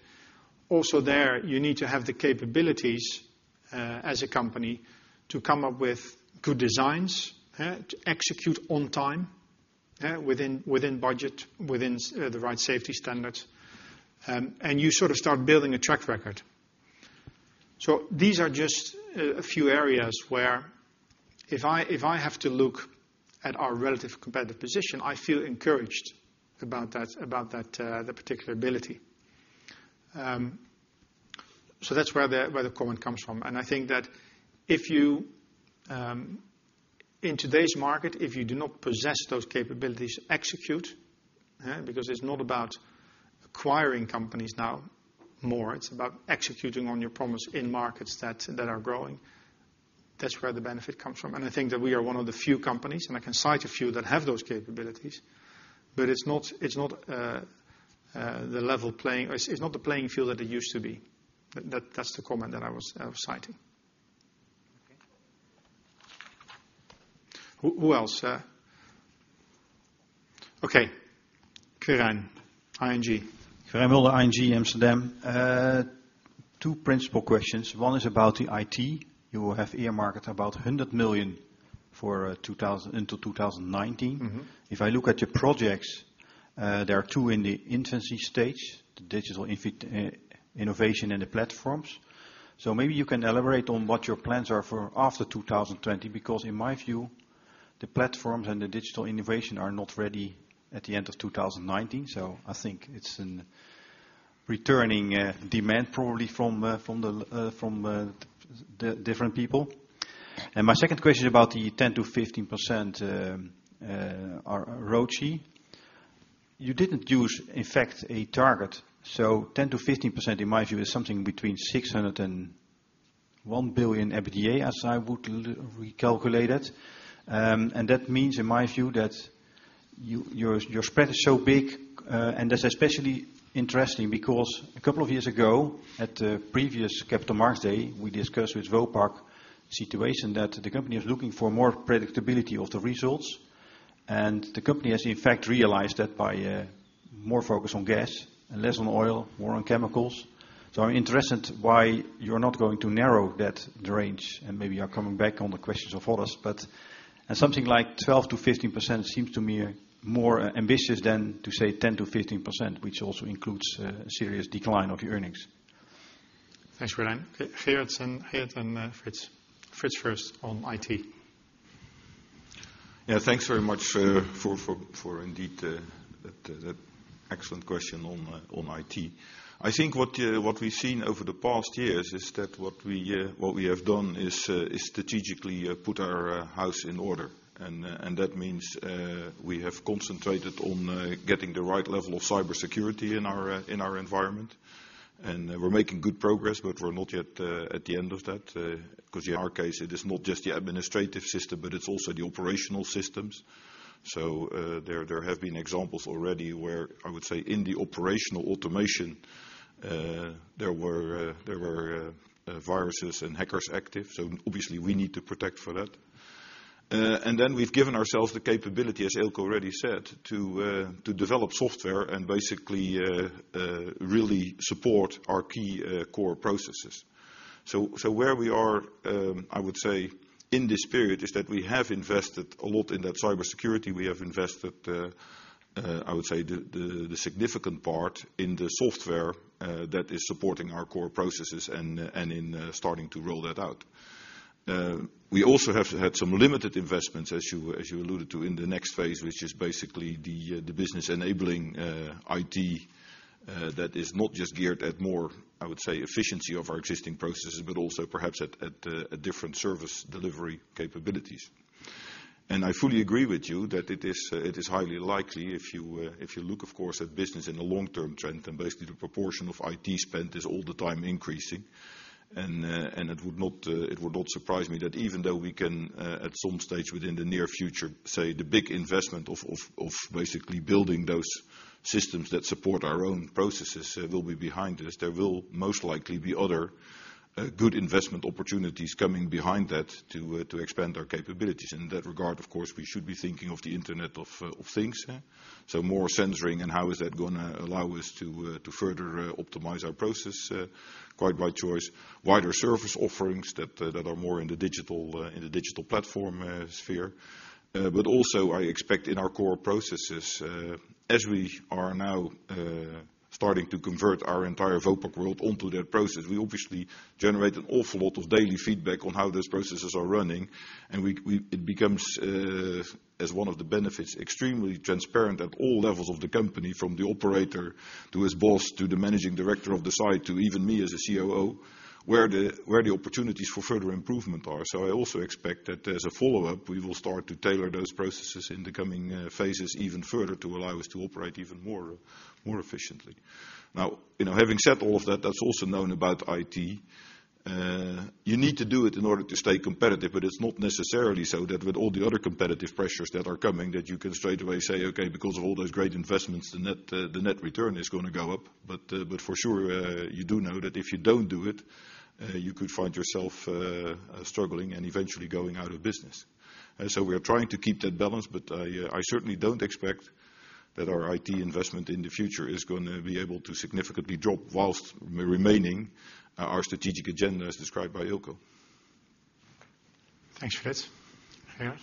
Also there, you need to have the capabilities, as a company, to come up with good designs, to execute on time, within budget, within the right safety standards. You sort of start building a track record. These are just a few areas where if I have to look at our relative competitive position, I feel encouraged about that particular ability. That's where the comment comes from. I think that in today's market, if you do not possess those capabilities, execute, because it's not about acquiring companies now more, it's about executing on your promise in markets that are growing. That's where the benefit comes from. I think that we are one of the few companies, and I can cite a few that have those capabilities, but it's not the playing field that it used to be. That's the comment that I was citing. Who else? Okay. Quirijn, ING. Quirijn Mulder, ING Amsterdam. Two principal questions. One is about the IT. You have earmarked about 100 million into 2019. If I look at your projects, there are 2 in the infancy stage, the digital innovation and the platforms. Maybe you can elaborate on what your plans are for after 2020, because in my view, the platforms and the digital innovation are not ready at the end of 2019. I think it's in returning demand probably from different people. My second question about the 10% to 15% ROCE. You didn't use, in fact, a target. 10% to 15%, in my view, is something between 600 million and 1 billion EBITDA as I would recalculate it. That means, in my view, that your spread is so big, that is especially interesting because a couple of years ago at the previous Capital Markets Day, we discussed with Vopak situation that the company is looking for more predictability of the results, the company has in fact realized that by more focus on gas and less on oil, more on chemicals. I am interested why you are not going to narrow that range and maybe you are coming back on the questions of others, but something like 12%-15% seems to me more ambitious than to say 10%-15%, which also includes a serious decline of earnings. Thanks, Quirijn. Gerard and Frits. Frits first on IT. Thanks very much for indeed that excellent question on IT. I think what we have seen over the past years is that what we have done is strategically put our house in order. That means we have concentrated on getting the right level of cybersecurity in our environment, we are making good progress, but we are not yet at the end of that, because in our case, it is not just the administrative system, but it is also the operational systems. There have been examples already where I would say in the operational automation, there were viruses and hackers active. Obviously we need to protect for that. Then we have given ourselves the capability, as Eelco already said, to develop software and basically really support our key core processes. Where we are, I would say, in this period is that we have invested a lot in that cybersecurity. We have invested, I would say, the significant part in the software that is supporting our core processes and in starting to roll that out. We also have had some limited investments, as you alluded to, in the next phase, which is basically the business enabling IT that is not just geared at more, I would say, efficiency of our existing processes, but also perhaps at different service delivery capabilities. I fully agree with you that it is highly likely if you look, of course, at business in the long-term trend, basically the proportion of IT spend is all the time increasing. It would not surprise me that even though we can, at some stage within the near future, say the big investment of basically building those systems that support our own processes will be behind us. There will most likely be other good investment opportunities coming behind that to expand our capabilities. In that regard, of course, we should be thinking of the Internet of Things. More sensoring and how is that going to allow us to further optimize our process, quite by choice, wider service offerings that are more in the digital platform sphere. Also I expect in our core processes, as we are now starting to convert our entire Vopak world onto that process, we obviously generate an awful lot of daily feedback on how those processes are running, and it becomes, as one of the benefits, extremely transparent at all levels of the company, from the operator to his boss, to the managing director of the site, to even me as a COO, where the opportunities for further improvement are. I also expect that as a follow-up, we will start to tailor those processes in the coming phases even further to allow us to operate even more efficiently. Now, having said all of that's also known about IT. You need to do it in order to stay competitive, it's not necessarily so that with all the other competitive pressures that are coming, that you can straightaway say, "Okay, because of all those great investments, the net return is going to go up." For sure, you do know that if you don't do it, you could find yourself struggling and eventually going out of business. We are trying to keep that balance, but I certainly don't expect that our IT investment in the future is going to be able to significantly drop whilst remaining our strategic agenda, as described by Eelco. Thanks, Frits. Gerard?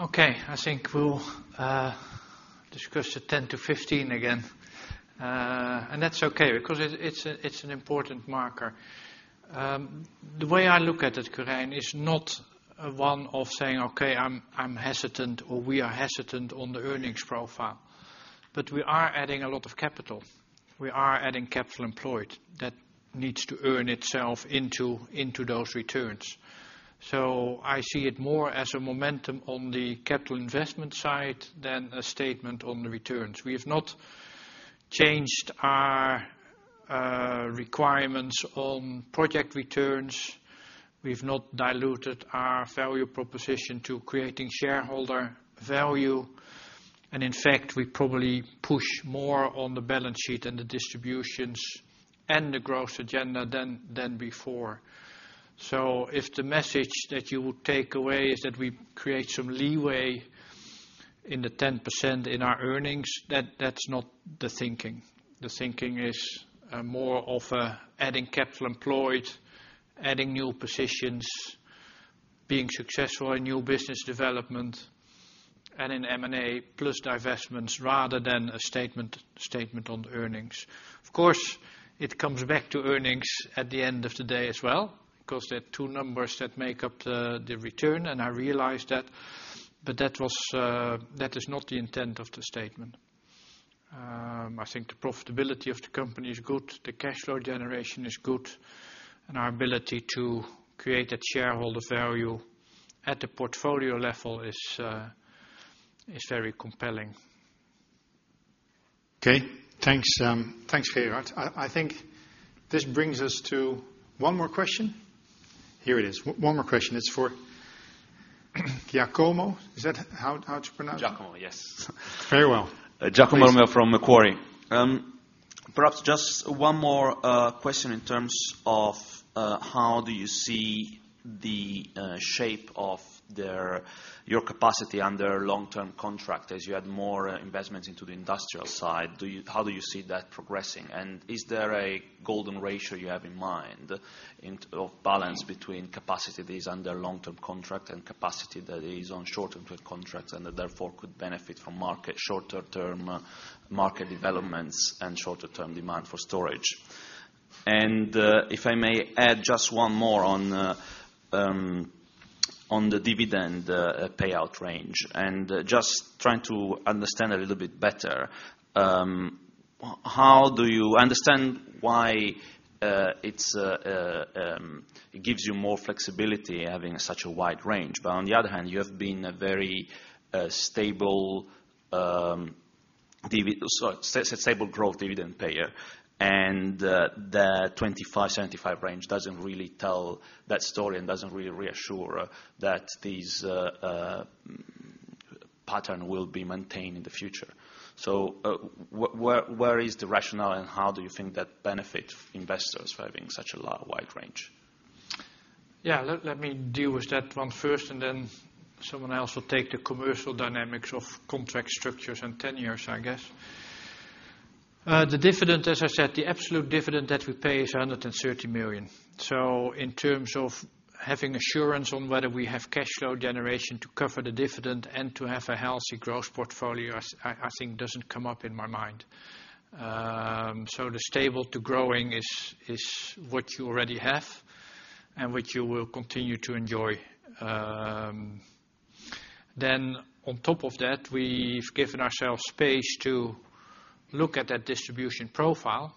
I think we'll discuss the 10 to 15 again. That's okay because it's an important marker. The way I look at it, Quirijn, is not one of saying, "Okay, I'm hesitant," or, "We are hesitant on the earnings profile," we are adding a lot of capital. We are adding capital employed that needs to earn itself into those returns. I see it more as a momentum on the capital investment side than a statement on the returns. We have not changed our requirements on project returns. We've not diluted our value proposition to creating shareholder value. In fact, we probably push more on the balance sheet and the distributions and the growth agenda than before. If the message that you will take away is that we create some leeway in the 10% in our earnings, that's not the thinking. The thinking is more of adding capital employed, adding new positions, being successful in new business development and in M&A plus divestments, rather than a statement on earnings. Of course, it comes back to earnings at the end of the day as well, because there are two numbers that make up the return, and I realize that. That is not the intent of the statement. I think the profitability of the company is good, the cash flow generation is good, and our ability to create that shareholder value at the portfolio level is very compelling. Okay. Thanks, Gerard. I think this brings us to one more question. Here it is. One more question. It's for Giacomo. Is that how it's pronounced? Giacomo, yes. Very well. Giacomo Melli from Macquarie. Perhaps just one more question in terms of how do you see the shape of your capacity under long-term contract as you add more investments into the industrial side? How do you see that progressing? Is there a golden ratio you have in mind of balance between capacity that is under long-term contract and capacity that is on short-term contracts and that therefore could benefit from market shorter term market developments and shorter term demand for storage? If I may add just one more on the dividend payout range, just trying to understand a little bit better. I understand why it gives you more flexibility having such a wide range. On the other hand, you have been a very stable growth dividend payer, and the 25/75 range doesn't really tell that story and doesn't really reassure that these- pattern will be maintained in the future. Where is the rationale and how do you think that benefit investors for having such a wide range? Let me deal with that one first and someone else will take the commercial dynamics of contract structures and tenures, I guess. The dividend, as I said, the absolute dividend that we pay is 130 million. In terms of having assurance on whether we have cash flow generation to cover the dividend and to have a healthy growth portfolio, I think doesn't come up in my mind. The stable to growing is what you already have and which you will continue to enjoy. On top of that, we've given ourselves space to look at that distribution profile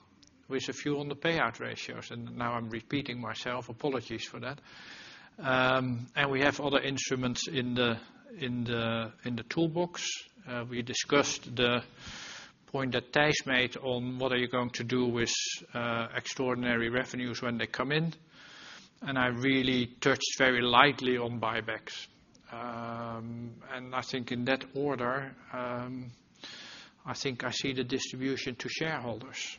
with a view on the payout ratios, and now I'm repeating myself, apologies for that. We have other instruments in the toolbox. We discussed the point that Thijs made on what are you going to do with extraordinary revenues when they come in, I really touched very lightly on buybacks. I think in that order, I think I see the distribution to shareholders.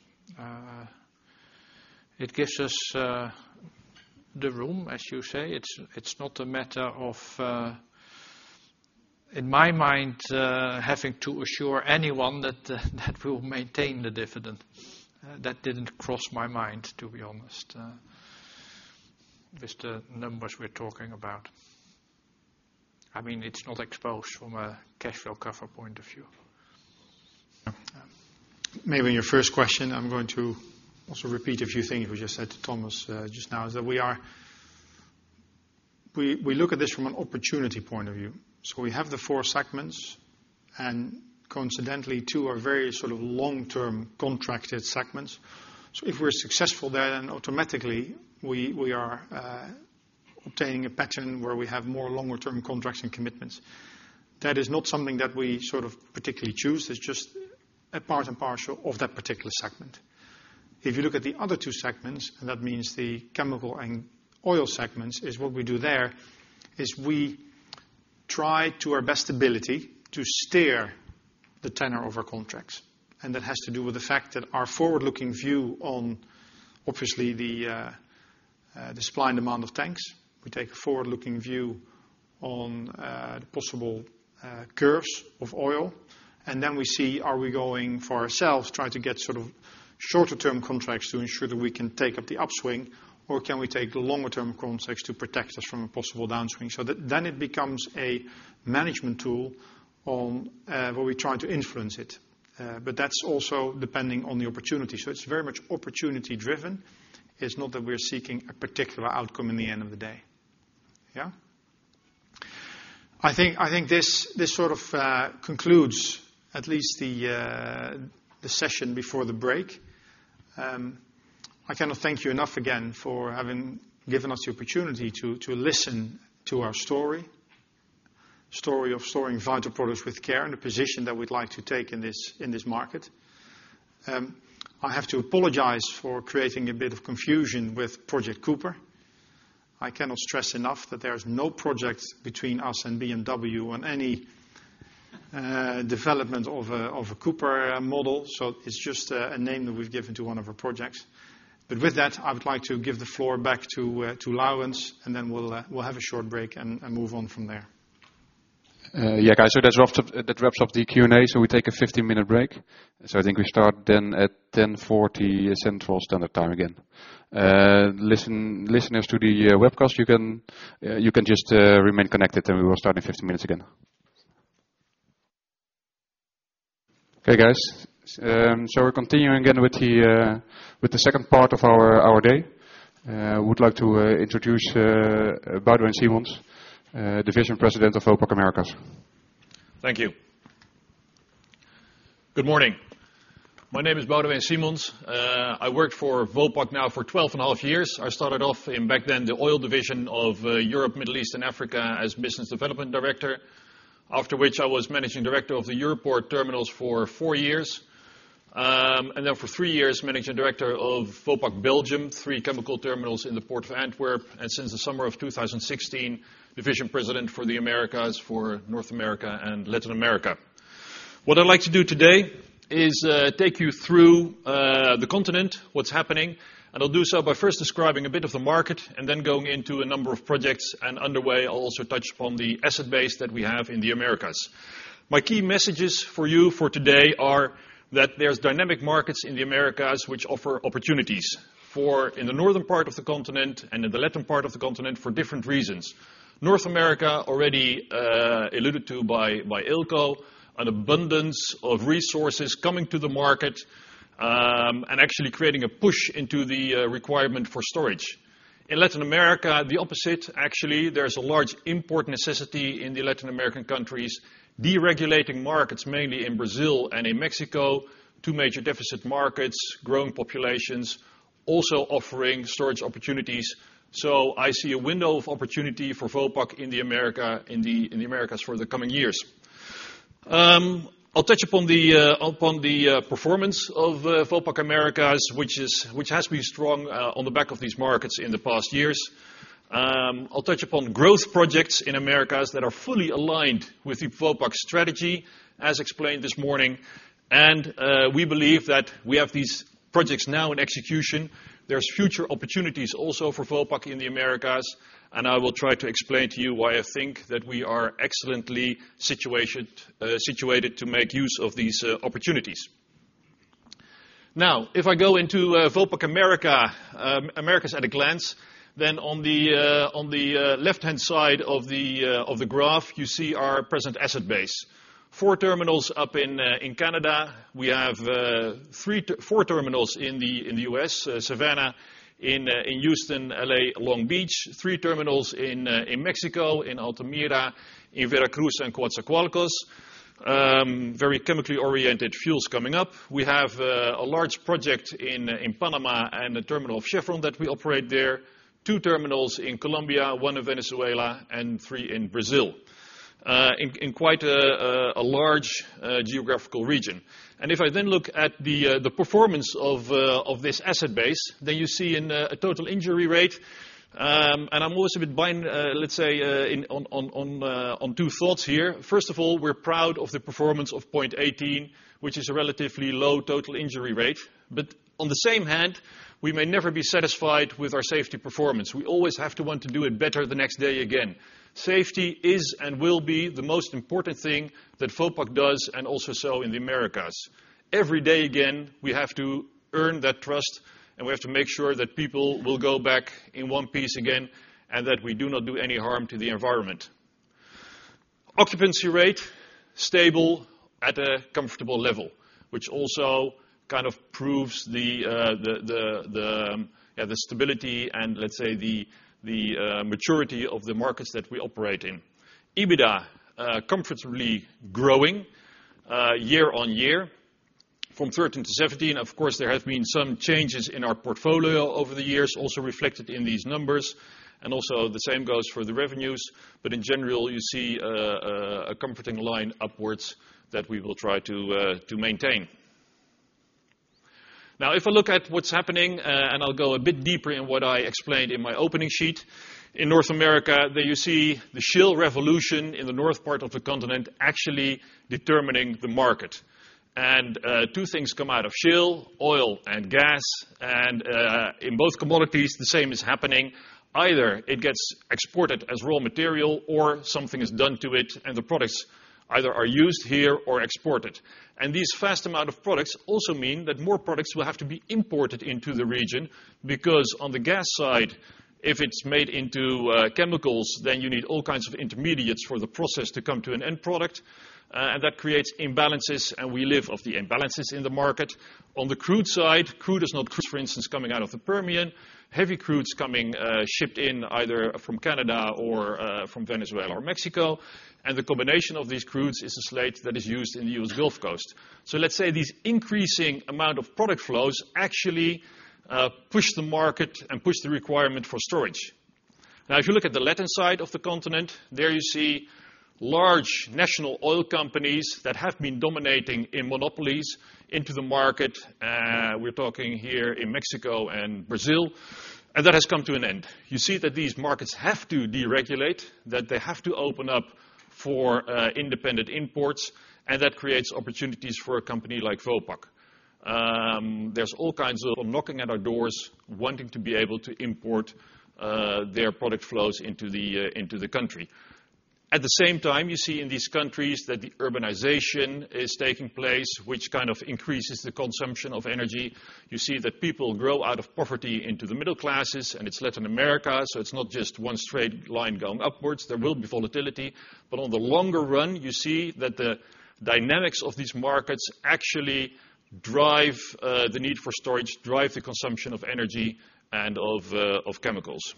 It gives us the room, as you say. It's not a matter of, in my mind, having to assure anyone that we'll maintain the dividend. That didn't cross my mind, to be honest. Just the numbers we're talking about. It's not exposed from a cash flow cover point of view. Maybe on your first question, I'm going to also repeat a few things we just said to Thomas just now, is that we look at this from an opportunity point of view. We have the four segments, and coincidentally, two are very sort of long-term contracted segments. If we're successful there, then automatically we are obtaining a pattern where we have more longer term contracts and commitments. That is not something that we sort of particularly choose. It's just a part and parcel of that particular segment. If you look at the other two segments, and that means the chemical and oil segments, is what we do there, is we try to our best ability to steer the tenor of our contracts. That has to do with the fact that our forward-looking view on obviously the supply and demand of tanks. We take a forward-looking view on the possible curves of oil, then we see, are we going for ourselves, try to get sort of shorter term contracts to ensure that we can take up the upswing, or can we take longer term contracts to protect us from a possible downstream? It becomes a management tool on where we try to influence it. That's also depending on the opportunity. It's very much opportunity driven. It's not that we're seeking a particular outcome in the end of the day. Yeah. I think this sort of concludes at least the session before the break. I cannot thank you enough again for having given us the opportunity to listen to our story. Story of storing vital products with care and the position that we'd like to take in this market. I have to apologize for creating a bit of confusion with Project Cooper. I cannot stress enough that there is no project between us and BMW on any development of a Cooper model. It's just a name that we've given to one of our projects. With that, I would like to give the floor back to Laurens, then we'll have a short break and move on from there. Yeah, guys. That wraps up the Q&A. We take a 15-minute break. I think we start then at 10:40 Central Standard Time again. Listeners to the webcast, you can just remain connected and we will start in 15 minutes again. Okay, guys. We're continuing again with the second part of our day. Would like to introduce Boudewijn Siemons, Division President of Vopak Americas. Thank you. Good morning. My name is Boudewijn Siemons. I worked for Vopak now for 12 and a half years. I started off in, back then, the oil division of Europe, Middle East, and Africa as Business Development Director. After which I was Managing Director of the Europoort Terminals for four years. For three years, Managing Director of Vopak Belgium, three chemical terminals in the Port of Antwerp. Since the summer of 2016, Division President for the Americas, for North America and Latin America. What I'd like to do today is take you through the continent, what's happening, and I'll do so by first describing a bit of the market and then going into a number of projects and underway. I'll also touch upon the asset base that we have in the Americas. My key messages for you for today are that there's dynamic markets in the Americas which offer opportunities, for in the northern part of the continent and in the Latin part of the continent for different reasons. North America already alluded to by Eelco, an abundance of resources coming to the market, and actually creating a push into the requirement for storage. In Latin America, the opposite, actually. There's a large import necessity in the Latin American countries, deregulating markets mainly in Brazil and in Mexico, two major deficit markets, growing populations also offering storage opportunities. I see a window of opportunity for Vopak in the Americas for the coming years. I'll touch upon the performance of Vopak Americas, which has been strong on the back of these markets in the past years. I'll touch upon growth projects in Americas that are fully aligned with the Vopak strategy, as explained this morning. We believe that we have these projects now in execution. There's future opportunities also for Vopak in the Americas, and I will try to explain to you why I think that we are excellently situated to make use of these opportunities. If I go into Vopak Americas at a glance, then on the left-hand side of the graph, you see our present asset base. Four terminals up in Canada. We have four terminals in the U.S., Savannah, in Houston, L.A., Long Beach. Three terminals in Mexico, in Altamira, in Veracruz, and Coatzacoalcos. Very chemically oriented fuels coming up. We have a large project in Panama and a terminal of Chevron that we operate there. Two terminals in Colombia, one in Venezuela, and three in Brazil, in quite a large geographical region. If I then look at the performance of this asset base, then you see in a total injury rate, and I'm also a bit buying on two thoughts here. First of all, we're proud of the performance of 0.18, which is a relatively low total injury rate. On the same hand, we may never be satisfied with our safety performance. We always have to want to do it better the next day again. Safety is and will be the most important thing that Vopak does and also so in the Americas. Every day again, we have to earn that trust, and we have to make sure that people will go back in one piece again, and that we do not do any harm to the environment. Occupancy rate, stable at a comfortable level, which also kind of proves the stability and the maturity of the markets that we operate in. EBITDA comfortably growing year-over-year from 2013 to 2017. Of course, there have been some changes in our portfolio over the years, also reflected in these numbers, and also the same goes for the revenues. In general, you see a comforting line upwards that we will try to maintain. If I look at what's happening, and I'll go a bit deeper in what I explained in my opening sheet. In North America, there you see the shale revolution in the north part of the continent actually determining the market. Two things come out of shale, oil and gas, and in both commodities, the same is happening. Either it gets exported as raw material or something is done to it, and the products either are used here or exported. These vast amount of products also mean that more products will have to be imported into the region, because on the gas side, if it's made into chemicals, then you need all kinds of intermediates for the process to come to an end product. That creates imbalances, and we live off the imbalances in the market. On the crude side, crude is not crude, for instance, coming out of the Permian. Heavy crude's coming shipped in either from Canada or from Venezuela or Mexico. The combination of these crudes is a slate that is used in the U.S. Gulf Coast. Let's say these increasing amount of product flows actually push the market and push the requirement for storage. If you look at the Latin side of the continent, there you see large national oil companies that have been dominating in monopolies into the market. We're talking here in Mexico and Brazil, that has come to an end. You see that these markets have to deregulate, that they have to open up for independent imports, that creates opportunities for a company like Vopak. There's all kinds of knocking at our doors wanting to be able to import their product flows into the country. At the same time, you see in these countries that the urbanization is taking place, which kind of increases the consumption of energy. You see that people grow out of poverty into the middle classes, it's Latin America, it's not just one straight line going upwards. There will be volatility, on the longer run, you see that the dynamics of these markets actually drive the need for storage, drive the consumption of energy and of chemicals.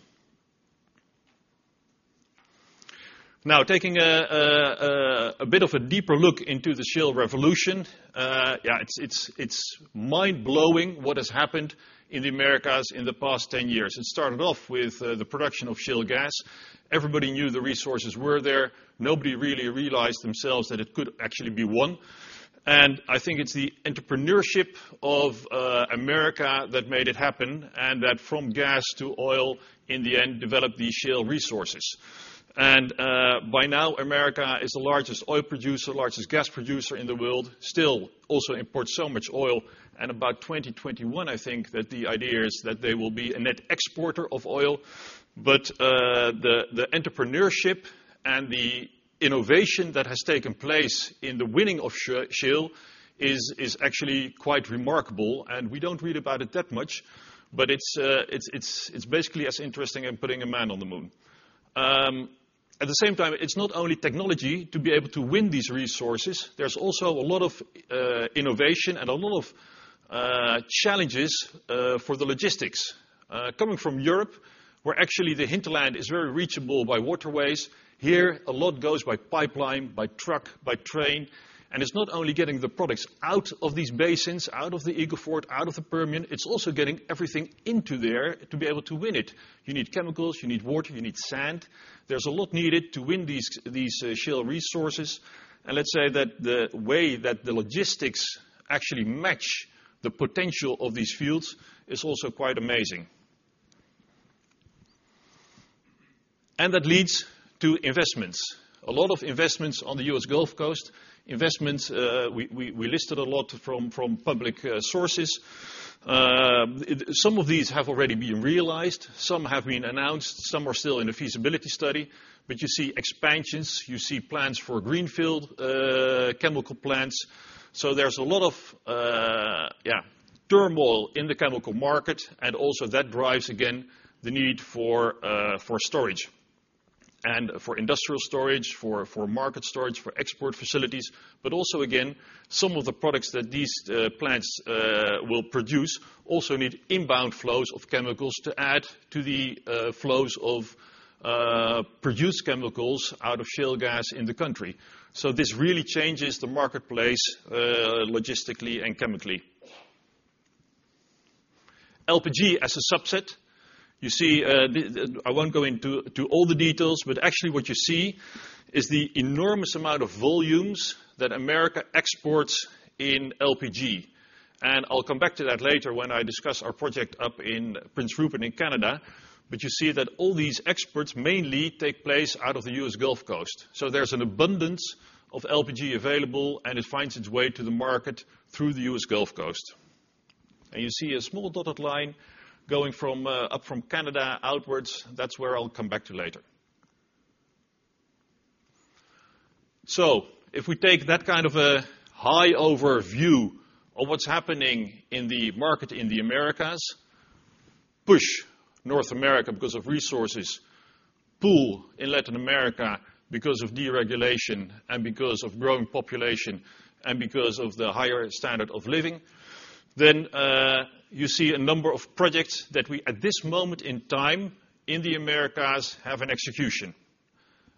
Taking a bit of a deeper look into the shale revolution. It's mind-blowing what has happened in the Americas in the past 10 years. It started off with the production of shale gas. Everybody knew the resources were there. Nobody really realized themselves that it could actually be won. I think it's the entrepreneurship of America that made it happen, that from gas to oil, in the end, developed these shale resources. By now, America is the largest oil producer, largest gas producer in the world, still also imports so much oil. About 2021, I think that the idea is that they will be a net exporter of oil. The entrepreneurship and the innovation that has taken place in the winning of shale is actually quite remarkable, and we don't read about it that much, but it's basically as interesting as putting a man on the moon. At the same time, it's not only technology to be able to win these resources, there's also a lot of innovation and a lot of challenges for the logistics. Coming from Europe, where actually the hinterland is very reachable by waterways. Here, a lot goes by pipeline, by truck, by train, and it's not only getting the products out of these basins, out of the Eagle Ford, out of the Permian, it's also getting everything into there to be able to win it. You need chemicals, you need water, you need sand. There's a lot needed to win these shale resources. Let's say that the way that the logistics actually match the potential of these fields is also quite amazing. That leads to investments. A lot of investments on the U.S. Gulf Coast, investments we listed a lot from public sources. Some of these have already been realized, some have been announced, some are still in a feasibility study, but you see expansions, you see plans for greenfield chemical plants. There's a lot of turmoil in the chemical market, also that drives, again, the need for storage and for industrial storage, for market storage, for export facilities. Also, again, some of the products that these plants will produce also need inbound flows of chemicals to add to the flows of produced chemicals out of shale gas in the country. This really changes the marketplace logistically and chemically. LPG as a subset. I won't go into all the details, actually what you see is the enormous amount of volumes that America exports in LPG. I'll come back to that later when I discuss our project up in Prince Rupert in Canada. You see that all these exports mainly take place out of the U.S. Gulf Coast. You see a small dotted line going up from Canada outwards. That's where I'll come back to later. If we take that kind of a high overview of what's happening in the market in the Americas, push North America because of resources, pull in Latin America because of deregulation and because of growing population and because of the higher standard of living, you see a number of projects that we, at this moment in time, in the Americas, have in execution.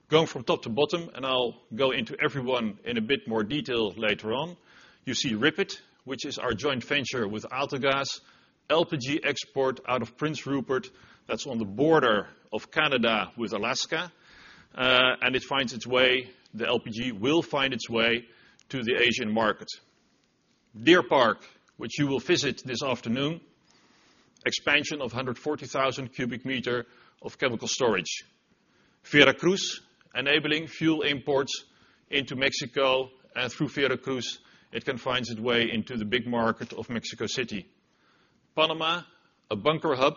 Going from top to bottom, I'll go into every one in a bit more detail later on. You see RIPET, which is our joint venture with AltaGas, LPG export out of Prince Rupert. That's on the border of Canada with Alaska. The LPG will find its way to the Asian market. Deer Park, which you will visit this afternoon, expansion of 140,000 cubic meter of chemical storage. Veracruz, enabling fuel imports into Mexico, through Veracruz, it can find its way into the big market of Mexico City. Panama, a bunker hub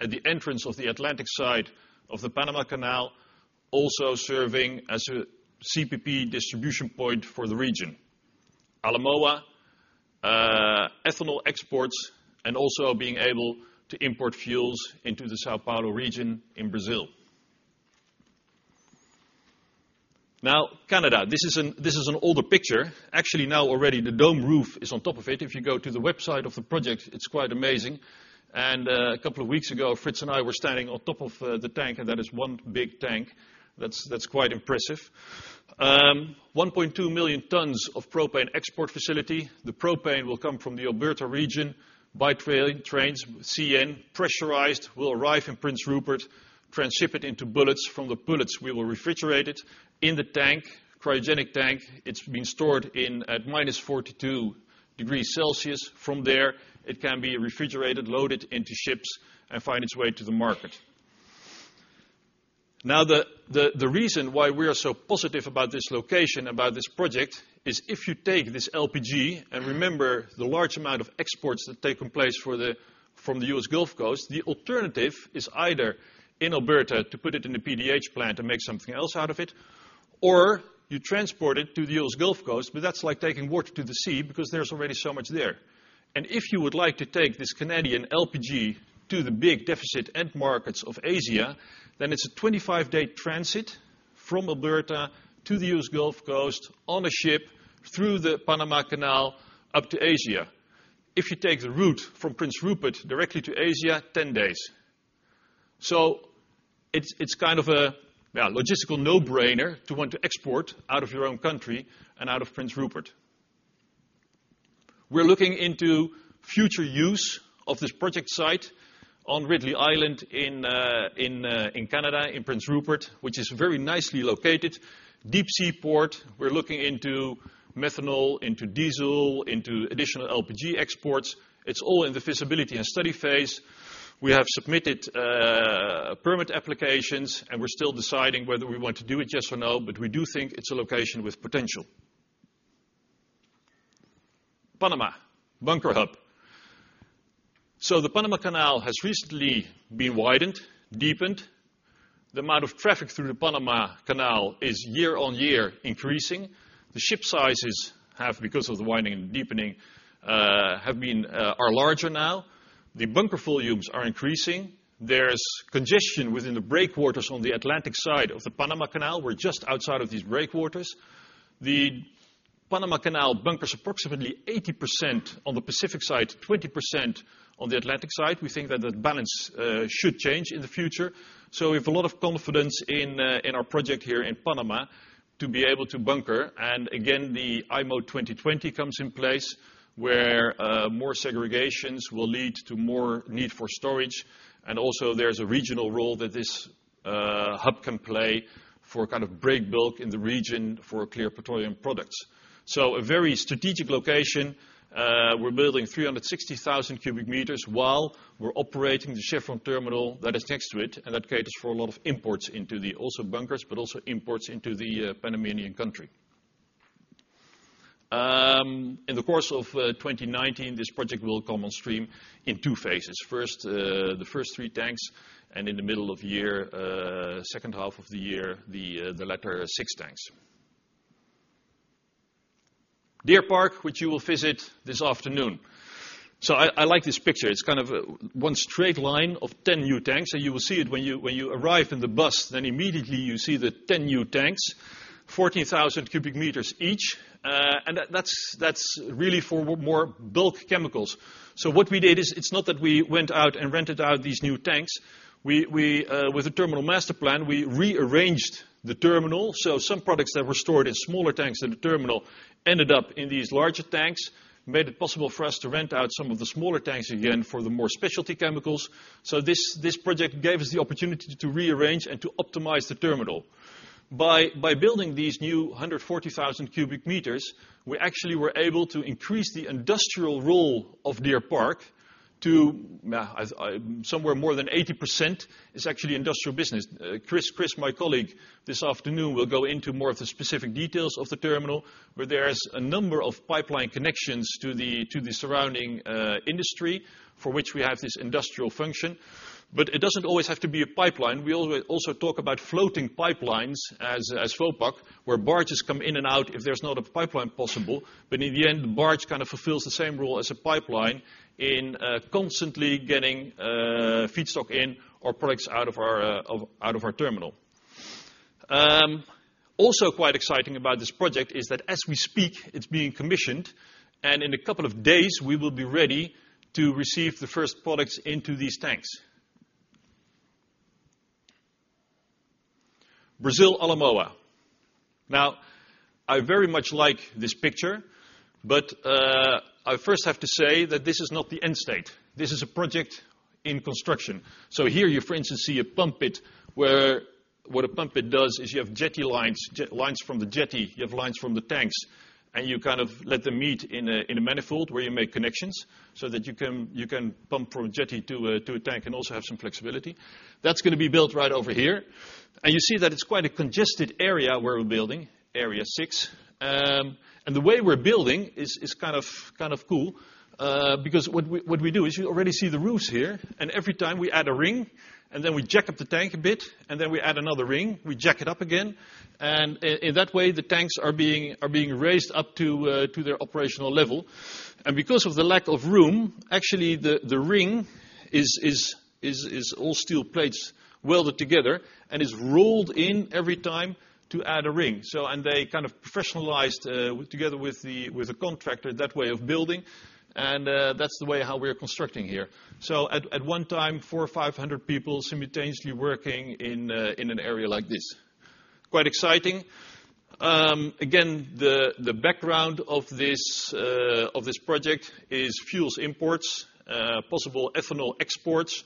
at the entrance of the Atlantic side of the Panama Canal, also serving as a CPP distribution point for the region. Alemoa, ethanol exports and also being able to import fuels into the São Paulo region in Brazil. Canada. This is an older picture. Actually, now already the dome roof is on top of it. If you go to the website of the project, it's quite amazing. A couple of weeks ago, Frits and I were standing on top of the tank, and that is one big tank. That's quite impressive. 1.2 million tons of propane export facility. The propane will come from the Alberta region by trains, CN, pressurized, will arrive in Prince Rupert, transship it into bullets. From the bullets, we will refrigerate it in the tank, cryogenic tank. It's been stored in at -42 degrees Celsius. From there, it can be refrigerated, loaded into ships, find its way to the market. The reason why we are so positive about this location, about this project is if you take this LPG, remember the large amount of exports that take place from the U.S. Gulf Coast, the alternative is either in Alberta to put it in a PDH plant and make something else out of it, or you transport it to the U.S. Gulf Coast, that's like taking water to the sea because there's already so much there. If you would like to take this Canadian LPG to the big deficit end markets of Asia, it's a 25-day transit from Alberta to the U.S. Gulf Coast on a ship through the Panama Canal up to Asia. If you take the route from Prince Rupert directly to Asia, 10 days. It's kind of a logistical no-brainer to want to export out of your own country and out of Prince Rupert. We're looking into future use of this project site on Ridley Island in Canada, in Prince Rupert, which is very nicely located. Deep sea port. We're looking into methanol, into diesel, into additional LPG exports. It's all in the feasibility and study phase. We have submitted permit applications, and we're still deciding whether we want to do it, yes or no, but we do think it's a location with potential. Panama, bunker hub. The Panama Canal has recently been widened, deepened. The amount of traffic through the Panama Canal is year-over-year increasing. The ship sizes, because of the widening and deepening, are larger now. The bunker volumes are increasing. There's congestion within the breakwaters on the Atlantic side of the Panama Canal. We're just outside of these breakwaters. The Panama Canal bunkers approximately 80% on the Pacific side, 20% on the Atlantic side. We think that the balance should change in the future. We have a lot of confidence in our project here in Panama to be able to bunker. Again, the IMO 2020 comes in place where more segregations will lead to more need for storage. Also there's a regional role that this hub can play for break bulk in the region for clear petroleum products. A very strategic location. We're building 360,000 cubic meters while we're operating the Chevron terminal that is next to it, and that caters for a lot of imports into the also bunkers, but also imports into the Panamanian country. In the course of 2019, this project will come on stream in two phases. First, the first three tanks, and in the middle of the year, second half of the year, the latter six tanks. Deer Park, which you will visit this afternoon. I like this picture. It's one straight line of 10 new tanks, and you will see it when you arrive in the bus, then immediately you see the 10 new tanks, 14,000 cubic meters each. That's really for more bulk chemicals. What we did is, it's not that we went out and rented out these new tanks. With a terminal master plan, we rearranged the terminal. Some products that were stored in smaller tanks in the terminal ended up in these larger tanks, made it possible for us to rent out some of the smaller tanks again for the more specialty chemicals. This project gave us the opportunity to rearrange and to optimize the terminal. By building these new 140,000 cubic meters, we actually were able to increase the industrial role of Deer Park to somewhere more than 80% is actually industrial business. Chris, my colleague, this afternoon will go into more of the specific details of the terminal, where there is a number of pipeline connections to the surrounding industry for which we have this industrial function. It doesn't always have to be a pipeline. We also talk about floating pipelines as Vopak, where barges come in and out if there's not a pipeline possible. In the end, the barge fulfills the same role as a pipeline in constantly getting feedstock in or products out of our terminal. Also quite exciting about this project is that as we speak, it's being commissioned, and in a couple of days, we will be ready to receive the first products into these tanks. Brazil, Alemoa. I very much like this picture, but I first have to say that this is not the end state. This is a project in construction. Here you, for instance, see a pump pit, where what a pump pit does is you have jetty lines from the jetty, you have lines from the tanks, and you let them meet in a manifold where you make connections so that you can pump from a jetty to a tank and also have some flexibility. That's going to be built right over here. You see that it's quite a congested area where we're building, area 6. The way we're building is kind of cool, because what we do is you already see the roofs here, and every time we add a ring, and then we jack up the tank a bit, and then we add another ring, we jack it up again. In that way, the tanks are being raised up to their operational level. Because of the lack of room, actually the ring is all steel plates welded together and is rolled in every time to add a ring. They professionalized together with a contractor that way of building, and that's the way how we are constructing here. At one time, 400 or 500 people simultaneously working in an area like this. Quite exciting. The background of this project is fuel imports, possible ethanol exports,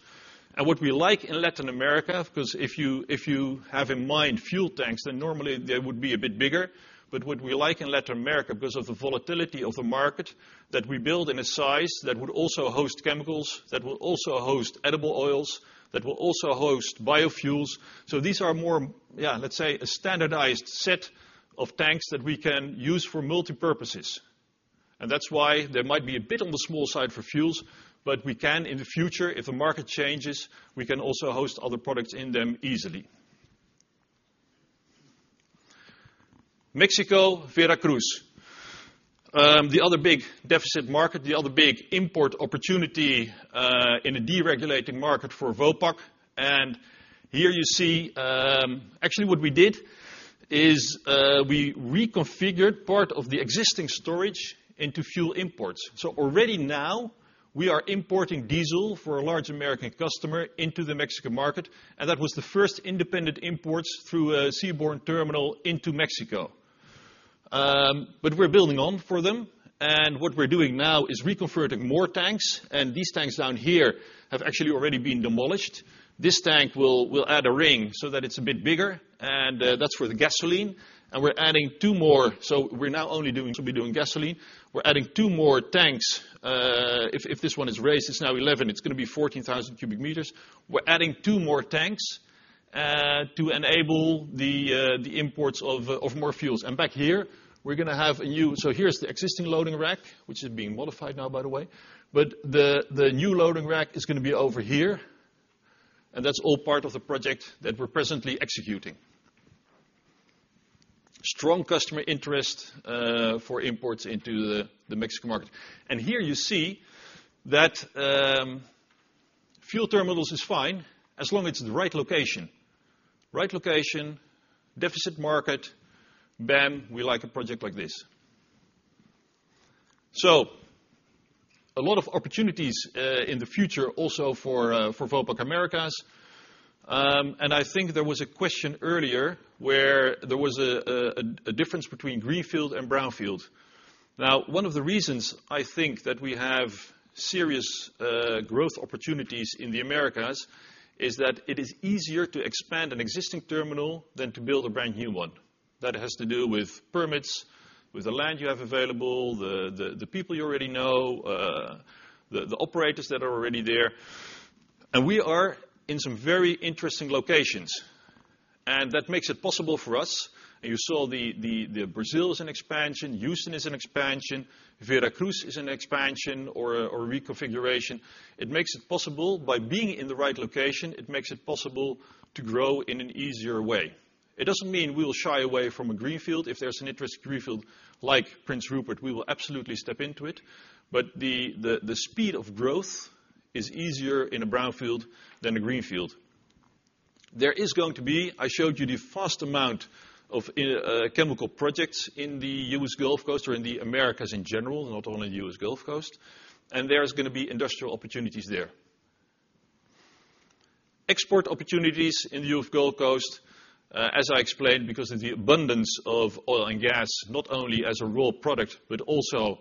and what we like in Latin America, because if you have in mind fuel tanks, then normally they would be a bit bigger. What we like in Latin America, because of the volatility of the market, that we build in a size that would also host chemicals, that will also host edible oils, that will also host biofuels. These are more, let's say, a standardized set of tanks that we can use for multipurpose. That's why they might be a bit on the small side for fuels, but we can in the future, if the market changes, we can also host other products in them easily. Mexico, Veracruz. The other big deficit market, the other big import opportunity in a deregulating market for Vopak. Here you see, actually what we did is we reconfigured part of the existing storage into fuel imports. Already now we are importing diesel for a large U.S. customer into the Mexican market, and that was the first independent imports through a seaborne terminal into Mexico. We're building on for them, and what we're doing now is reconverting more tanks, and these tanks down here have actually already been demolished. This tank, we'll add a ring so that it's a bit bigger, and that's for the gasoline. We're adding two more. We're now only doing gasoline. We're adding two more tanks. If this one is raised, it's now 11, it's going to be 14,000 cubic meters. We're adding two more tanks to enable the imports of more fuels. Back here's the existing loading rack, which is being modified now, by the way. The new loading rack is going to be over here, and that's all part of the project that we're presently executing. Strong customer interest for imports into the Mexican market. Here you see that fuel terminals is fine as long as it's the right location. Right location, deficit market, bam, we like a project like this. A lot of opportunities in the future also for Vopak Americas. I think there was a question earlier where there was a difference between greenfield and brownfield. One of the reasons I think that we have serious growth opportunities in the Americas is that it is easier to expand an existing terminal than to build a brand new one. That has to do with permits, with the land you have available, the people you already know, the operators that are already there. We are in some very interesting locations. That makes it possible for us. You saw Brazil is an expansion, Houston is an expansion, Veracruz is an expansion or reconfiguration. By being in the right location, it makes it possible to grow in an easier way. It doesn't mean we'll shy away from a greenfield. If there's an interesting greenfield like Prince Rupert, we will absolutely step into it, but the speed of growth is easier in a brownfield than a greenfield. There is going to be I showed you the vast amount of chemical projects in the U.S. Gulf Coast or in the Americas in general, not only U.S. Gulf Coast, and there's going to be industrial opportunities there. Export opportunities in the U.S. Gulf Coast, as I explained, because of the abundance of oil and gas, not only as a raw product, but also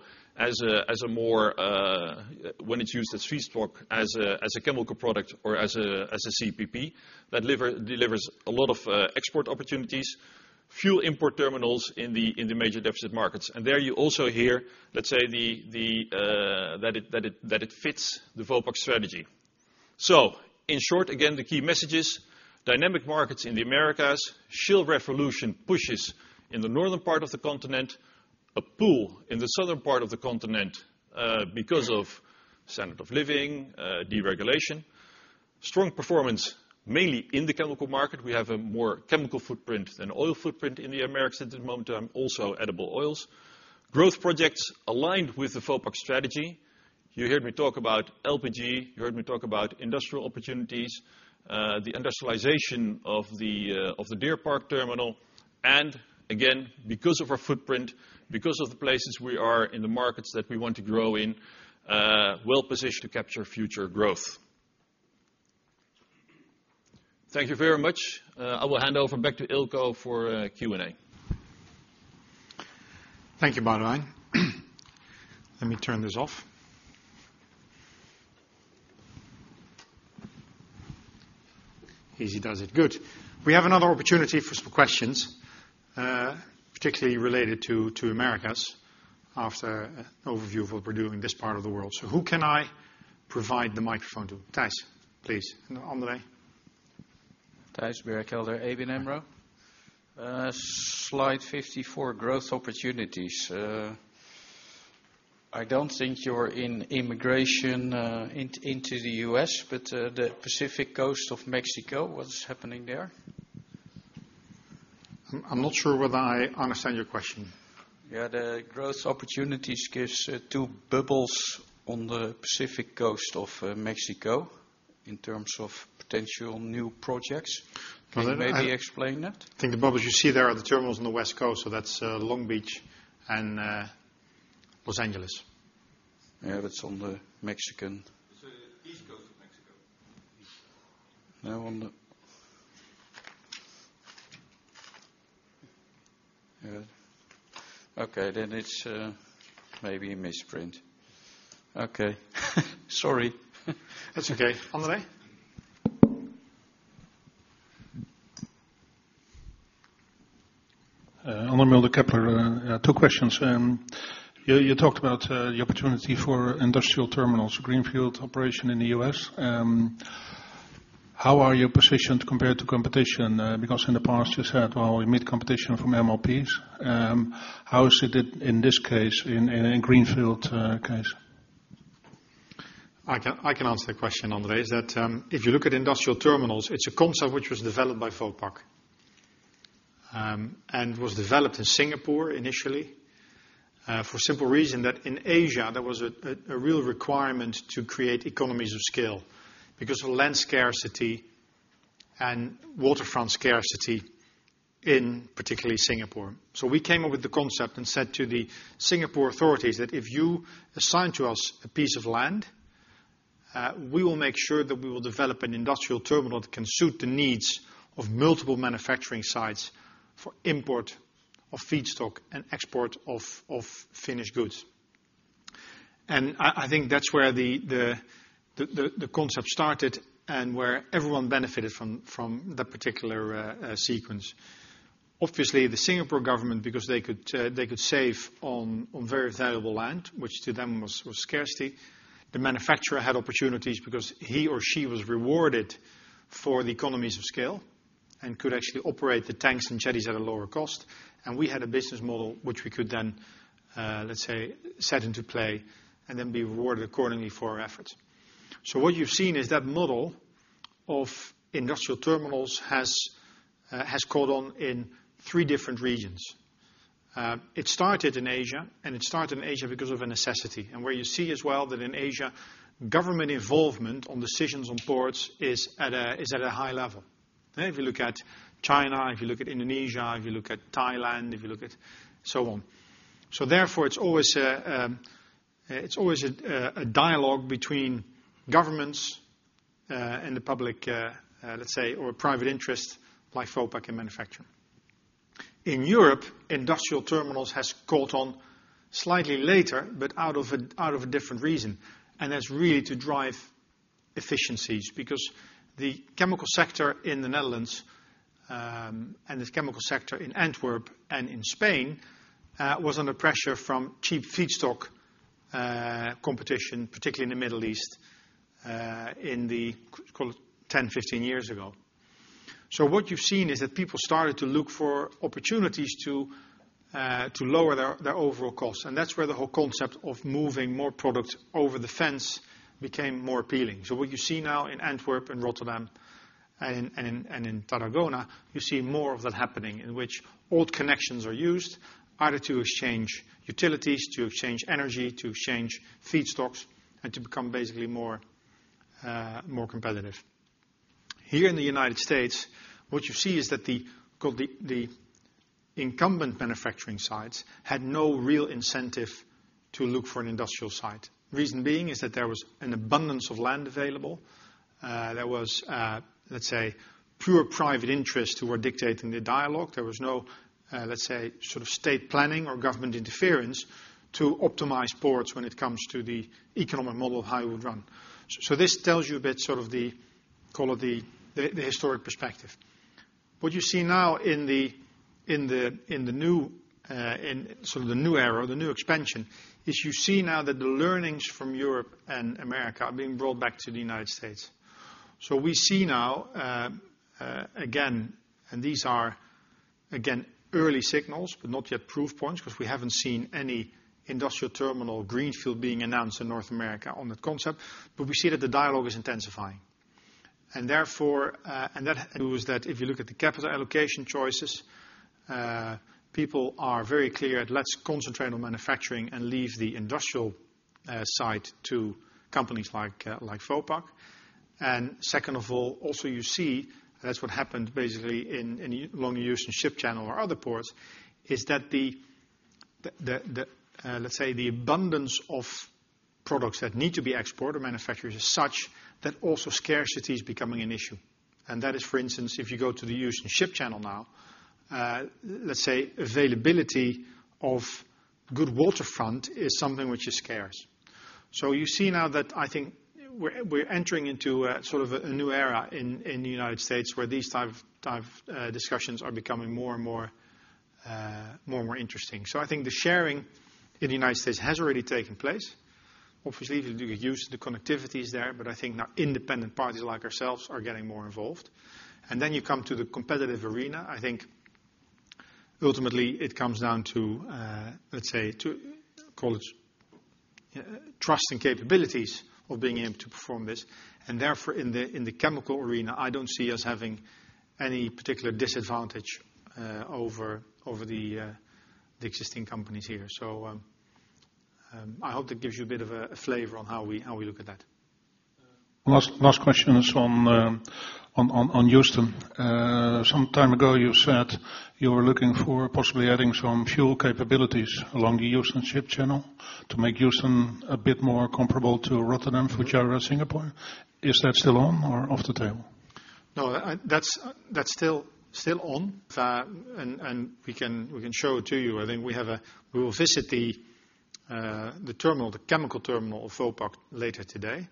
when it is used as feedstock, as a chemical product or as a CPP, that delivers a lot of export opportunities. Few import terminals in the major deficit markets, and there you also hear that it fits the Vopak strategy. In short, again, the key messages, dynamic markets in the Americas. Shale revolution pushes in the northern part of the continent, a pull in the southern part of the continent because of standard of living, deregulation. Strong performance, mainly in the chemical market. We have a more chemical footprint than oil footprint in the Americas at the moment, and also edible oils. Growth projects aligned with the Vopak strategy. You heard me talk about LPG, you heard me talk about industrial opportunities, the industrialization of the Deer Park terminal. Again, because of our footprint, because of the places we are in the markets that we want to grow in, well-positioned to capture future growth. Thank you very much. I will hand over back to Eelco for Q&A. Thank you, Boudewijn. Let me turn this off. Easy does it. Good. We have another opportunity for some questions, particularly related to Americas after an overview of what we are doing in this part of the world. Who can I provide the microphone to? Thijs, please. And André. Thijs Berkelder, ABN AMRO. Slide 54, growth opportunities. I don't think you are in immigration into the U.S., but the Pacific Coast of Mexico, what's happening there? I'm not sure whether I understand your question. Yeah, the growth opportunities gives two bubbles on the Pacific Coast of Mexico in terms of potential new projects. Can you maybe explain that? I think the bubbles you see there are the terminals on the West Coast, so that's Long Beach and Los Angeles. Yeah, that's on the Mexican- It's the East Coast of Mexico. No, on the Yeah. Okay, it's maybe a misprint. Okay. Sorry. That's okay. André? André Mulder, Kepler. Two questions. You talked about the opportunity for industrial terminals, greenfield operation in the U.S. How are you positioned compared to competition? In the past, you said, "Well, we meet competition from MLPs." How is it in this case, in a greenfield case? I can answer the question, André. If you look at industrial terminals, it's a concept which was developed by Vopak, and was developed in Singapore initially. For simple reason that in Asia, there was a real requirement to create economies of scale because of land scarcity and waterfront scarcity in particularly Singapore. We came up with the concept and said to the Singapore authorities that, "If you assign to us a piece of land, we will make sure that we will develop an industrial terminal that can suit the needs of multiple manufacturing sites for import of feedstock and export of finished goods." I think that's where the concept started and where everyone benefited from that particular sequence. Obviously, the Singapore government, because they could save on very valuable land, which to them was scarcity. The manufacturer had opportunities because he or she was rewarded for the economies of scale and could actually operate the tanks and jetties at a lower cost. We had a business model which we could then, let's say, set into play and then be rewarded accordingly for our efforts. What you've seen is that model of industrial terminals has caught on in 3 different regions. It started in Asia, and it started in Asia because of a necessity. Where you see as well that in Asia, government involvement on decisions on ports is at a high level. If you look at China, if you look at Indonesia, if you look at Thailand, if you look at so on. Therefore, it's always a dialogue between governments and the public, let's say, or private interests like Vopak and manufacturer. In Europe, industrial terminals has caught on slightly later, but out of a different reason. That's really to drive efficiencies because the chemical sector in the Netherlands, and the chemical sector in Antwerp and in Spain, was under pressure from cheap feedstock competition, particularly in the Middle East, call it 10, 15 years ago. What you've seen is that people started to look for opportunities to lower their overall costs, and that's where the whole concept of moving more product over the fence became more appealing. What you see now in Antwerp and Rotterdam and in Tarragona, you see more of that happening in which old connections are used either to exchange utilities, to exchange energy, to exchange feedstocks, and to become basically more competitive. Here in the U.S., what you see is that the incumbent manufacturing sites had no real incentive to look for an industrial site. Reason being, is that there was an abundance of land available. There was, let's say, pure private interests who were dictating the dialogue. There was no, let's say, state planning or government interference to optimize ports when it comes to the economic model of how it would run. This tells you a bit sort of the call it the historic perspective. What you see now in the new era, or the new expansion, is you see now that the learnings from Europe and America are being brought back to the U.S. We see now, again, these are, again, early signals but not yet proof points because we haven't seen any industrial terminal greenfield being announced in North America on that concept, but we see that the dialogue is intensifying. If you look at the capital allocation choices, people are very clear. Let's concentrate on manufacturing and leave the industrial side to companies like Vopak. Second of all, also you see, that's what happened basically in Longview and Ship Channel or other ports, is that the, let's say, the abundance of products that need to be exported or manufactured is such that also scarcity is becoming an issue. That is, for instance, if you go to the Houston Ship Channel now, let's say availability of good waterfront is something which is scarce. You see now that I think we're entering into a sort of a new era in the U.S. where these type of discussions are becoming more and more interesting. I think the sharing in the U.S. has already taken place. Obviously, you could use the connectivities there, but I think now independent parties like ourselves are getting more involved. Then you come to the competitive arena. I think ultimately it comes down to, let's say, to call it trust and capabilities of being able to perform this. Therefore, in the chemical arena, I don't see us having any particular disadvantage over the existing companies here. I hope that gives you a bit of a flavor on how we look at that. Last question is on Houston. Some time ago you said you were looking for possibly adding some fuel capabilities along the Houston Ship Channel to make Houston a bit more comparable to Rotterdam, Fujairah, Singapore. Is that still on or off the table? No, that's still on. We can show it to you. I think we will visit the terminal, the chemical terminal of Vopak later today.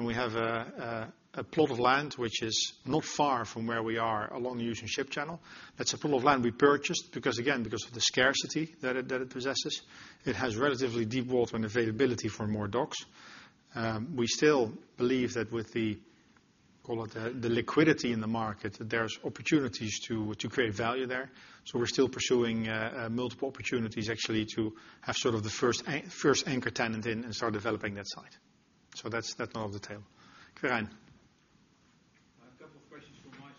We have a plot of land which is not far from where we are along the Houston Ship Channel. That's a plot of land we purchased, because again, because of the scarcity that it possesses. It has relatively deep water and availability for more docks. We still believe that with the, call it the liquidity in the market, there's opportunities to create value there. We're still pursuing multiple opportunities actually to have sort of the first anchor tenant in and start developing that site. That's not off the table. Quirijn? I have a couple of questions from my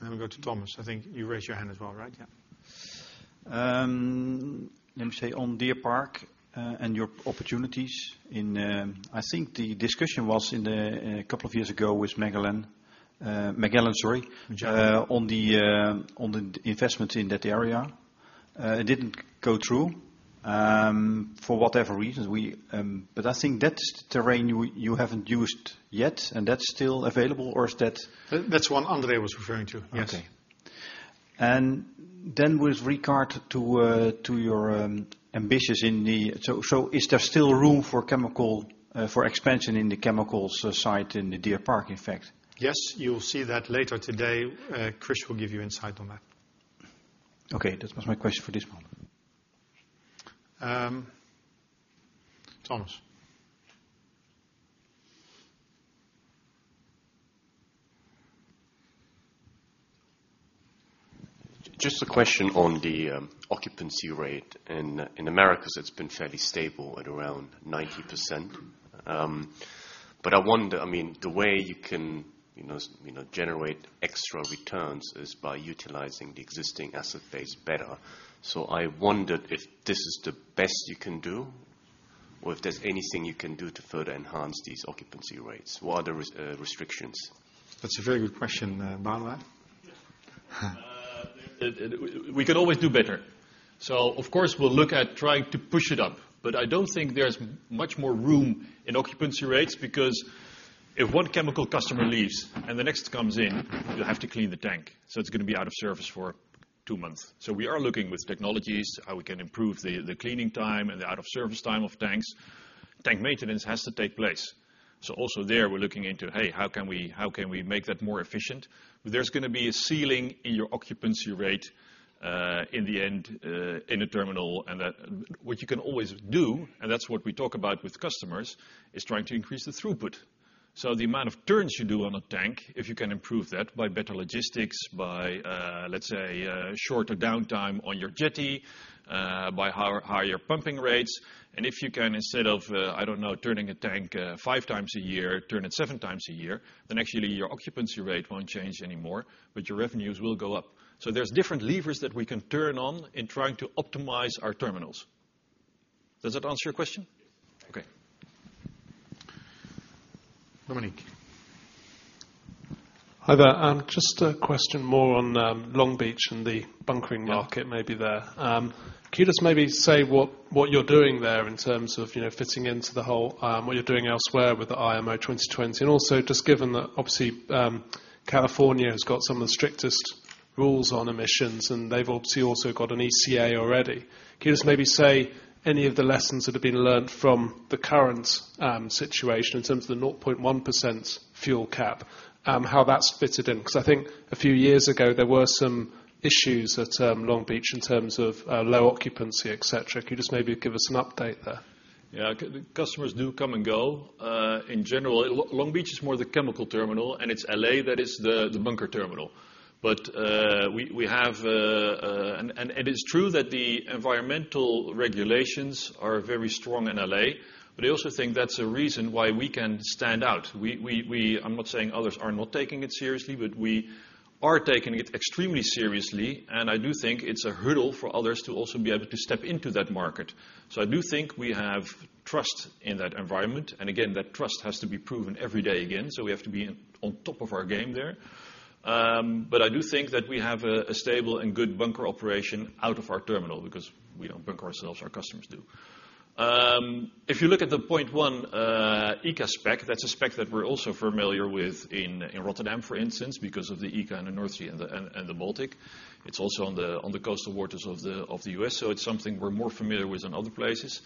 side. We'll go to Thomas. I think you raised your hand as well, right? Yeah. Let me say on Deer Park, and your opportunities in, I think the discussion was a couple of years ago with Magellan. On the investments in that area. It didn't go through, for whatever reasons. I think that's terrain you haven't used yet, and that's still available, or is that? That's the one André was referring to. Yes. Okay. With regard to your ambitions in the, is there still room for expansion in the chemicals site in Deer Park, in fact? Yes. You'll see that later today. Chris will give you insight on that. Okay. That was my question for this one. Thomas. Just a question on the occupancy rate in Americas. It's been fairly stable at around 90%. I wonder, the way you can generate extra returns is by utilizing the existing asset base better. I wondered if this is the best you can do, or if there's anything you can do to further enhance these occupancy rates. What are the restrictions? That's a very good question. Boudewijn, right? Yes. We could always do better. Of course we'll look at trying to push it up. I don't think there's much more room in occupancy rates because if one chemical customer leaves and the next comes in, you have to clean the tank. It's going to be out of service for two months. We are looking with technologies, how we can improve the cleaning time and the out of service time of tanks. Tank maintenance has to take place. Also there, we're looking into, hey, how can we make that more efficient? There's going to be a ceiling in your occupancy rate, in the end, in a terminal and that what you can always do, and that's what we talk about with customers, is trying to increase the throughput. The amount of turns you do on a tank, if you can improve that by better logistics, by, let's say, shorter downtime on your jetty, by higher pumping rates. If you can, instead of, I don't know, turning a tank five times a year, turn it seven times a year, then actually your occupancy rate won't change anymore, but your revenues will go up. There's different levers that we can turn on in trying to optimize our terminals. Does that answer your question? Yes. Okay. Dominic. Hi there. Just a question more on Long Beach and the bunkering market maybe there. Can you just maybe say what you're doing there in terms of fitting into the whole, what you're doing elsewhere with the IMO 2020? Also just given that obviously, California has got some of the strictest rules on emissions, and they've obviously also got an ECA already. Can you just maybe say any of the lessons that have been learned from the current situation in terms of the 0.1% fuel cap, how that's fitted in? Because I think a few years ago, there were some issues at Long Beach in terms of low occupancy, et cetera. Could you just maybe give us an update there? Yeah. Customers do come and go. In general, Long Beach is more the chemical terminal, and it's L.A. that is the bunker terminal. It is true that the environmental regulations are very strong in L.A., but I also think that's a reason why we can stand out. I'm not saying others are not taking it seriously, but we are taking it extremely seriously, and I do think it's a hurdle for others to also be able to step into that market. I do think we have trust in that environment. Again, that trust has to be proven every day again, so we have to be on top of our game there. I do think that we have a stable and good bunker operation out of our terminal because we don't bunker ourselves, our customers do. If you look at the 0.1 ECA spec, that's a spec that we're also familiar with in Rotterdam, for instance, because of the ECA in the North Sea and the Baltic. It's also on the coastal waters of the U.S. It's something we're more familiar with in other places.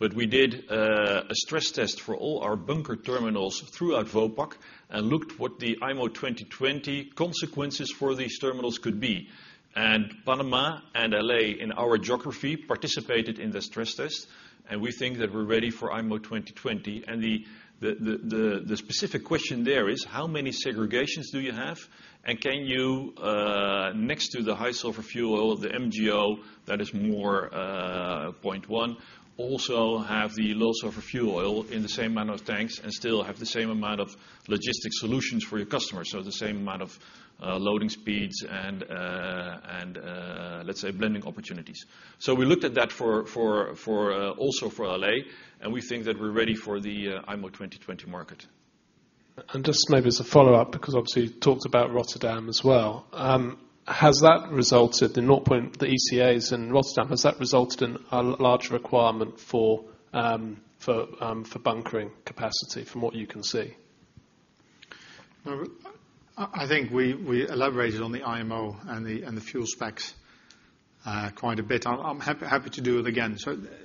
We did a stress test for all our bunker terminals throughout Vopak and looked what the IMO 2020 consequences for these terminals could be. Panama and L.A., in our geography, participated in the stress test, and we think that we're ready for IMO 2020. The specific question there is, how many segregations do you have? Can you, next to the high sulfur fuel oil, the MGO, that is more 0.1, also have the low sulfur fuel oil in the same amount of tanks and still have the same amount of logistic solutions for your customers? The same amount of loading speeds and, let's say, blending opportunities. We looked at that also for L.A., and we think that we're ready for the IMO 2020 market. Just maybe as a follow-up, because obviously you talked about Rotterdam as well. Has that resulted, the ECAs in Rotterdam, has that resulted in a larger requirement for bunkering capacity from what you can see? I think we elaborated on the IMO and the fuel specs quite a bit. I'm happy to do it again.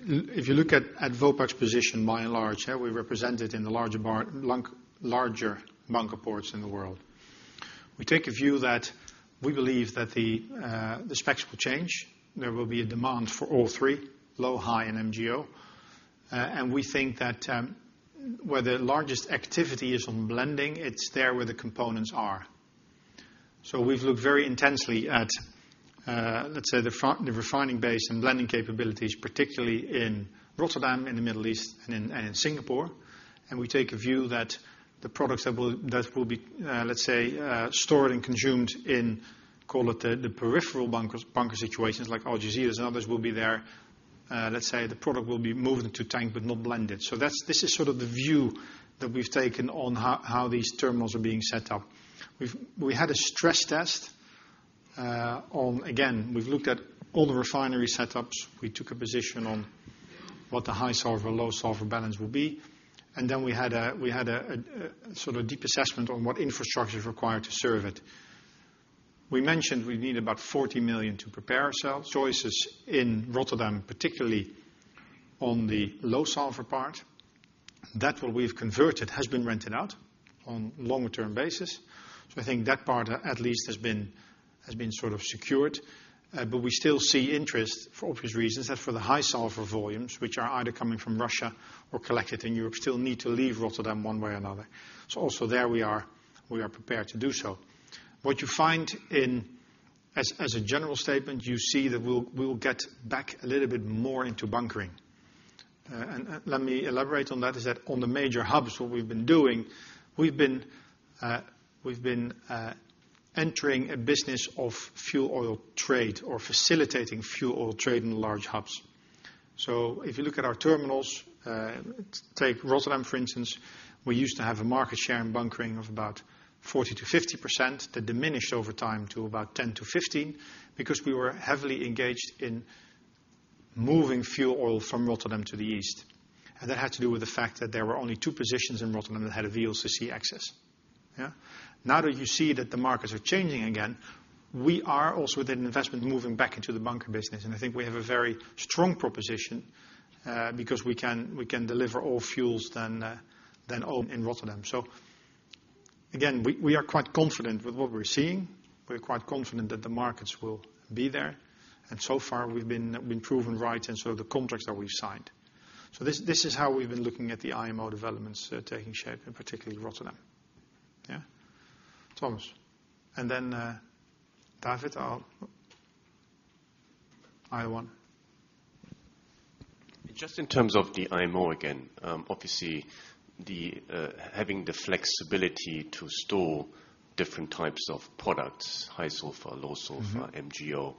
If you look at Vopak's position, by and large, we're represented in the larger bunker ports in the world. We take a view that we believe that the specs will change. There will be a demand for all three, low, high, and MGO. We think that where the largest activity is on blending, it's there where the components are. We've looked very intensely at, let's say, the refining base and blending capabilities, particularly in Rotterdam, in the Middle East, and in Singapore. We take a view that the products that will be, let's say, stored and consumed in, call it, the peripheral bunker situations like Algeciras and others will be there. Let's say the product will be moved into tank but not blended. This is sort of the view that we've taken on how these terminals are being set up. We had a stress test on, again, we've looked at all the refinery setups. We took a position on what the high sulfur, low sulfur balance will be. We had a sort of deep assessment on what infrastructure is required to serve it. We mentioned we need about 40 million to prepare ourselves. Choices in Rotterdam, particularly on the low sulfur part. That, what we've converted, has been rented out on longer term basis. I think that part at least has been sort of secured. We still see interest for obvious reasons that for the high sulfur volumes, which are either coming from Russia or collected in Europe, still need to leave Rotterdam one way or another. Also there we are prepared to do so. What you find as a general statement, you see that we will get back a little bit more into bunkering. Let me elaborate on that, is that on the major hubs, what we've been doing, we've been entering a business of fuel oil trade or facilitating fuel oil trade in large hubs. If you look at our terminals, take Rotterdam for instance, we used to have a market share in bunkering of about 40%-50%, that diminished over time to about 10%-15% because we were heavily engaged in- Moving fuel oil from Rotterdam to the east. That had to do with the fact that there were only two positions in Rotterdam that had a VLCC access. Yeah? Now that you see that the markets are changing again, we are also with an investment moving back into the bunker business, and I think we have a very strong proposition because we can deliver all fuels and oil in Rotterdam. Again, we are quite confident with what we're seeing. We're quite confident that the markets will be there, and so far we've been proven right in sort of the contracts that we've signed. This is how we've been looking at the IMO developments taking shape in particularly Rotterdam. Yeah? Thomas, and then David, Quirijn. Just in terms of the IMO again, obviously, having the flexibility to store different types of products, high sulfur, low sulfur. MGO,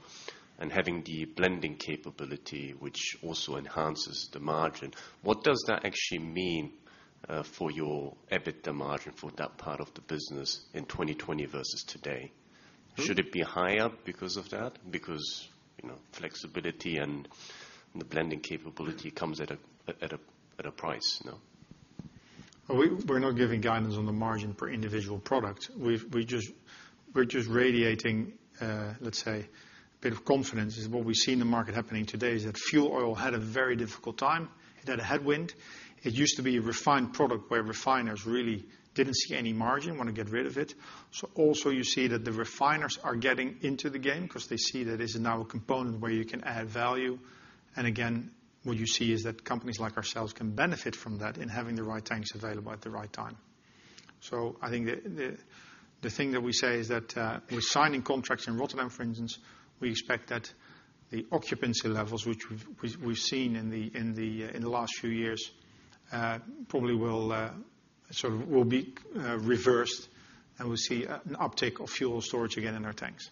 and having the blending capability, which also enhances the margin, what does that actually mean for your EBITDA margin for that part of the business in 2020 versus today? Should it be higher because of that? Flexibility and the blending capability comes at a price, no? We're not giving guidance on the margin for individual products. We're just radiating, let's say, a bit of confidence is what we see in the market happening today is that fuel oil had a very difficult time, it had a headwind. It used to be a refined product where refiners really didn't see any margin, want to get rid of it. Also, you see that the refiners are getting into the game because they see that it is now a component where you can add value. Again, what you see is that companies like ourselves can benefit from that in having the right tanks available at the right time. I think the thing that we say is that, with signing contracts in Rotterdam, for instance, we expect that the occupancy levels, which we've seen in the last few years, probably will sort of be reversed, and we'll see an uptick of fuel storage again in our tanks.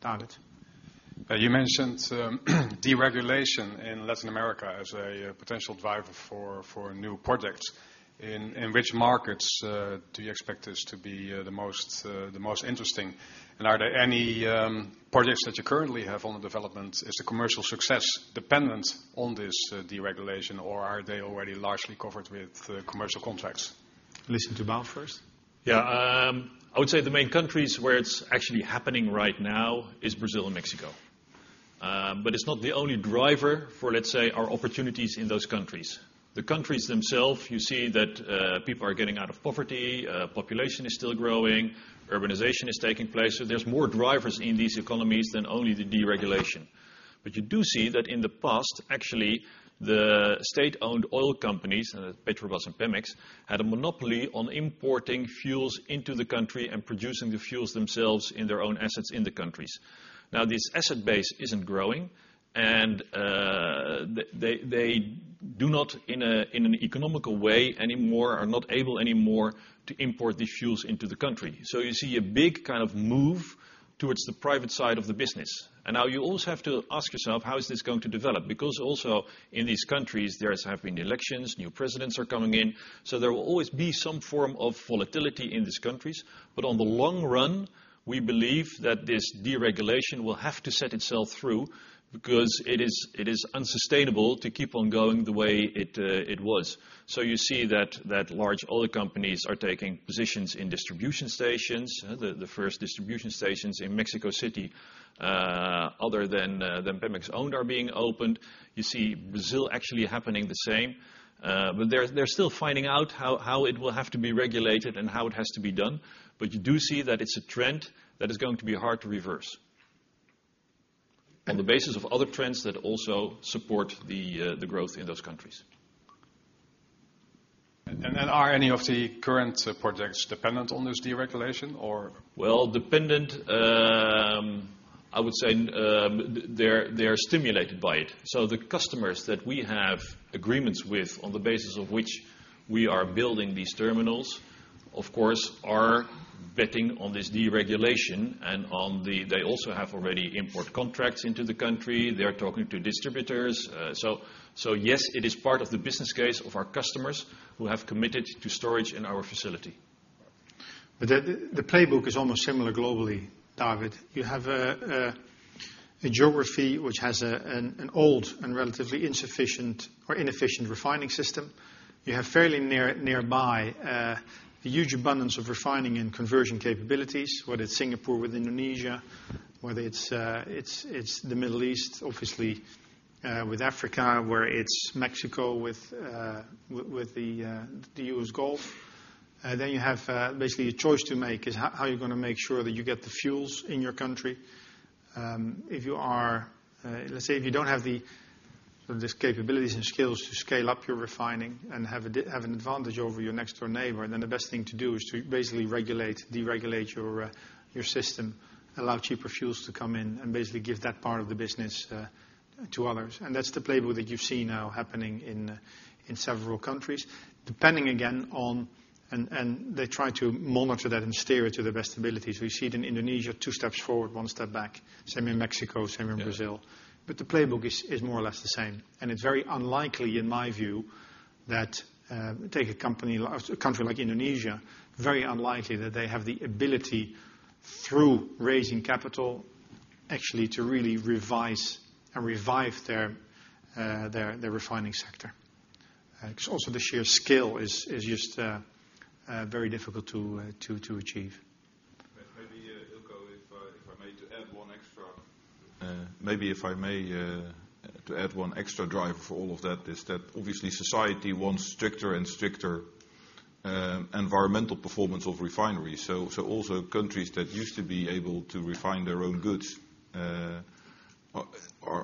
David? You mentioned deregulation in Latin America as a potential driver for new projects. In which markets do you expect this to be the most interesting? Are there any projects that you currently have on the development? Is the commercial success dependent on this deregulation, or are they already largely covered with commercial contracts? Listen to Boudewijn first. I would say the main countries where it's actually happening right now is Brazil and Mexico. It's not the only driver for, let's say, our opportunities in those countries. The countries themselves, you see that people are getting out of poverty, population is still growing, urbanization is taking place. There's more drivers in these economies than only the deregulation. You do see that in the past, actually, the state-owned oil companies, Petrobras and Pemex, had a monopoly on importing fuels into the country and producing the fuels themselves in their own assets in the countries. Now, this asset base isn't growing, and they do not in an economical way anymore, are not able anymore to import these fuels into the country. You see a big kind of move towards the private side of the business. Now you also have to ask yourself, how is this going to develop? Because also in these countries, there have been elections, new presidents are coming in. There will always be some form of volatility in these countries. On the long run, we believe that this deregulation will have to set itself through because it is unsustainable to keep on going the way it was. You see that large oil companies are taking positions in distribution stations. The first distribution stations in Mexico City, other than Pemex owned, are being opened. You see Brazil actually happening the same. They're still finding out how it will have to be regulated and how it has to be done. You do see that it's a trend that is going to be hard to reverse. On the basis of other trends that also support the growth in those countries. Are any of the current projects dependent on this deregulation or? Dependent, I would say they are stimulated by it. The customers that we have agreements with, on the basis of which we are building these terminals, of course, are betting on this deregulation and they also have already import contracts into the country. They are talking to distributors. Yes, it is part of the business case of our customers who have committed to storage in our facility. The playbook is almost similar globally, David. You have a geography which has an old and relatively insufficient or inefficient refining system. You have fairly nearby a huge abundance of refining and conversion capabilities, whether it's Singapore with Indonesia, whether it's the Middle East, obviously with Africa, whether it's Mexico with the U.S. Gulf. You have basically a choice to make, is how are you going to make sure that you get the fuels in your country? Let's say if you don't have these capabilities and skills to scale up your refining and have an advantage over your next door neighbor, the best thing to do is to basically regulate, deregulate your system, allow cheaper fuels to come in, and basically give that part of the business to others. That's the playbook that you see now happening in several countries. Depending again on, they try to monitor that and steer it to their best abilities. We see it in Indonesia, two steps forward, one step back, same in Mexico, same in Brazil. The playbook is more or less the same, and it's very unlikely in my view that, take a country like Indonesia, very unlikely that they have the ability through raising capital actually to really revise and revive their refining sector. Because also the sheer scale is just very difficult to achieve. Maybe, Eelco, if I may, to add one extra driver for all of that is that obviously society wants stricter and stricter environmental performance of refineries. Also countries that used to be able to refine their own goods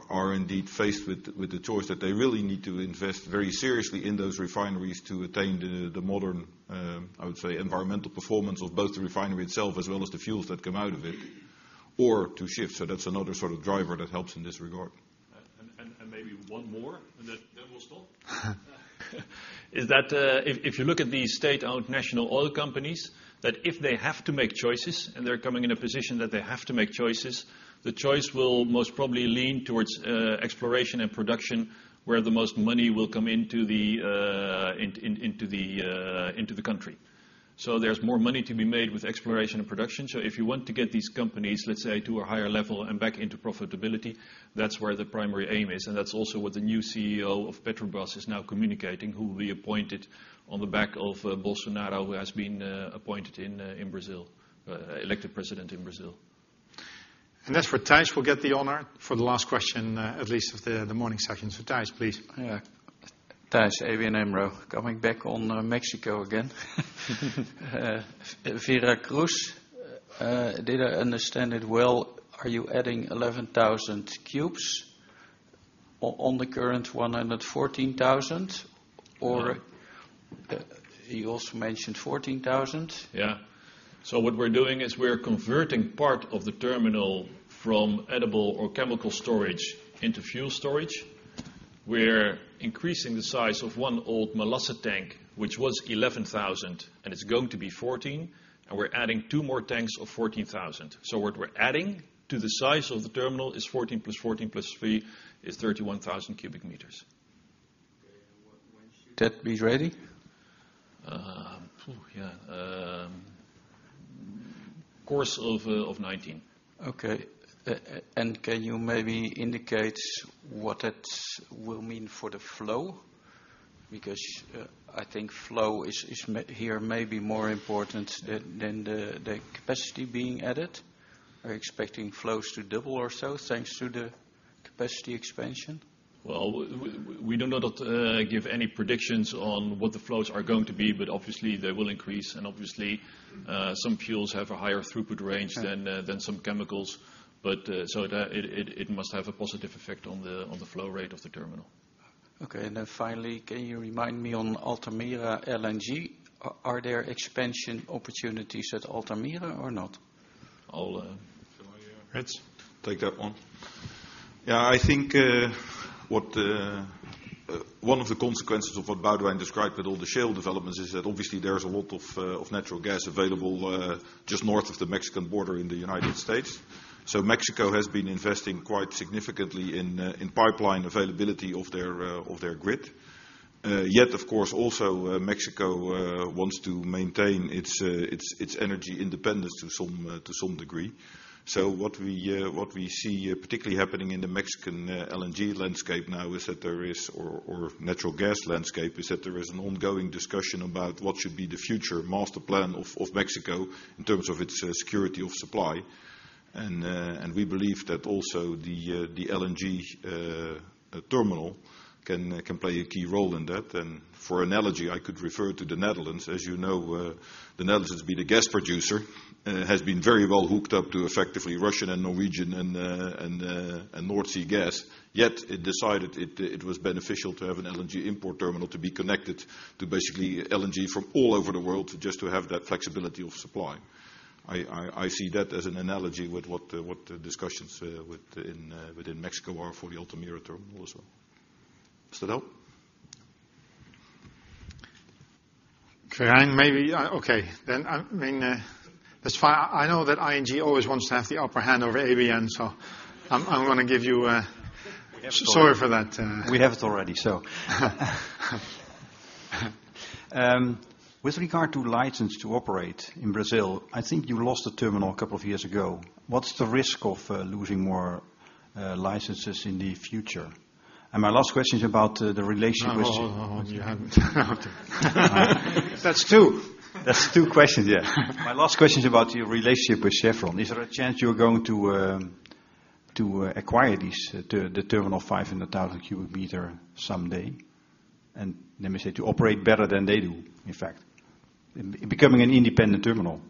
are indeed faced with the choice that they really need to invest very seriously in those refineries to attain the modern, I would say, environmental performance of both the refinery itself as well as the fuels that come out of it or to shift. That's another sort of driver that helps in this regard. Maybe one more and then we'll stop. Is that if you look at the state-owned national oil companies, that if they have to make choices and they're coming in a position that they have to make choices, the choice will most probably lean towards exploration and production, where the most money will come into the country. There's more money to be made with exploration and production. If you want to get these companies, let's say to a higher level and back into profitability, that's where the primary aim is, and that's also what the new CEO of Petrobras is now communicating, who will be appointed on the back of Bolsonaro, who has been elected president in Brazil. As for Thijs will get the honor for the last question, at least of the morning session. Thijs, please. Yeah. Thijs, ABN AMRO. Coming back on Mexico again. Veracruz, did I understand it well, are you adding 11,000 cubes on the current 114,000 or you also mentioned 14,000? Yeah. What we're doing is we're converting part of the terminal from edible or chemical storage into fuel storage. We're increasing the size of one old molasses tank, which was 11,000 and it's going to be 14, and we're adding two more tanks of 14,000. What we're adding to the size of the terminal is 14 plus 14 plus three is 31,000 cubic meters. Okay. When should that be ready? Yeah. Course of 2019. Okay. Can you maybe indicate what that will mean for the flow? I think flow is here maybe more important than the capacity being added. Are you expecting flows to double or so, thanks to the capacity expansion? Well, we do not give any predictions on what the flows are going to be, obviously they will increase obviously some fuels have a higher throughput range than some chemicals. It must have a positive effect on the flow rate of the terminal. Okay, finally, can you remind me on Altamira LNG, are there expansion opportunities at Altamira or not? I'll- Can I- yes take that one? Yeah, I think one of the consequences of what Boudewijn described with all the shale developments is that obviously there's a lot of natural gas available, just north of the Mexican border in the U.S. Mexico has been investing quite significantly in pipeline availability of their grid. Yet of course, also Mexico wants to maintain its energy independence to some degree. What we see particularly happening in the Mexican LNG landscape now is that there is, or natural gas landscape, is that there is an ongoing discussion about what should be the future master plan of Mexico in terms of its security of supply. We believe that also the LNG terminal can play a key role in that. For analogy, I could refer to the Netherlands. As you know, the Netherlands being a gas producer, has been very well hooked up to effectively Russian and Norwegian and North Sea gas. Yet it decided it was beneficial to have an LNG import terminal to be connected to basically LNG from all over the world just to have that flexibility of supply. I see that as an analogy with what the discussions within Mexico are for the Altamira terminal as well. Is that all? Okay, I know that ING always wants to have the upper hand over ABN. I'm going to give you Sorry for that. We have it already. With regard to license to operate in Brazil, I think you lost a terminal a couple of years ago. What's the risk of losing more licenses in the future? My last question is about the relationship with No, hold on. You haven't. That's two questions, yes. My last question is about your relationship with Chevron. Is there a chance you're going to acquire the terminal 500,000 cubic meter someday? Let me say, to operate better than they do, in fact, becoming an independent terminal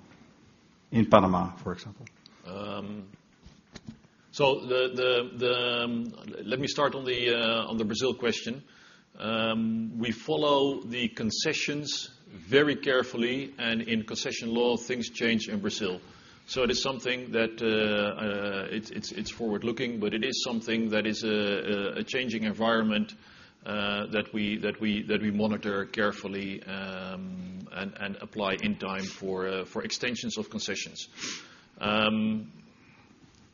in Panama, for example. Let me start on the Brazil question. We follow the concessions very carefully. In concession law, things change in Brazil. It is something that it's forward-looking, but it is something that is a changing environment that we monitor carefully and apply in time for extensions of concessions.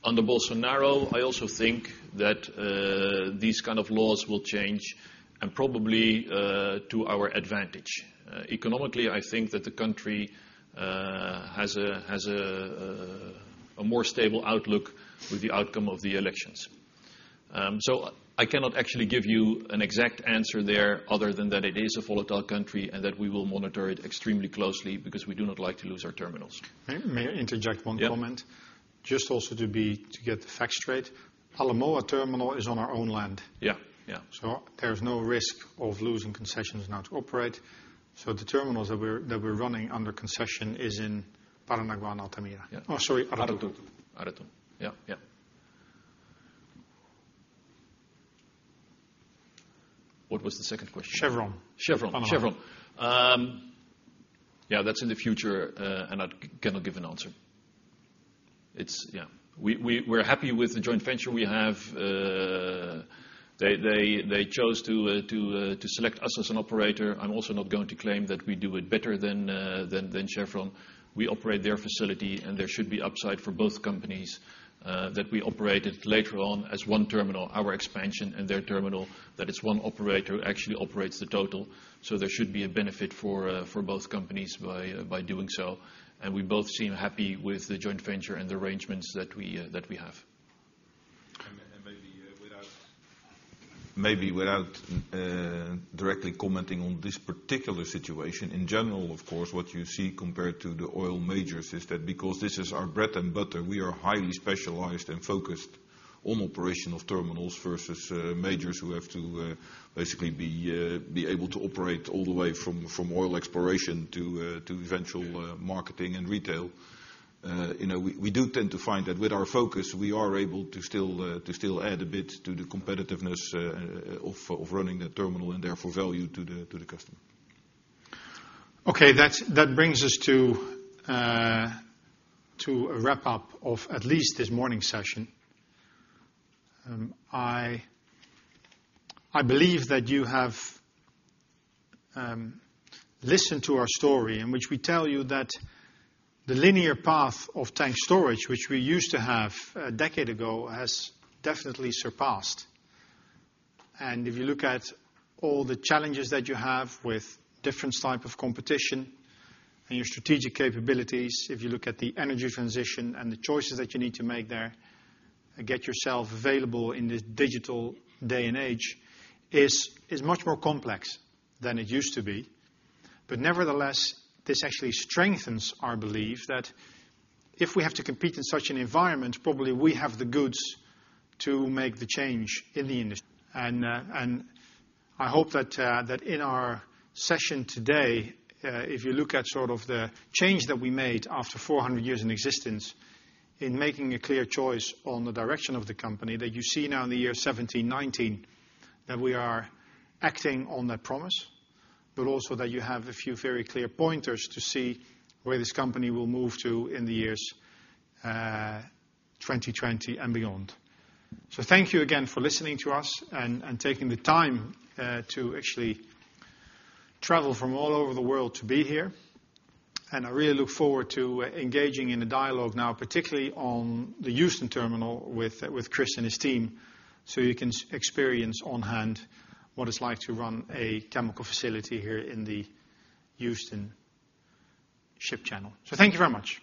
Under Bolsonaro, I also think that these kind of laws will change and probably to our advantage. Economically, I think that the country has a more stable outlook with the outcome of the elections. I cannot actually give you an exact answer there other than that it is a volatile country and that we will monitor it extremely closely because we do not like to lose our terminals. May I interject one comment? Yeah. Just also to get the facts straight. Alemoa terminal is on our own land. Yeah. There's no risk of losing concessions now to operate. The terminals that we're running under concession is in Paranaguá and Altamira. Oh, sorry, Aratu. Aratu. Yeah. What was the second question? Chevron. Chevron. Panama. Chevron. That's in the future, I cannot give an answer. We're happy with the joint venture we have. They chose to select us as an operator. I'm also not going to claim that we do it better than Chevron. We operate their facility, there should be upside for both companies, that we operate it later on as one terminal, our expansion and their terminal, that it's one operator who actually operates the total. There should be a benefit for both companies by doing so. We both seem happy with the joint venture and the arrangements that we have. Maybe without directly commenting on this particular situation, in general, of course, what you see compared to the oil majors is that because this is our bread and butter, we are highly specialized and focused on operation of terminals versus majors who have to basically be able to operate all the way from oil exploration to eventual marketing and retail. We do tend to find that with our focus, we are able to still add a bit to the competitiveness of running the terminal and therefore value to the customer. Okay. That brings us to a wrap-up of at least this morning's session. I believe that you have listened to our story in which we tell you that the linear path of tank storage, which we used to have a decade ago, has definitely surpassed. If you look at all the challenges that you have with different type of competition and your strategic capabilities, if you look at the energy transition and the choices that you need to make there and get yourself available in this digital day and age, is much more complex than it used to be. Nevertheless, this actually strengthens our belief that if we have to compete in such an environment, probably we have the goods to make the change in the industry. I hope that in our session today, if you look at the change that we made after 400 years in existence, in making a clear choice on the direction of the company, that you see now in the year 1719, that we are acting on that promise, but also that you have a few very clear pointers to see where this company will move to in the years 2020 and beyond. Thank you again for listening to us and taking the time to actually travel from all over the world to be here. I really look forward to engaging in a dialogue now, particularly on the Houston terminal with Chris and his team, so you can experience on hand what it's like to run a chemical facility here in the Houston ship channel. Thank you very much.